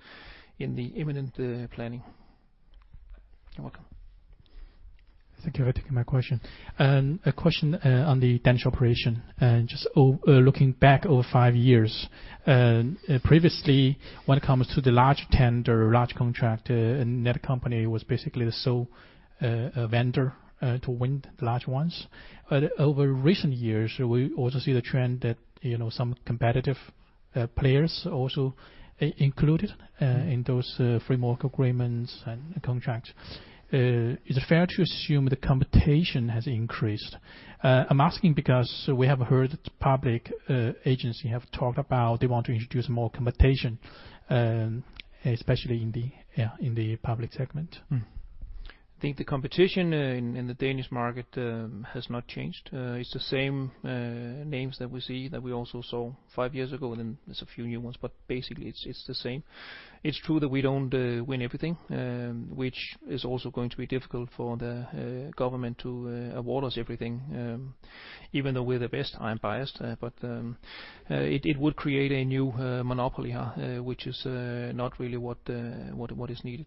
in the imminent planning. You're welcome. Thank you for taking my question. A question on the Danes operation, and just looking back over five years. Previously, when it comes to the large tender, large contract, Netcompany was basically the sole vendor to win the large ones. Over recent years, we also see the trend that, you know, some competitive players also included in those framework agreements and contracts. Is it fair to assume the competition has increased? I'm asking because we have heard public agency have talked about they want to introduce more competition, especially in the, yeah, in the public segment.... I think the competition in the Danes market has not changed. It's the same names that we see that we also saw five years ago, and then there's a few new ones, but basically, it's the same. It's true that we don't win everything, which is also going to be difficult for the government to award us everything, even though we're the best. I'm biased, but it would create a new monopoly, which is not really what is needed.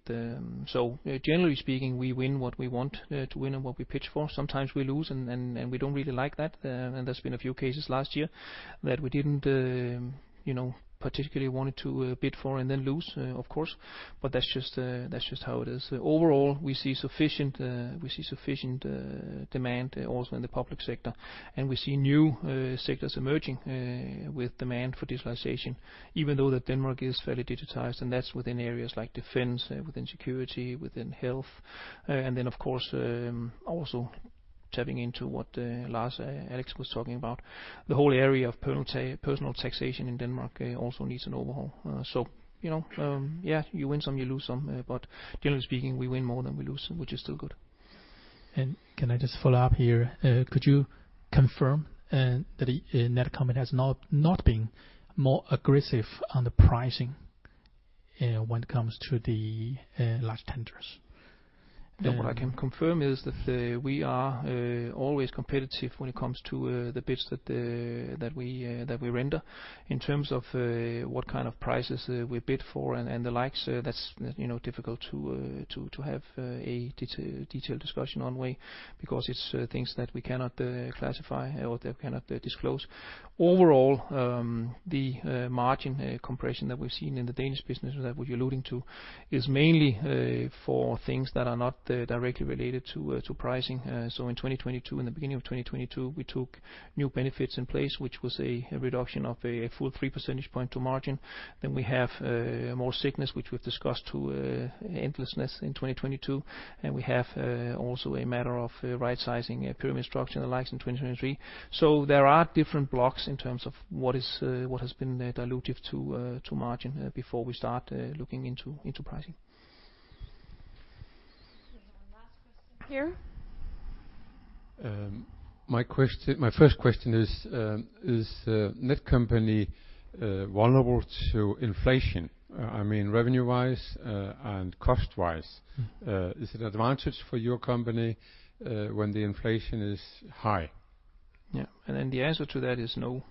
Generally speaking, we win what we want to win and what we pitch for. Sometimes we lose, and we don't really like that. There's been a few cases last year that we didn't, you know, particularly wanted to bid for and then lose, of course, but that's just how it is. Overall, we see sufficient demand also in the public sector, and we see new sectors emerging with demand for digitalization, even though that Denmark is fairly digitized, and that's within areas like defense, within security, within health. Then, of course, also tapping into what Lars, Alex was talking about, the whole area of personal taxation in Denmark also needs an overhaul. You know, yeah, you win some, you lose some. Generally speaking, we win more than we lose, which is still good. Can I just follow up here? Could you confirm that Netcompany has not been more aggressive on the pricing when it comes to the large tenders? What I can confirm is that we are always competitive when it comes to the bids that we render. In terms of what kind of prices we bid for and the likes, that's, you know, difficult to have a detailed discussion on way, because it's things that we cannot classify or that we cannot disclose. Overall, the margin compression that we've seen in the Danes business that we're alluding to is mainly for things that are not directly related to pricing. In 2022, in the beginning of 2022, we took new benefits in place, which was a reduction of a full 3 percentage point to margin. We have more sickness, which we've discussed to endlessness in 2022, and we have also a matter of right-sizing a pyramid structure and the likes in 2023. There are different blocks in terms of what is what has been dilutive to to margin before we start looking into pricing. Last question here. My question, my first question is Netcompany vulnerable to inflation? I mean, revenue-wise, and cost-wise. Mm-hmm. Is it advantage for your company, when the inflation is high? The answer to that is no.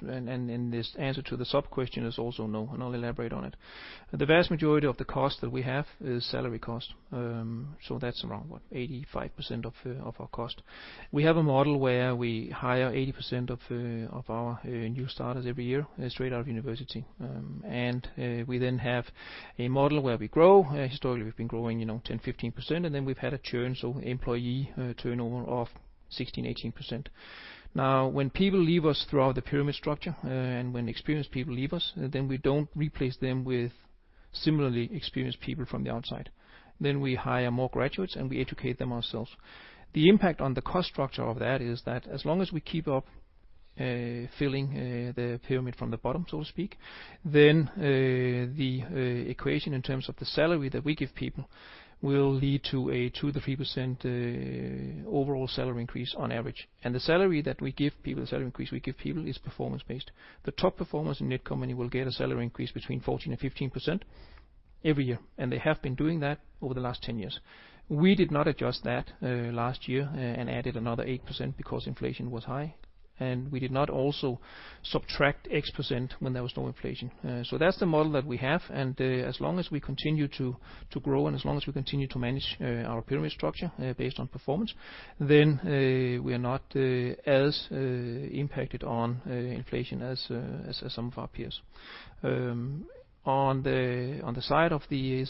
This answer to the sub-question is also no, and I'll elaborate on it. The vast majority of the cost that we have is salary cost, so that's around, what, 85% of our cost. We have a model where we hire 80% of our new starters every year straight out of university. We have a model where we grow. Historically, we've been growing, you know, 10%-15%, and then we've had a churn, so employee turnover of 16%-18%. Now, when people leave us throughout the pyramid structure, and when experienced people leave us, then we don't replace them with similarly experienced people from the outside. We hire more graduates, and we educate them ourselves. The impact on the cost structure of that is that as long as we keep up, filling, the pyramid from the bottom, so to speak, then, the equation in terms of the salary that we give people will lead to a 2%-3% overall salary increase on average. The salary that we give people, the salary increase we give people, is performance-based. The top performers in Netcompany will get a salary increase between 14%-15% every year, and they have been doing that over the last 10 years. We did not adjust that last year and added another 8% because inflation was high, and we did not also subtract X% when there was no inflation. That's the model that we have, and as long as we continue to grow, and as long as we continue to manage our pyramid structure based on performance, then we are not as impacted on inflation as some of our peers. Is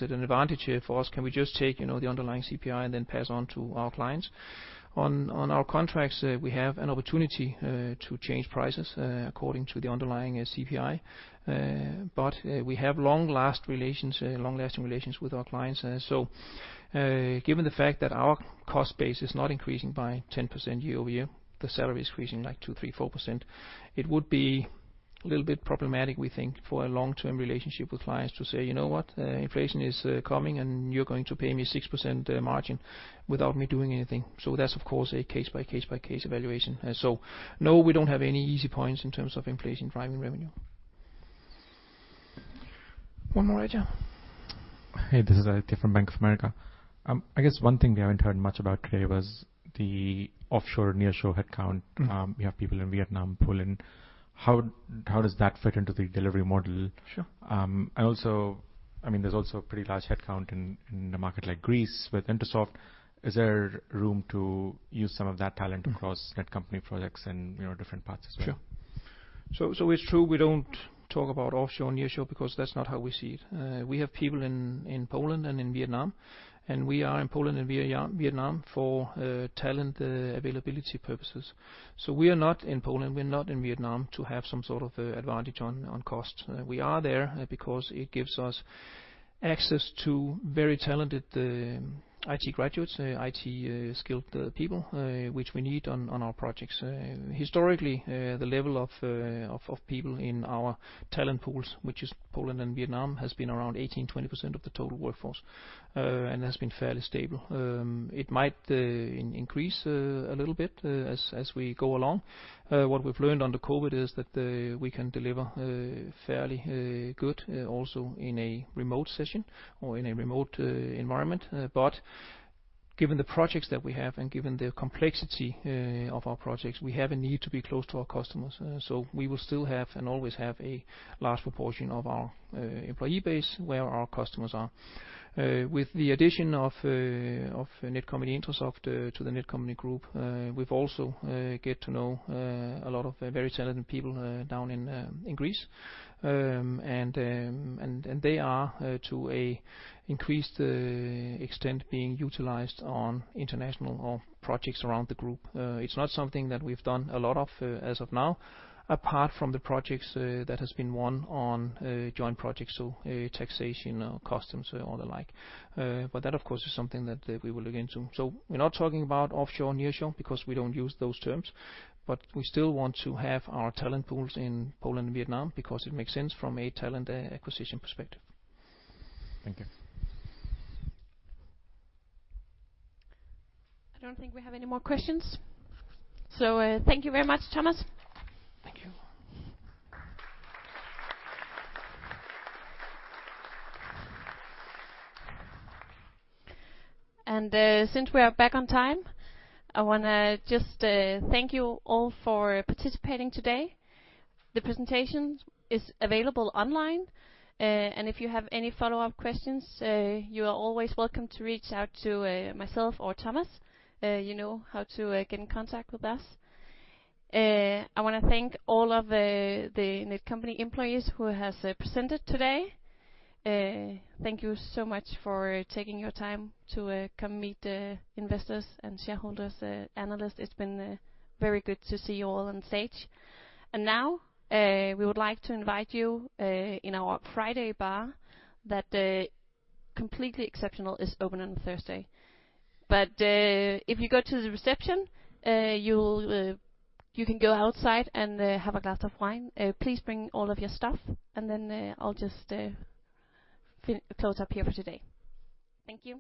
it an advantage here for us? Can we just take, you know, the underlying CPI and then pass on to our clients? On our contracts, we have an opportunity to change prices according to the underlying CPI, but we have long-lasting relations with our clients. Given the fact that our cost base is not increasing by 10% year-over-year, the salary is increasing, like, 2%, 3%, 4%, it would be a little bit problematic, we think, for a long-term relationship with clients to say, "You know what? Inflation is coming, and you're going to pay me 6% margin without me doing anything." That's, of course, a case-by-case-by-case evaluation. No, we don't have any easy points in terms of inflation driving revenue. One more right here. Hey, this is Aditya from Bank of America. I guess one thing we haven't heard much about today was the offshore, nearshore headcount. Mm-hmm. We have people in Vietnam, Poland. How does that fit into the delivery model? Sure. Also, I mean, there's also a pretty large headcount in a market like Greece with Intrasoft. Is there room to use some of that talent? Mm-hmm. across Netcompany projects and, you know, different parts as well? Sure. It's true, we don't talk about offshore and nearshore because that's not how we see it. We have people in Poland and in Vietnam, and we are in Poland and Vietnam for talent availability purposes. We are not in Poland, we're not in Vietnam to have some sort of advantage on cost. We are there because it gives us access to very talented IT graduates, IT skilled people, which we need on our projects. Historically, the level of people in our talent pools, which is Poland and Vietnam, has been around 18%, 20% of the total workforce and has been fairly stable. It might increase a little bit as we go along. What we've learned under COVID is that we can deliver fairly good also in a remote session or in a remote environment. Given the projects that we have and given the complexity of our projects, we have a need to be close to our customers. We will still have, and always have, a large proportion of our employee base where our customers are. With the addition of Netcompany- Intrasoft to the Netcompany Group, we've also get to know a lot of very talented people down in Greece. They are to a increased extent being utilized on international or projects around the Group. It's not something that we've done a lot of, as of now, apart from the projects that has been won on joint projects, so, taxation, customs, or the like. That, of course, is something that we will look into. We're not talking about offshore or nearshore because we don't use those terms, but we still want to have our talent pools in Poland and Vietnam because it makes sense from a talent acquisition perspective. Thank you. I don't think we have any more questions. Thank you very much, Thomas. Thank you. Since we are back on time, I want to just thank you all for participating today. The presentation is available online, and if you have any follow-up questions, you are always welcome to reach out to myself or Thomas. You know how to get in contact with us. I want to thank all of the Netcompany employees who has presented today. Thank you so much for taking your time to come meet the investors and shareholders, analysts. It's been very good to see you all on stage. Now, we would like to invite you in our Friday bar, that completely exceptional is open on Thursday. If you go to the reception, you can go outside and have a glass of wine. Please bring all of your stuff, and then, I'll just close up here for today. Thank you.